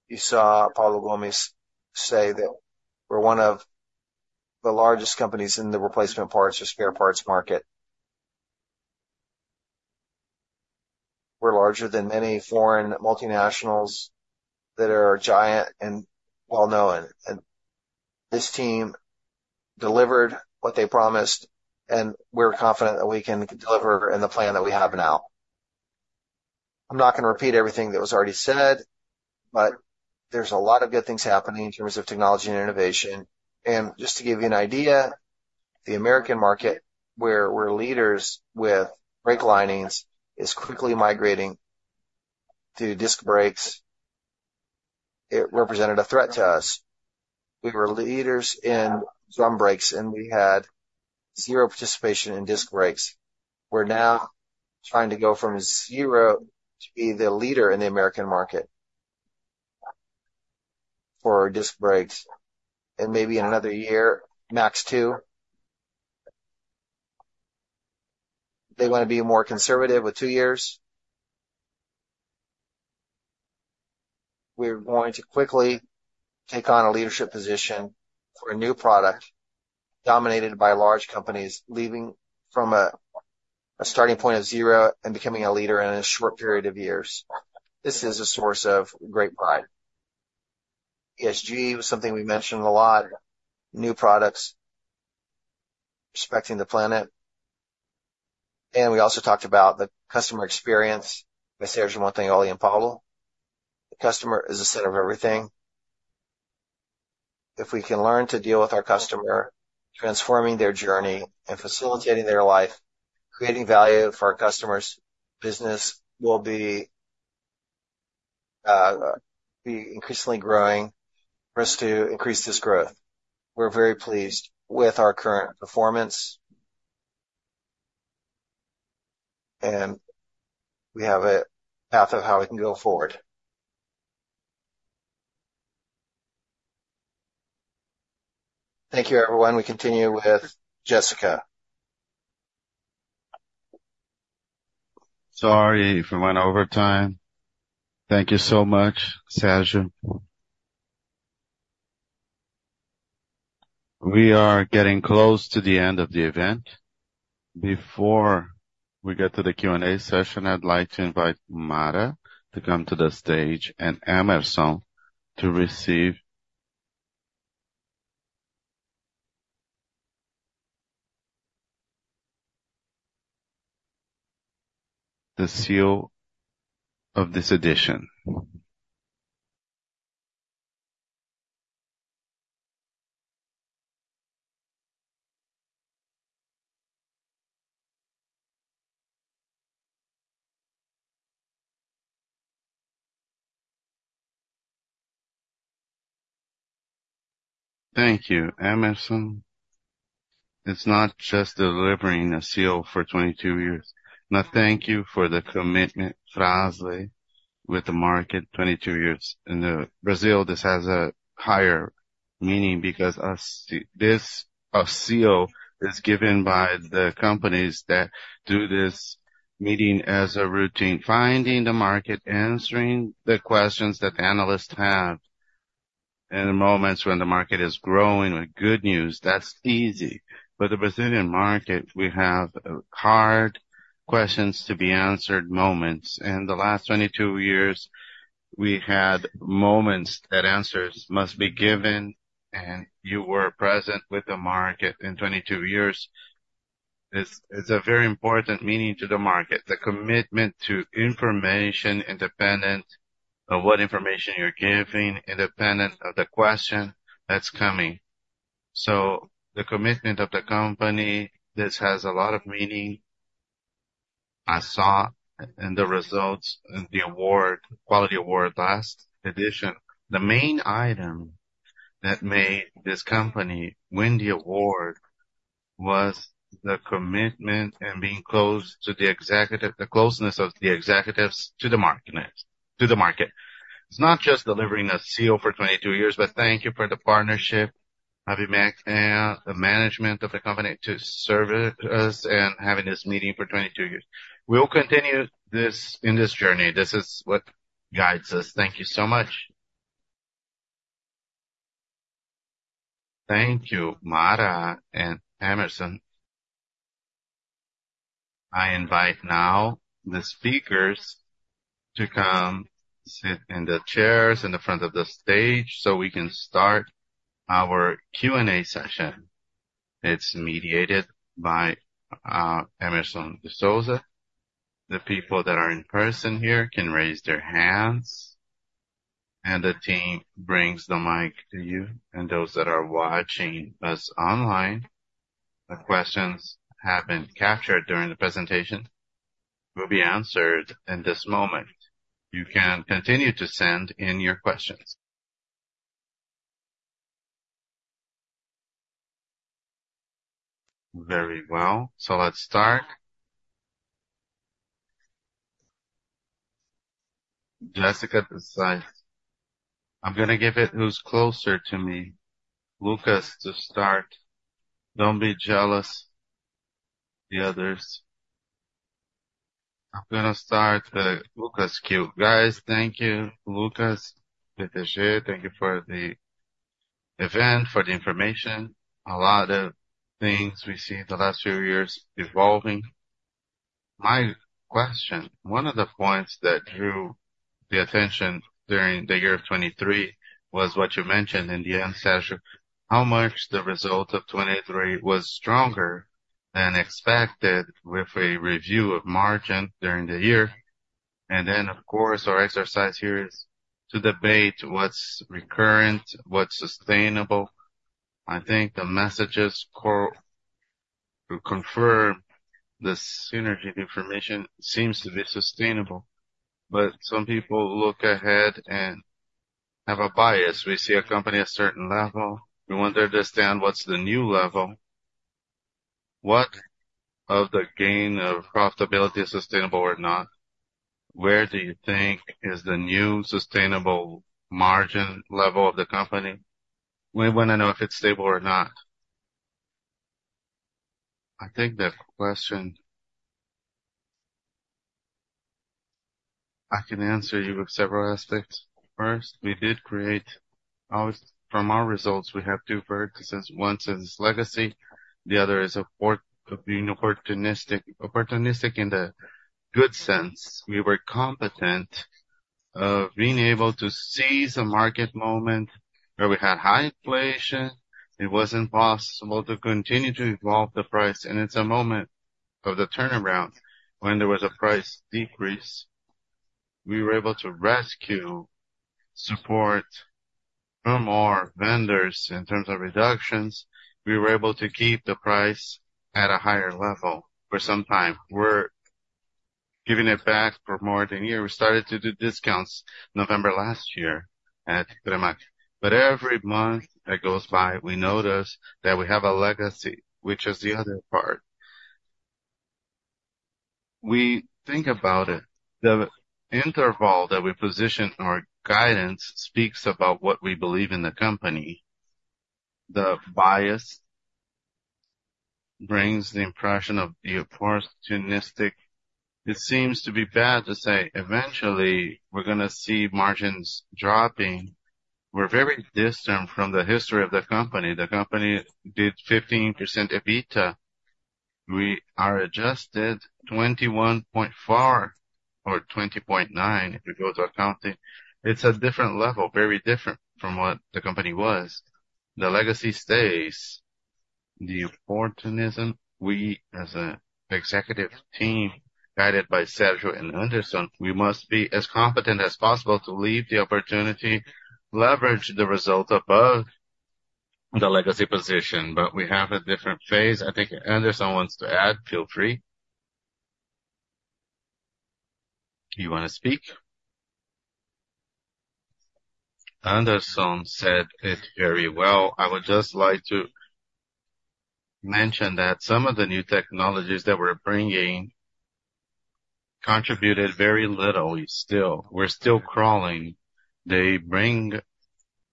You saw Paulo Gomes say that we're one of the largest companies in the replacement parts or spare parts market. We're larger than many foreign multinationals that are giant and well-known, and this team delivered what they promised, and we're confident that we can deliver in the plan that we have now. I'm not gonna repeat everything that was already said, but there's a lot of good things happening in terms of technology and innovation. Just to give you an idea, the American market, where we're leaders with brake linings, is quickly migrating to disc brakes. It represented a threat to us. We were leaders in drum brakes, and we had zero participation in disc brakes. We're now trying to go from zero to be the leader in the American market for disc brakes, and maybe in another year, max two. They want to be more conservative with two years. We're going to quickly take on a leadership position for a new product dominated by large companies, leaving from a starting point of zero and becoming a leader in a short period of years. This is a source of great pride. ESG was something we mentioned a lot, new products, respecting the planet, and we also talked about the customer experience with Sergio Montagnoli and Paulo. The customer is the center of everything. If we can learn to deal with our customer, transforming their journey and facilitating their life, creating value for our customers, business will be increasingly growing for us to increase this growth. We're very pleased with our current performance... and we have a path of how we can go forward. Thank you, everyone. We continue with Jessica. Sorry if we went over time. Thank you so much, Sérgio. We are getting close to the end of the event. Before we get to the Q&A session, I'd like to invite Mara to come to the stage and Emerson to receive... the CEO of this edition. Thank you, Emerson. It's not just delivering a seal for 22 years. Now, thank you for the commitment, Fras-le, with the market, 22 years. In Brazil, this has a higher meaning, because this, a seal is given by the companies that do this meeting as a routine, finding the market, answering the questions that the analysts have. In the moments when the market is growing with good news, that's easy, but the Brazilian market, we have hard questions to be answered moments, and the last 22 years, we had moments that answers must be given, and you were present with the market. In 22 years, this is a very important meaning to the market, the commitment to information, independent of what information you're giving, independent of the question that's coming. So the commitment of the company, this has a lot of meaning. I saw in the results, in the award, Quality Award, last edition, the main item that made this company win the award was the commitment and being close to the executive, the closeness of the executives to the executive, to the market. It's not just delivering a seal for 22 years, but thank you for the partnership, APIMEC, and the management of the company to serve us and having this meeting for 22 years. We will continue this in this journey. This is what guides us. Thank you so much. Thank you, Mara and Emerson. I invite now the speakers to come sit in the chairs in the front of the stage, so we can start our Q&A session. It's mediated by Emerson De Souza. The people that are in person here can raise their hands, and the team brings the mic to you. And those that are watching us online, the questions have been captured during the presentation, will be answered in this moment. You can continue to send in your questions. Very well. So let's start. Jessica Decide. I'm gonna give it who's closer to me, Lucas, to start. Don't be jealous, the others. I'm gonna start, Lucas Q. Guys, thank you. Lucas, PTG, thank you for the event, for the information. A lot of things we see in the last few years evolving. My question, one of the points that drew the attention during the year of 2023, was what you mentioned in the end session, how much the result of 2023 was stronger than expected, with a review of margin during the year. And then, of course, our exercise here is to debate what's recurrent, what's sustainable. I think the messages confirm the synergy of the information seems to be sustainable, but some people look ahead and have a bias. We see a company at a certain level. We want to understand what's the new level. What of the gain of profitability, sustainable or not? Where do you think is the new sustainable margin level of the company? We want to know if it's stable or not. I think the question... I can answer you with several aspects. First, we did create our-- From our results, we have two vertices. One is legacy, the other is being opportunistic. Opportunistic in the good sense. We were competent, being able to seize a market moment where we had high inflation. It wasn't possible to continue to evolve the price, and it's a moment of the turnaround. When there was a price decrease, we were able to rescue, support, no more vendors in terms of reductions. We were able to keep the price at a higher level for some time. We're giving it back for more than a year. We started to do discounts November last year, at Fremax. But every month that goes by, we notice that we have a legacy, which is the other part. We think about it. The interval that we position our guidance speaks about what we believe in the company. The bias brings the impression of the opportunistic. It seems to be bad to say, eventually, we're gonna see margins dropping. We're very distant from the history of the company. The company did 15% EBITDA. We are adjusted 21.4%, or 20.9%, if you go to accounting. It's a different level, very different from what the company was. The legacy stays, the opportunism. We, as an executive team, guided by Sérgio and Anderson, we must be as competent as possible to leave the opportunity, leverage the result above the legacy position. But we have a different phase. I think Anderson wants to add. Feel free. Do you want to speak? Anderson said it very well. I would just like to mention that some of the new technologies that we're bringing contributed very little, still. We're still crawling. They bring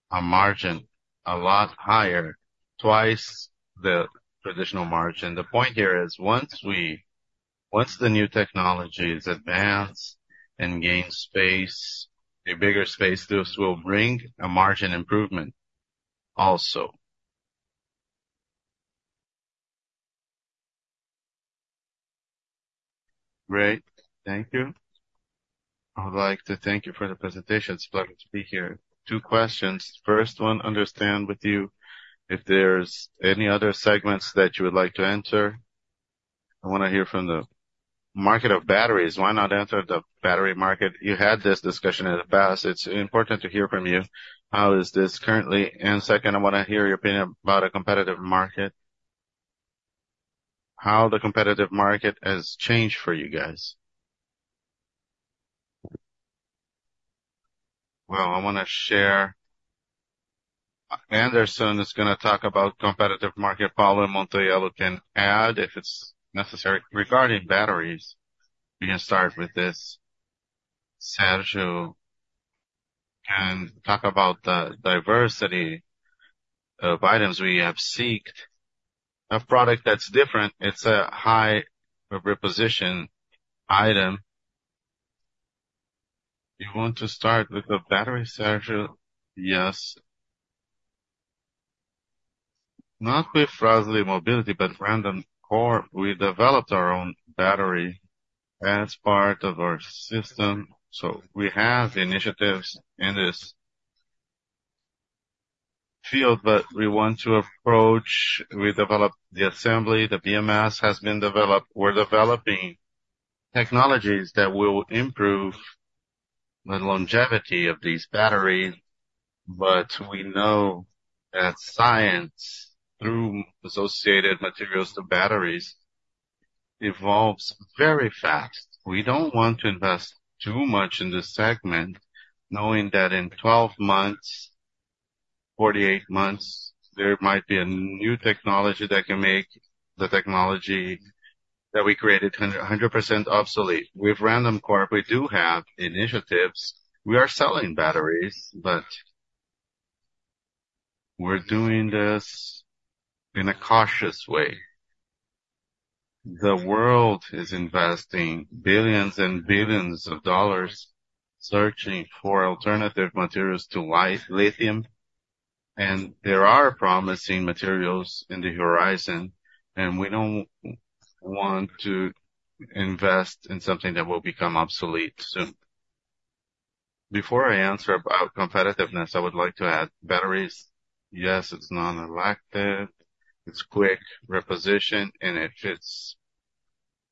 a margin a lot higher, twice the traditional margin. The point here is, once the new technologies advance and gain space, a bigger space, this will bring a margin improvement also. Great. Thank you. I would like to thank you for the presentation. It's lovely to be here. Two questions. First one, understand with you if there's any other segments that you would like to enter. I want to hear from the market of batteries. Why not enter the battery market? You had this discussion in the past. It's important to hear from you. How is this currently? And second, I want to hear your opinion about a competitive market. How has the competitive market changed for you guys? Well, I want to share. Anderson is going to talk about competitive market. Paulo, Montagnoli can add if it's necessary. Regarding batteries, we can start with this. Sergio can talk about the diversity of items. We have sought a product that's different. It's a high reposition item. You want to start with the battery, Sergio? Yes. Not with Frasle Mobility, but Randoncorp. We developed our own battery as part of our system, so we have initiatives in this field, but we want to approach, we developed the assembly, the BMS has been developed. We're developing technologies that will improve the longevity of these batteries, but we know that science, through associated materials to batteries, evolves very fast. We don't want to invest too much in this segment, knowing that in 12 months, 48 months, there might be a new technology that can make the technology that we created 100% obsolete. With Randoncorp, we do have initiatives. We are selling batteries, but we're doing this in a cautious way. The world is investing $ billions and billions searching for alternative materials to lithium, and there are promising materials in the horizon, and we don't want to invest in something that will become obsolete soon. Before I answer about competitiveness, I would like to add, batteries, yes, it's non-elective, it's quick reposition, and it fits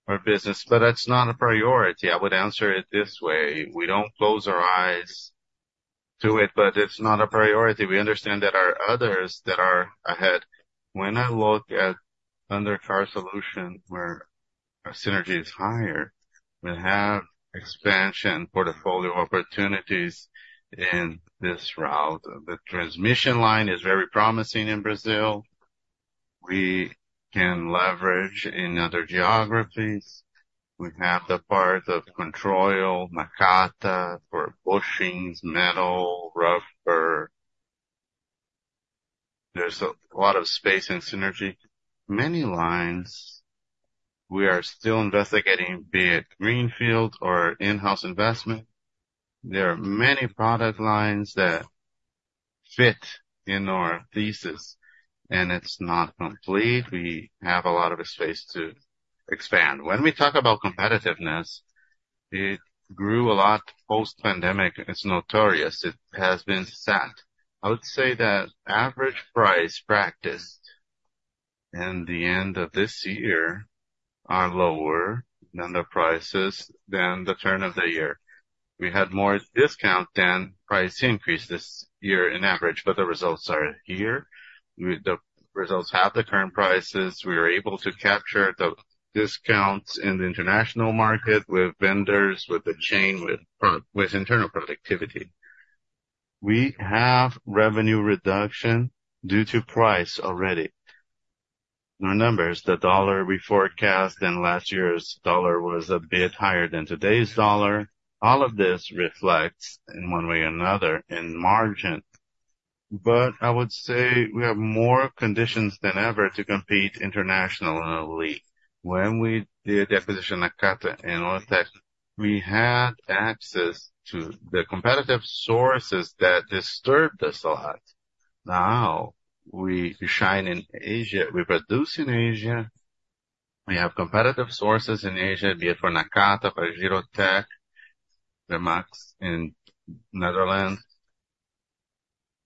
our business, but it's not a priority. I would answer it this way. We don't close our eyes to it, but it's not a priority. We understand that there are others that are ahead. When I look at Undercar solutions, where our synergy is higher, we have expansion portfolio opportunities in this route. The transmission line is very promising in Brazil. We can leverage in other geographies. We have the part of control, Nakata, for bushings, metal, rubber. There's a lot of space and synergy. Many lines we are still investigating, be it greenfield or in-house investment. There are many product lines that fit in our thesis, and it's not complete. We have a lot of space to expand. When we talk about competitiveness, it grew a lot post-pandemic. It's notorious. It has been set. I would say that average price practiced in the end of this year are lower than the prices than the turn of the year. We had more discount than price increase this year in average, but the results are here. The results have the current prices. We are able to capture the discounts in the international market with vendors, with the chain, with internal productivity. We have revenue reduction due to price already. Our numbers, the dollar we forecast in last year's dollar was a bit higher than today's dollar. All of this reflects in one way or another in margin. But I would say we have more conditions than ever to compete internationally. When we did the acquisition, Nakata, and all that, we had access to the competitive sources that disturbed us a lot. Now, we shine in Asia. We produce in Asia. We have competitive sources in Asia, be it for Nakata, for Girotech, Fremax in Netherlands.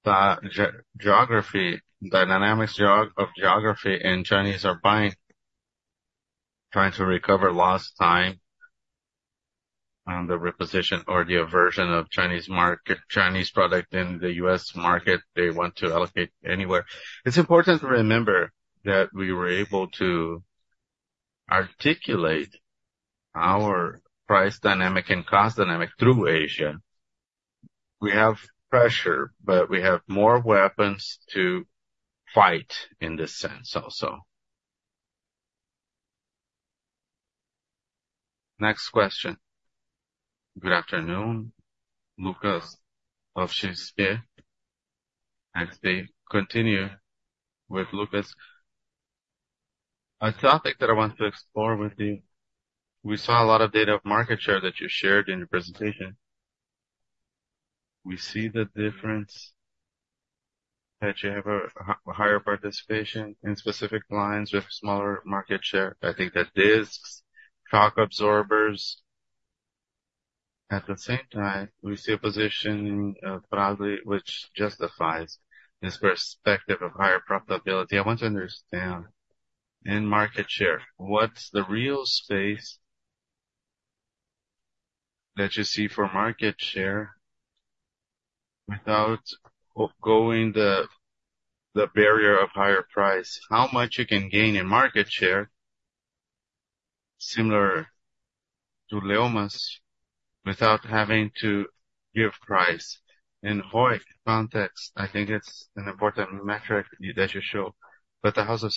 The geography, the dynamics of geography, and the Chinese are buying, trying to recover lost time on the reposition or the aversion of Chinese market, Chinese product in the U.S. market. They want to allocate anywhere. It's important to remember that we were able to articulate our price dynamic and cost dynamic through Asia. We have pressure, but we have more weapons to fight in this sense also. Next question. Good afternoon, Lucas of Chase. I stay, continue with Lucas. A topic that I want to explore with you, we saw a lot of data of market share that you shared in your presentation. We see the difference, that you have a higher participation in specific lines with smaller market share. I think that this shock absorbers, at the same time, we see a position of broadly, which justifies this perspective of higher profitability. I want to understand, in market share, what's the real space that you see for market share without foregoing the barrier of higher price? How much you can gain in market share, similar to Leomas, without having to give price? In ROIC context, I think it's an important metric that you show, but the ROIC of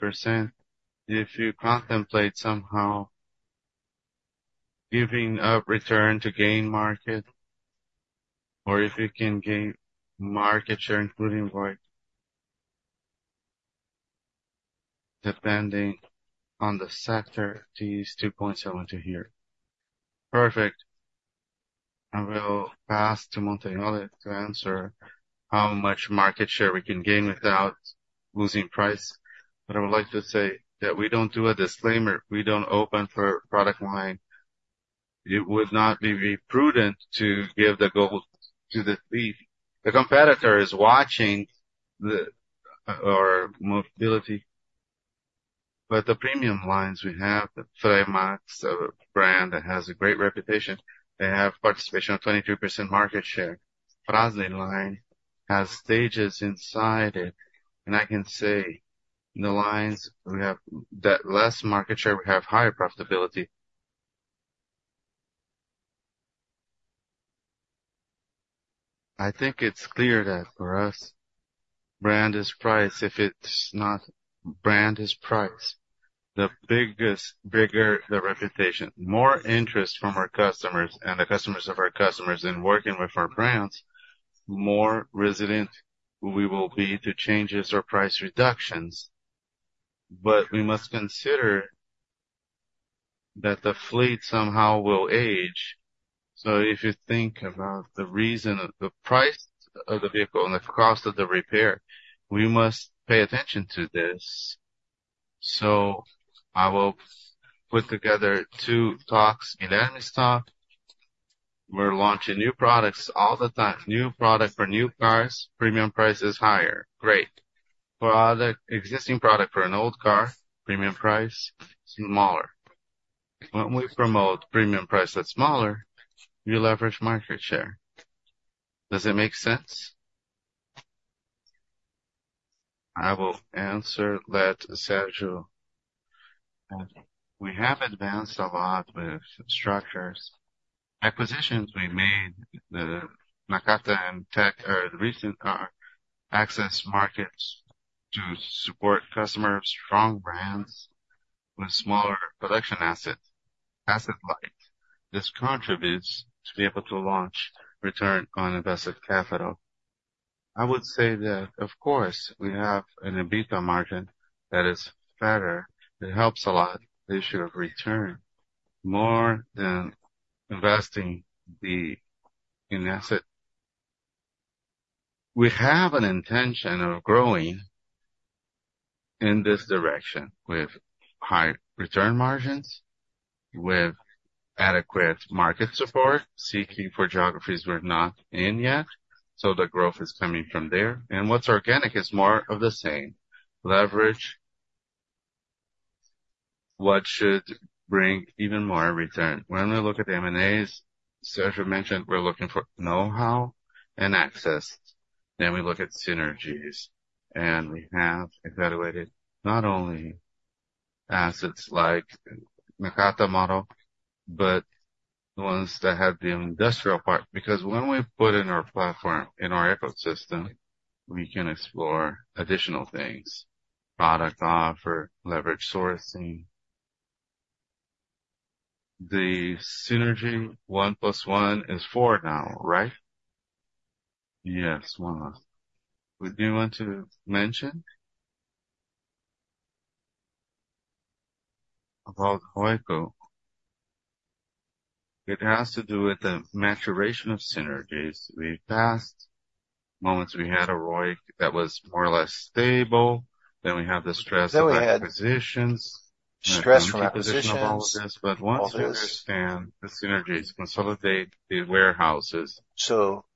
17%, if you contemplate somehow giving up return to gain market, or if you can gain market share, including ROIC. Depending on the sector, these 2.7 to here. Perfect. I will pass to Montagnoli to answer how much market share we can gain without losing price. But I would like to say that we don't do a disclaimer. We don't open for product line-... It would not be prudent to give the gold to the thief. The competitor is watching the our mobility, but the premium lines we have, the Fremax brand that has a great reputation, they have participation of 22% market share. Fras-le line has stages inside it, and I can say in the lines, we have that less market share, we have higher profitability. I think it's clear that for us, brand is price. If it's not, brand is price. The bigger the reputation, more interest from our customers and the customers of our customers in working with our brands, more resistant we will be to changes or price reductions. But we must consider that the fleet somehow will age. So if you think about the ratio of the price of the vehicle and the cost of the repair, we must pay attention to this. So I will put together total cost in every stock. We're launching new products all the time. New product for new cars, premium price is higher. Great. For other existing product, for an old car, premium price, smaller. When we promote premium price that's smaller, you leverage market share. Does it make sense? I will answer that, Sérgio. We have advanced a lot with structures. Acquisitions we made, the Nakata and Tech are the recent car access markets to support customer, strong brands with smaller production asset, asset light. This contributes to be able to launch return on invested capital. I would say that, of course, we have an EBITDA margin that is fatter. It helps a lot the issue of return, more than investing in asset. We have an intention of growing in this direction with high return margins, with adequate market support, seeking for geographies we're not in yet, so the growth is coming from there. And what's organic is more of the same. Leverage, what should bring even more return? When I look at M&As, Sérgio mentioned, we're looking for know-how and access, then we look at synergies. And we have evaluated not only assets like Nakata model, but ones that have the industrial part. Because when we put in our platform, in our ecosystem, we can explore additional things, product offer, leverage sourcing. The synergy, one plus one is four now, right? Yes, Juan. Would you want to mention? About ROIC. It has to do with the maturation of synergies. We've passed moments we had a ROIC that was more or less stable, then we have the stress of acquisitions- Stress from acquisitions. Of all of this, but once we understand the synergies, consolidate the warehouses. So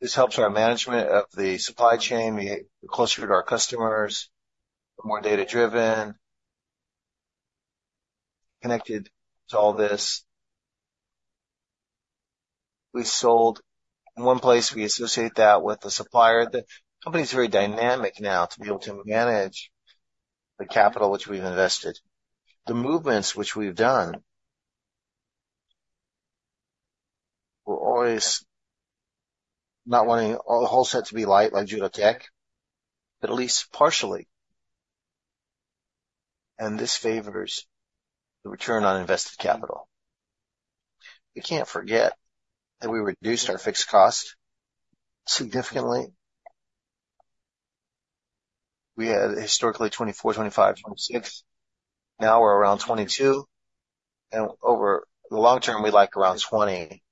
this helps our management of the supply chain, we get closer to our customers, more data-driven, connected to all this. We sold... In one place, we associate that with the supplier. The company is very dynamic now to be able to manage the capital which we've invested. The movements which we've done were always not wanting all the whole set to be light like Judotech, but at least partially. And this favors the return on invested capital. We can't forget that we reduced our fixed cost significantly. We had historically 24, 25, 26, now we're around 22, and over the long term, we like around 20,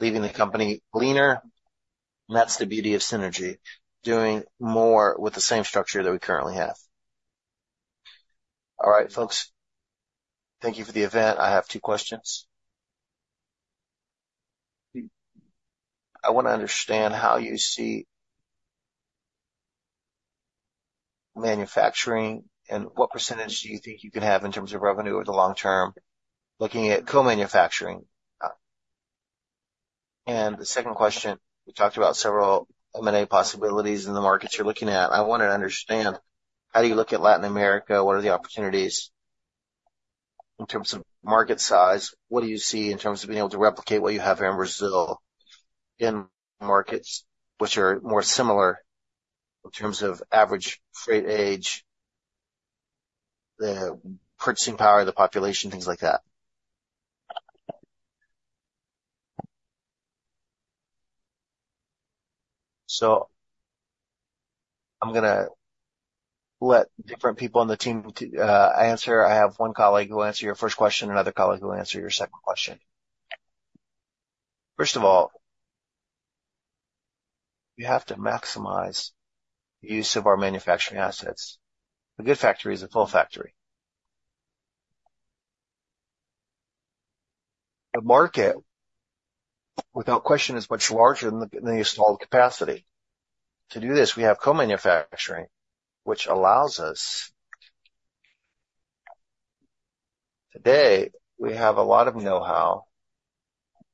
leaving the company leaner. And that's the beauty of synergy, doing more with the same structure that we currently have. All right, folks. Thank you for the event. I have 2 questions. I want to understand how you see manufacturing and what percentage do you think you can have in terms of revenue over the long term, looking at Co-manufacturing? And the second question, you talked about several M&A possibilities in the markets you're looking at. I wanted to understand, how do you look at Latin America? What are the opportunities in terms of market size? What do you see in terms of being able to replicate what you have in Brazil, in markets which are more similar in terms of average freight age, the purchasing power of the population, things like that? So I'm gonna let different people on the team to answer. I have one colleague who will answer your first question, another colleague who will answer your second question. First of all—... We have to maximize the use of our manufacturing assets. A good factory is a full factory. The market, without question, is much larger than the installed capacity. To do this, we have Co-manufacturing, which allows us. Today, we have a lot of know-how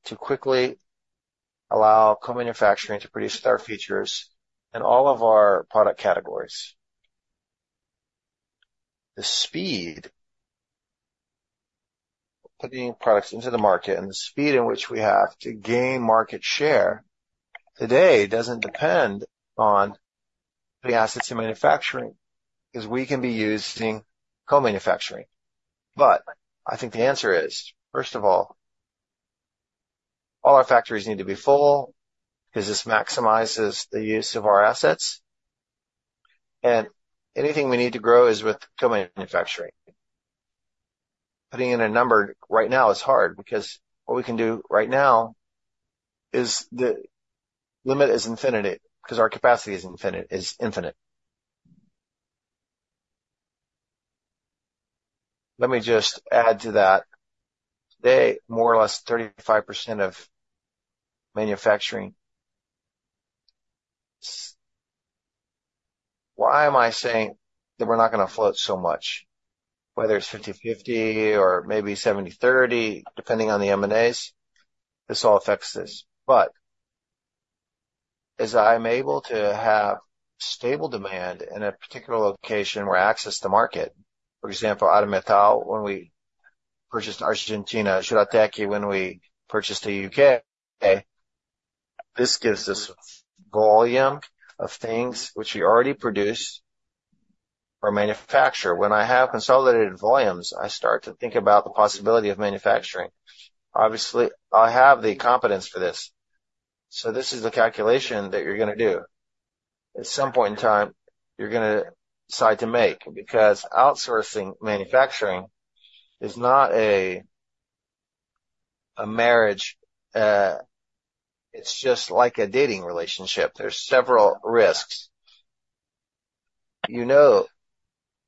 to quickly allow Co-manufacturing to produce our features in all of our product categories. The speed of putting products into the market and the speed in which we have to gain market share today doesn't depend on the assets in manufacturing, because we can be using Co-manufacturing. But I think the answer is, first of all, all our factories need to be full because this maximizes the use of our assets, and anything we need to grow is with Co-manufacturing. Putting in a number right now is hard, because what we can do right now is the limit is infinity, because our capacity is infinite, is infinite. Let me just add to that. Today, more or less 35% of manufacturing... Why am I saying that we're not gonna float so much? Whether it's 50/50 or maybe 70/30, depending on the M&As, this all affects this. But as I'm able to have stable demand in a particular location where access to market, for example, Armetal, when we purchased Argentina, Juratek when we purchased the UK, this gives us volume of things which we already produce or manufacture. When I have consolidated volumes, I start to think about the possibility of manufacturing. Obviously, I have the competence for this. So this is the calculation that you're gonna do. At some point in time, you're gonna decide to make, because outsourcing manufacturing is not a marriage, it's just like a dating relationship. There's several risks. You know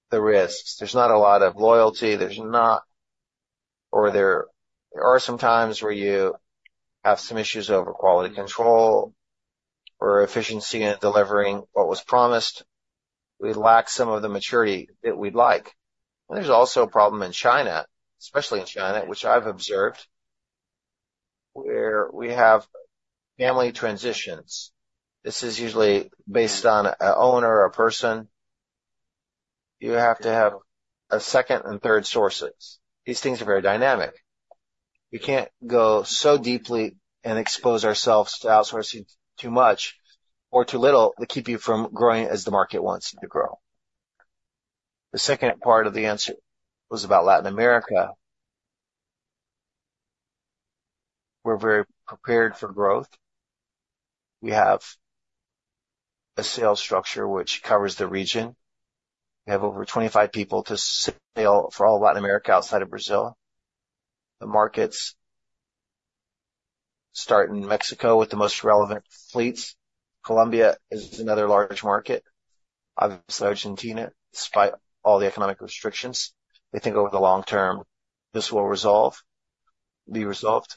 the risks. There's not a lot of loyalty, there are some times where you have some issues over quality control or efficiency in delivering what was promised. We lack some of the maturity that we'd like. There's also a problem in China, especially in China, which I've observed, where we have family transitions. This is usually based on an owner or a person. You have to have a second and third sources. These things are very dynamic. We can't go so deeply and expose ourselves to outsourcing too much or too little to keep you from growing as the market wants you to grow. The second part of the answer was about Latin America. We're very prepared for growth. We have a sales structure which covers the region. We have over 25 people to sell for all Latin America outside of Brazil. The markets start in Mexico with the most relevant fleets. Colombia is another large market. Obviously, Argentina, despite all the economic restrictions, they think over the long term, this will be resolved.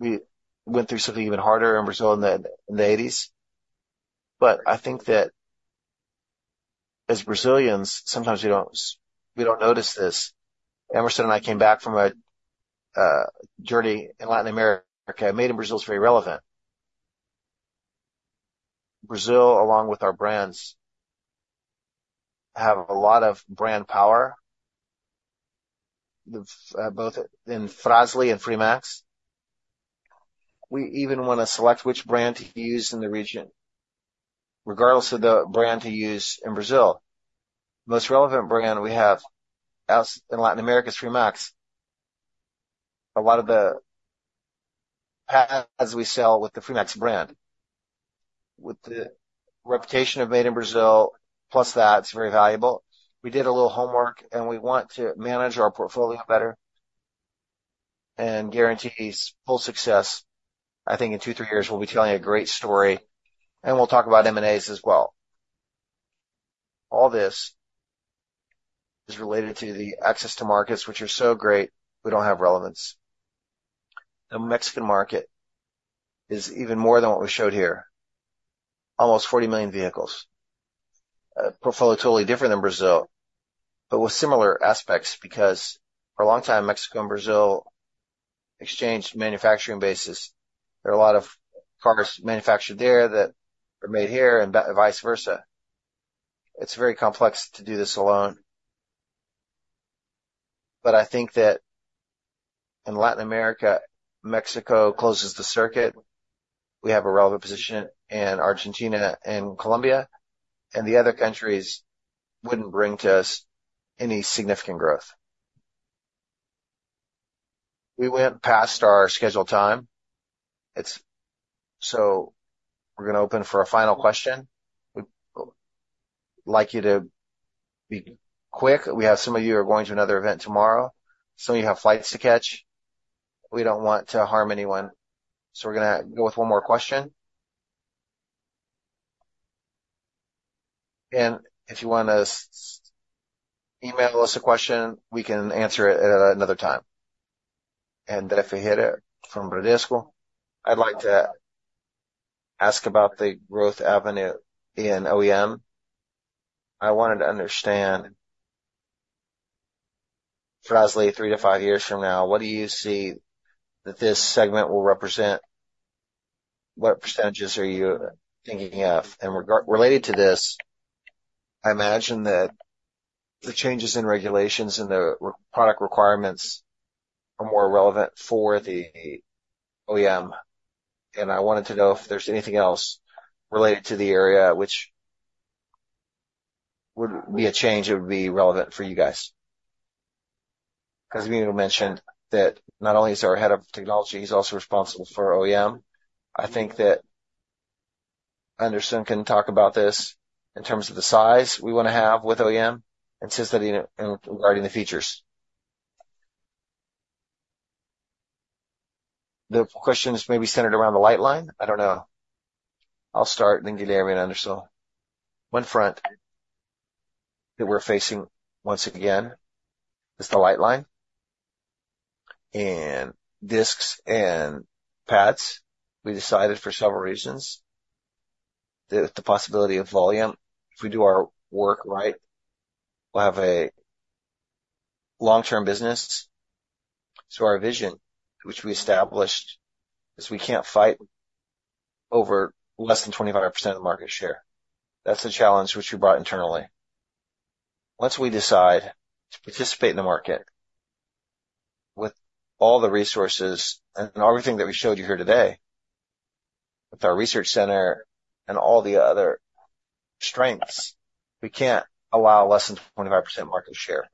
We went through something even harder in Brazil in the eighties, but I think that as Brazilians, sometimes we don't notice this. Emerson and I came back from a journey in Latin America. Made in Brazil is very relevant. Brazil, along with our brands, have a lot of brand power, both in Fras-le and Fremax. We even want to select which brand to use in the region, regardless of the brand to use in Brazil. Most relevant brand we have as in Latin America is Fremax. A lot of the pads we sell with the Fremax brand, with the reputation of Made in Brazil, plus that's very valuable. We did a little homework, and we want to manage our portfolio better and guarantee full success. I think in 2-3 years, we'll be telling a great story, and we'll talk about M&As as well. All this is related to the access to markets, which are so great, we don't have relevance. The Mexican market is even more than what we showed here. Almost 40 million vehicles. A portfolio, totally different than Brazil, but with similar aspects, because for a long time, Mexico and Brazil exchanged manufacturing bases. There are a lot of cars manufactured there that are made here and vice versa. It's very complex to do this alone, but I think that in Latin America, Mexico closes the circuit. We have a relevant position in Argentina and Colombia, and the other countries wouldn't bring to us any significant growth. We went past our scheduled time. So we're gonna open for a final question?... like you to be quick. We have some of you are going to another event tomorrow, some of you have flights to catch. We don't want to harm anyone, so we're gonna go with one more question. And if you wanna email us a question, we can answer it at another time. And then if we hear it from Bradesco, I'd like to ask about the growth avenue in OEM. I wanted to understand, Fras-le, 3-5 years from now, what do you see that this segment will represent? What percentages are you thinking of? Related to this, I imagine that the changes in regulations and the regulatory product requirements are more relevant for the OEM, and I wanted to know if there's anything else related to the area which would be a change that would be relevant for you guys. Because you mentioned that not only is our head of technology, he's also responsible for OEM. I think that Anderson can talk about this in terms of the size we want to have with OEM and system in, regarding the features. The question is maybe centered around the light line. I don't know. I'll start, and then give it to Anderson. One front that we're facing once again is the light line and discs and pads. We decided for several reasons, the possibility of volume. If we do our work right, we'll have a long-term business. So our vision, which we established, is we can't fight over less than 25% of the market share. That's the challenge which we brought internally. Once we decide to participate in the market with all the resources and everything that we showed you here today, with our research center and all the other strengths, we can't allow less than 25% market share.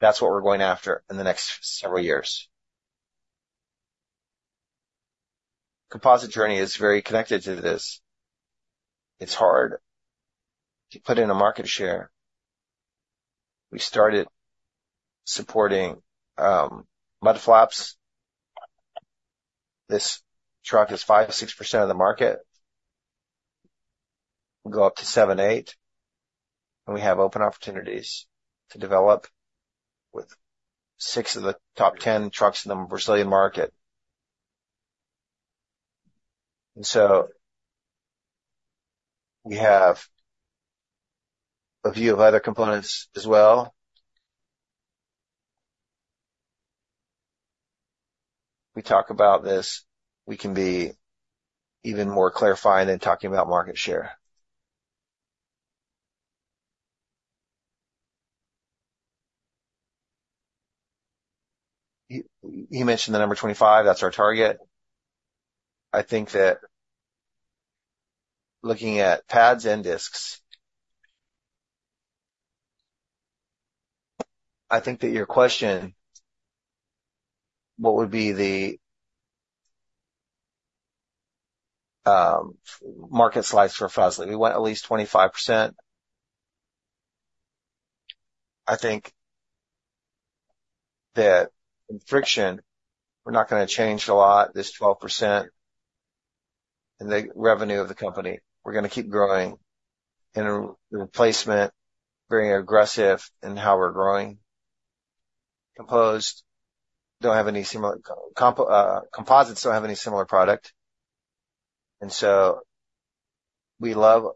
That's what we're going after in the next several years. Composite journey is very connected to this. It's hard to put in a market share. We started supporting mud flaps. This truck is 5%-6% of the market, will go up to 7, 8, and we have open opportunities to develop with 6 of the top 10 trucks in the Brazilian market. And so we have a view of other components as well. We talk about this, we can be even more clarifying than talking about market share. You mentioned the number 25. That's our target. I think that looking at pads and discs... I think that your question, what would be the market share for Fras-le? We want at least 25%. I think that in friction, we're not gonna change a lot, this 12% in the revenue of the company. We're gonna keep growing in replacement, very aggressive in how we're growing. Composites don't have any similar product, and so we love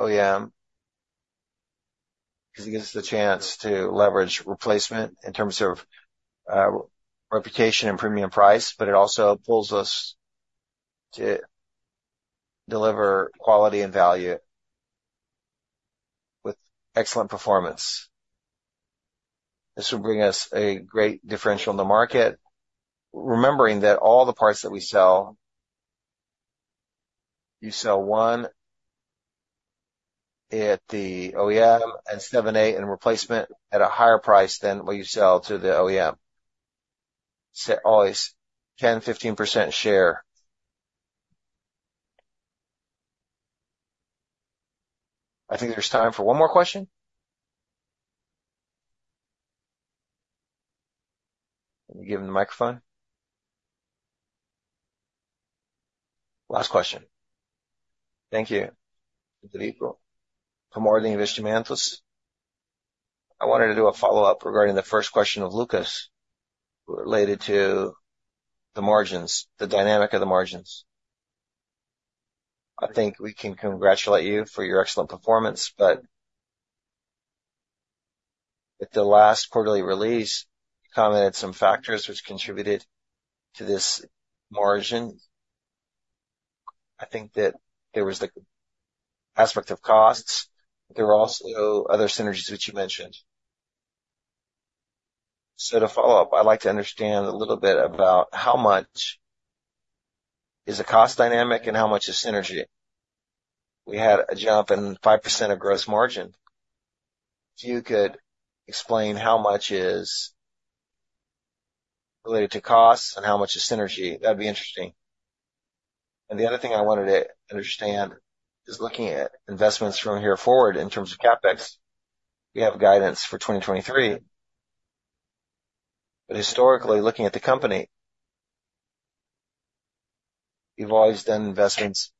OEM because it gives us the chance to leverage replacement in terms of reputation and premium price, but it also pulls us to deliver quality and value with excellent performance. This will bring us a great differential in the market, remembering that all the parts that we sell, you sell 1 at the OEM and 7, 8, and replacement at a higher price than what you sell to the OEM. Say, always 10-15% share. I think there's time for one more question. Can you give him the microphone? Last question. Thank you. Federico from Morgan Stanley. I wanted to do a follow-up regarding the first question of Lucas, related to the margins, the dynamic of the margins. I think we can congratulate you for your excellent performance, but at the last quarterly release, you commented some factors which contributed to this margin. I think that there was, like, aspect of costs. There were also other synergies which you mentioned. So to follow up, I'd like to understand a little bit about how much is the cost dynamic and how much is synergy. We had a jump in 5% of gross margin. If you could explain how much is related to costs and how much is synergy? That'd be interesting. The other thing I wanted to understand is looking at investments from here forward in terms of CapEx. You have guidance for 2023, but historically, looking at the company, you've always done investments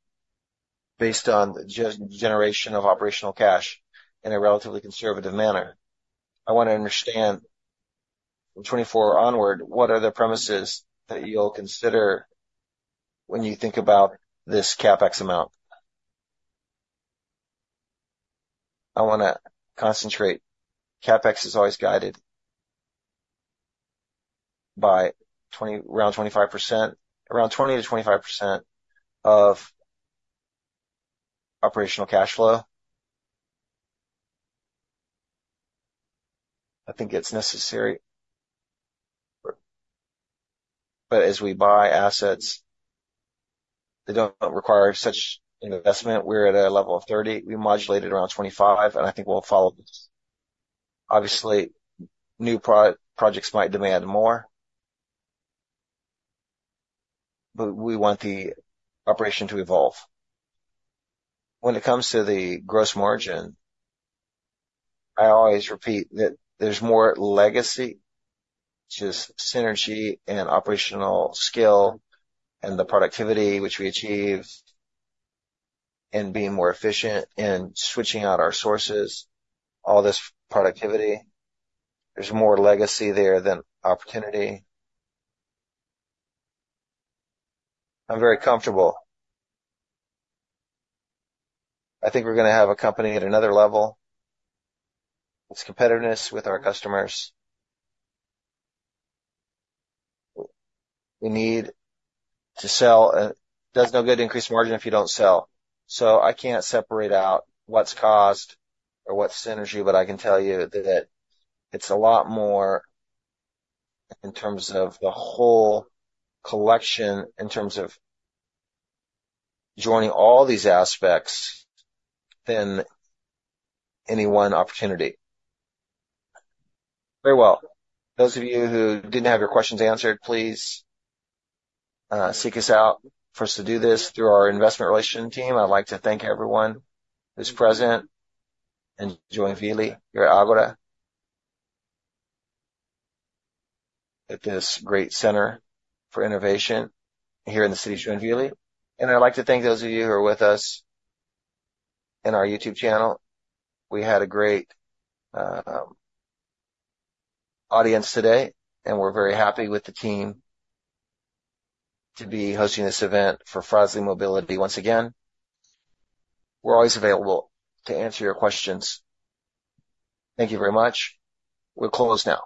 based on the generation of operational cash in a relatively conservative manner. I want to understand, from 2024 onward, what are the premises that you'll consider when you think about this CapEx amount? I wanna concentrate. CapEx is always guided by around 20%-25%, around 20%-25% of operational cash flow. I think it's necessary, but as we buy assets, they don't require such investment. We're at a level of 30. We modulated around 25, and I think we'll follow this. Obviously, new projects might demand more, but we want the operation to evolve. When it comes to the gross margin, I always repeat that there's more legacy to synergy and operational skill and the productivity which we achieve in being more efficient in switching out our sources, all this productivity. There's more legacy there than opportunity. I'm very comfortable. I think we're gonna have a company at another level. It's competitiveness with our customers. We need to sell. Does no good to increase margin if you don't sell. So I can't separate out what's cost or what's synergy, but I can tell you that it's a lot more in terms of the whole collection, in terms of joining all these aspects than any one opportunity. Very well. Those of you who didn't have your questions answered, please, seek us out for us to do this through our investment relations team. I'd like to thank everyone who's present in Joinville, here at Ágora, at this great center for innovation here in the city of Joinville. And I'd like to thank those of you who are with us in our YouTube channel. We had a great audience today, and we're very happy with the team to be hosting this event for Frasle Mobility once again. We're always available to answer your questions. Thank you very much. We're closed now.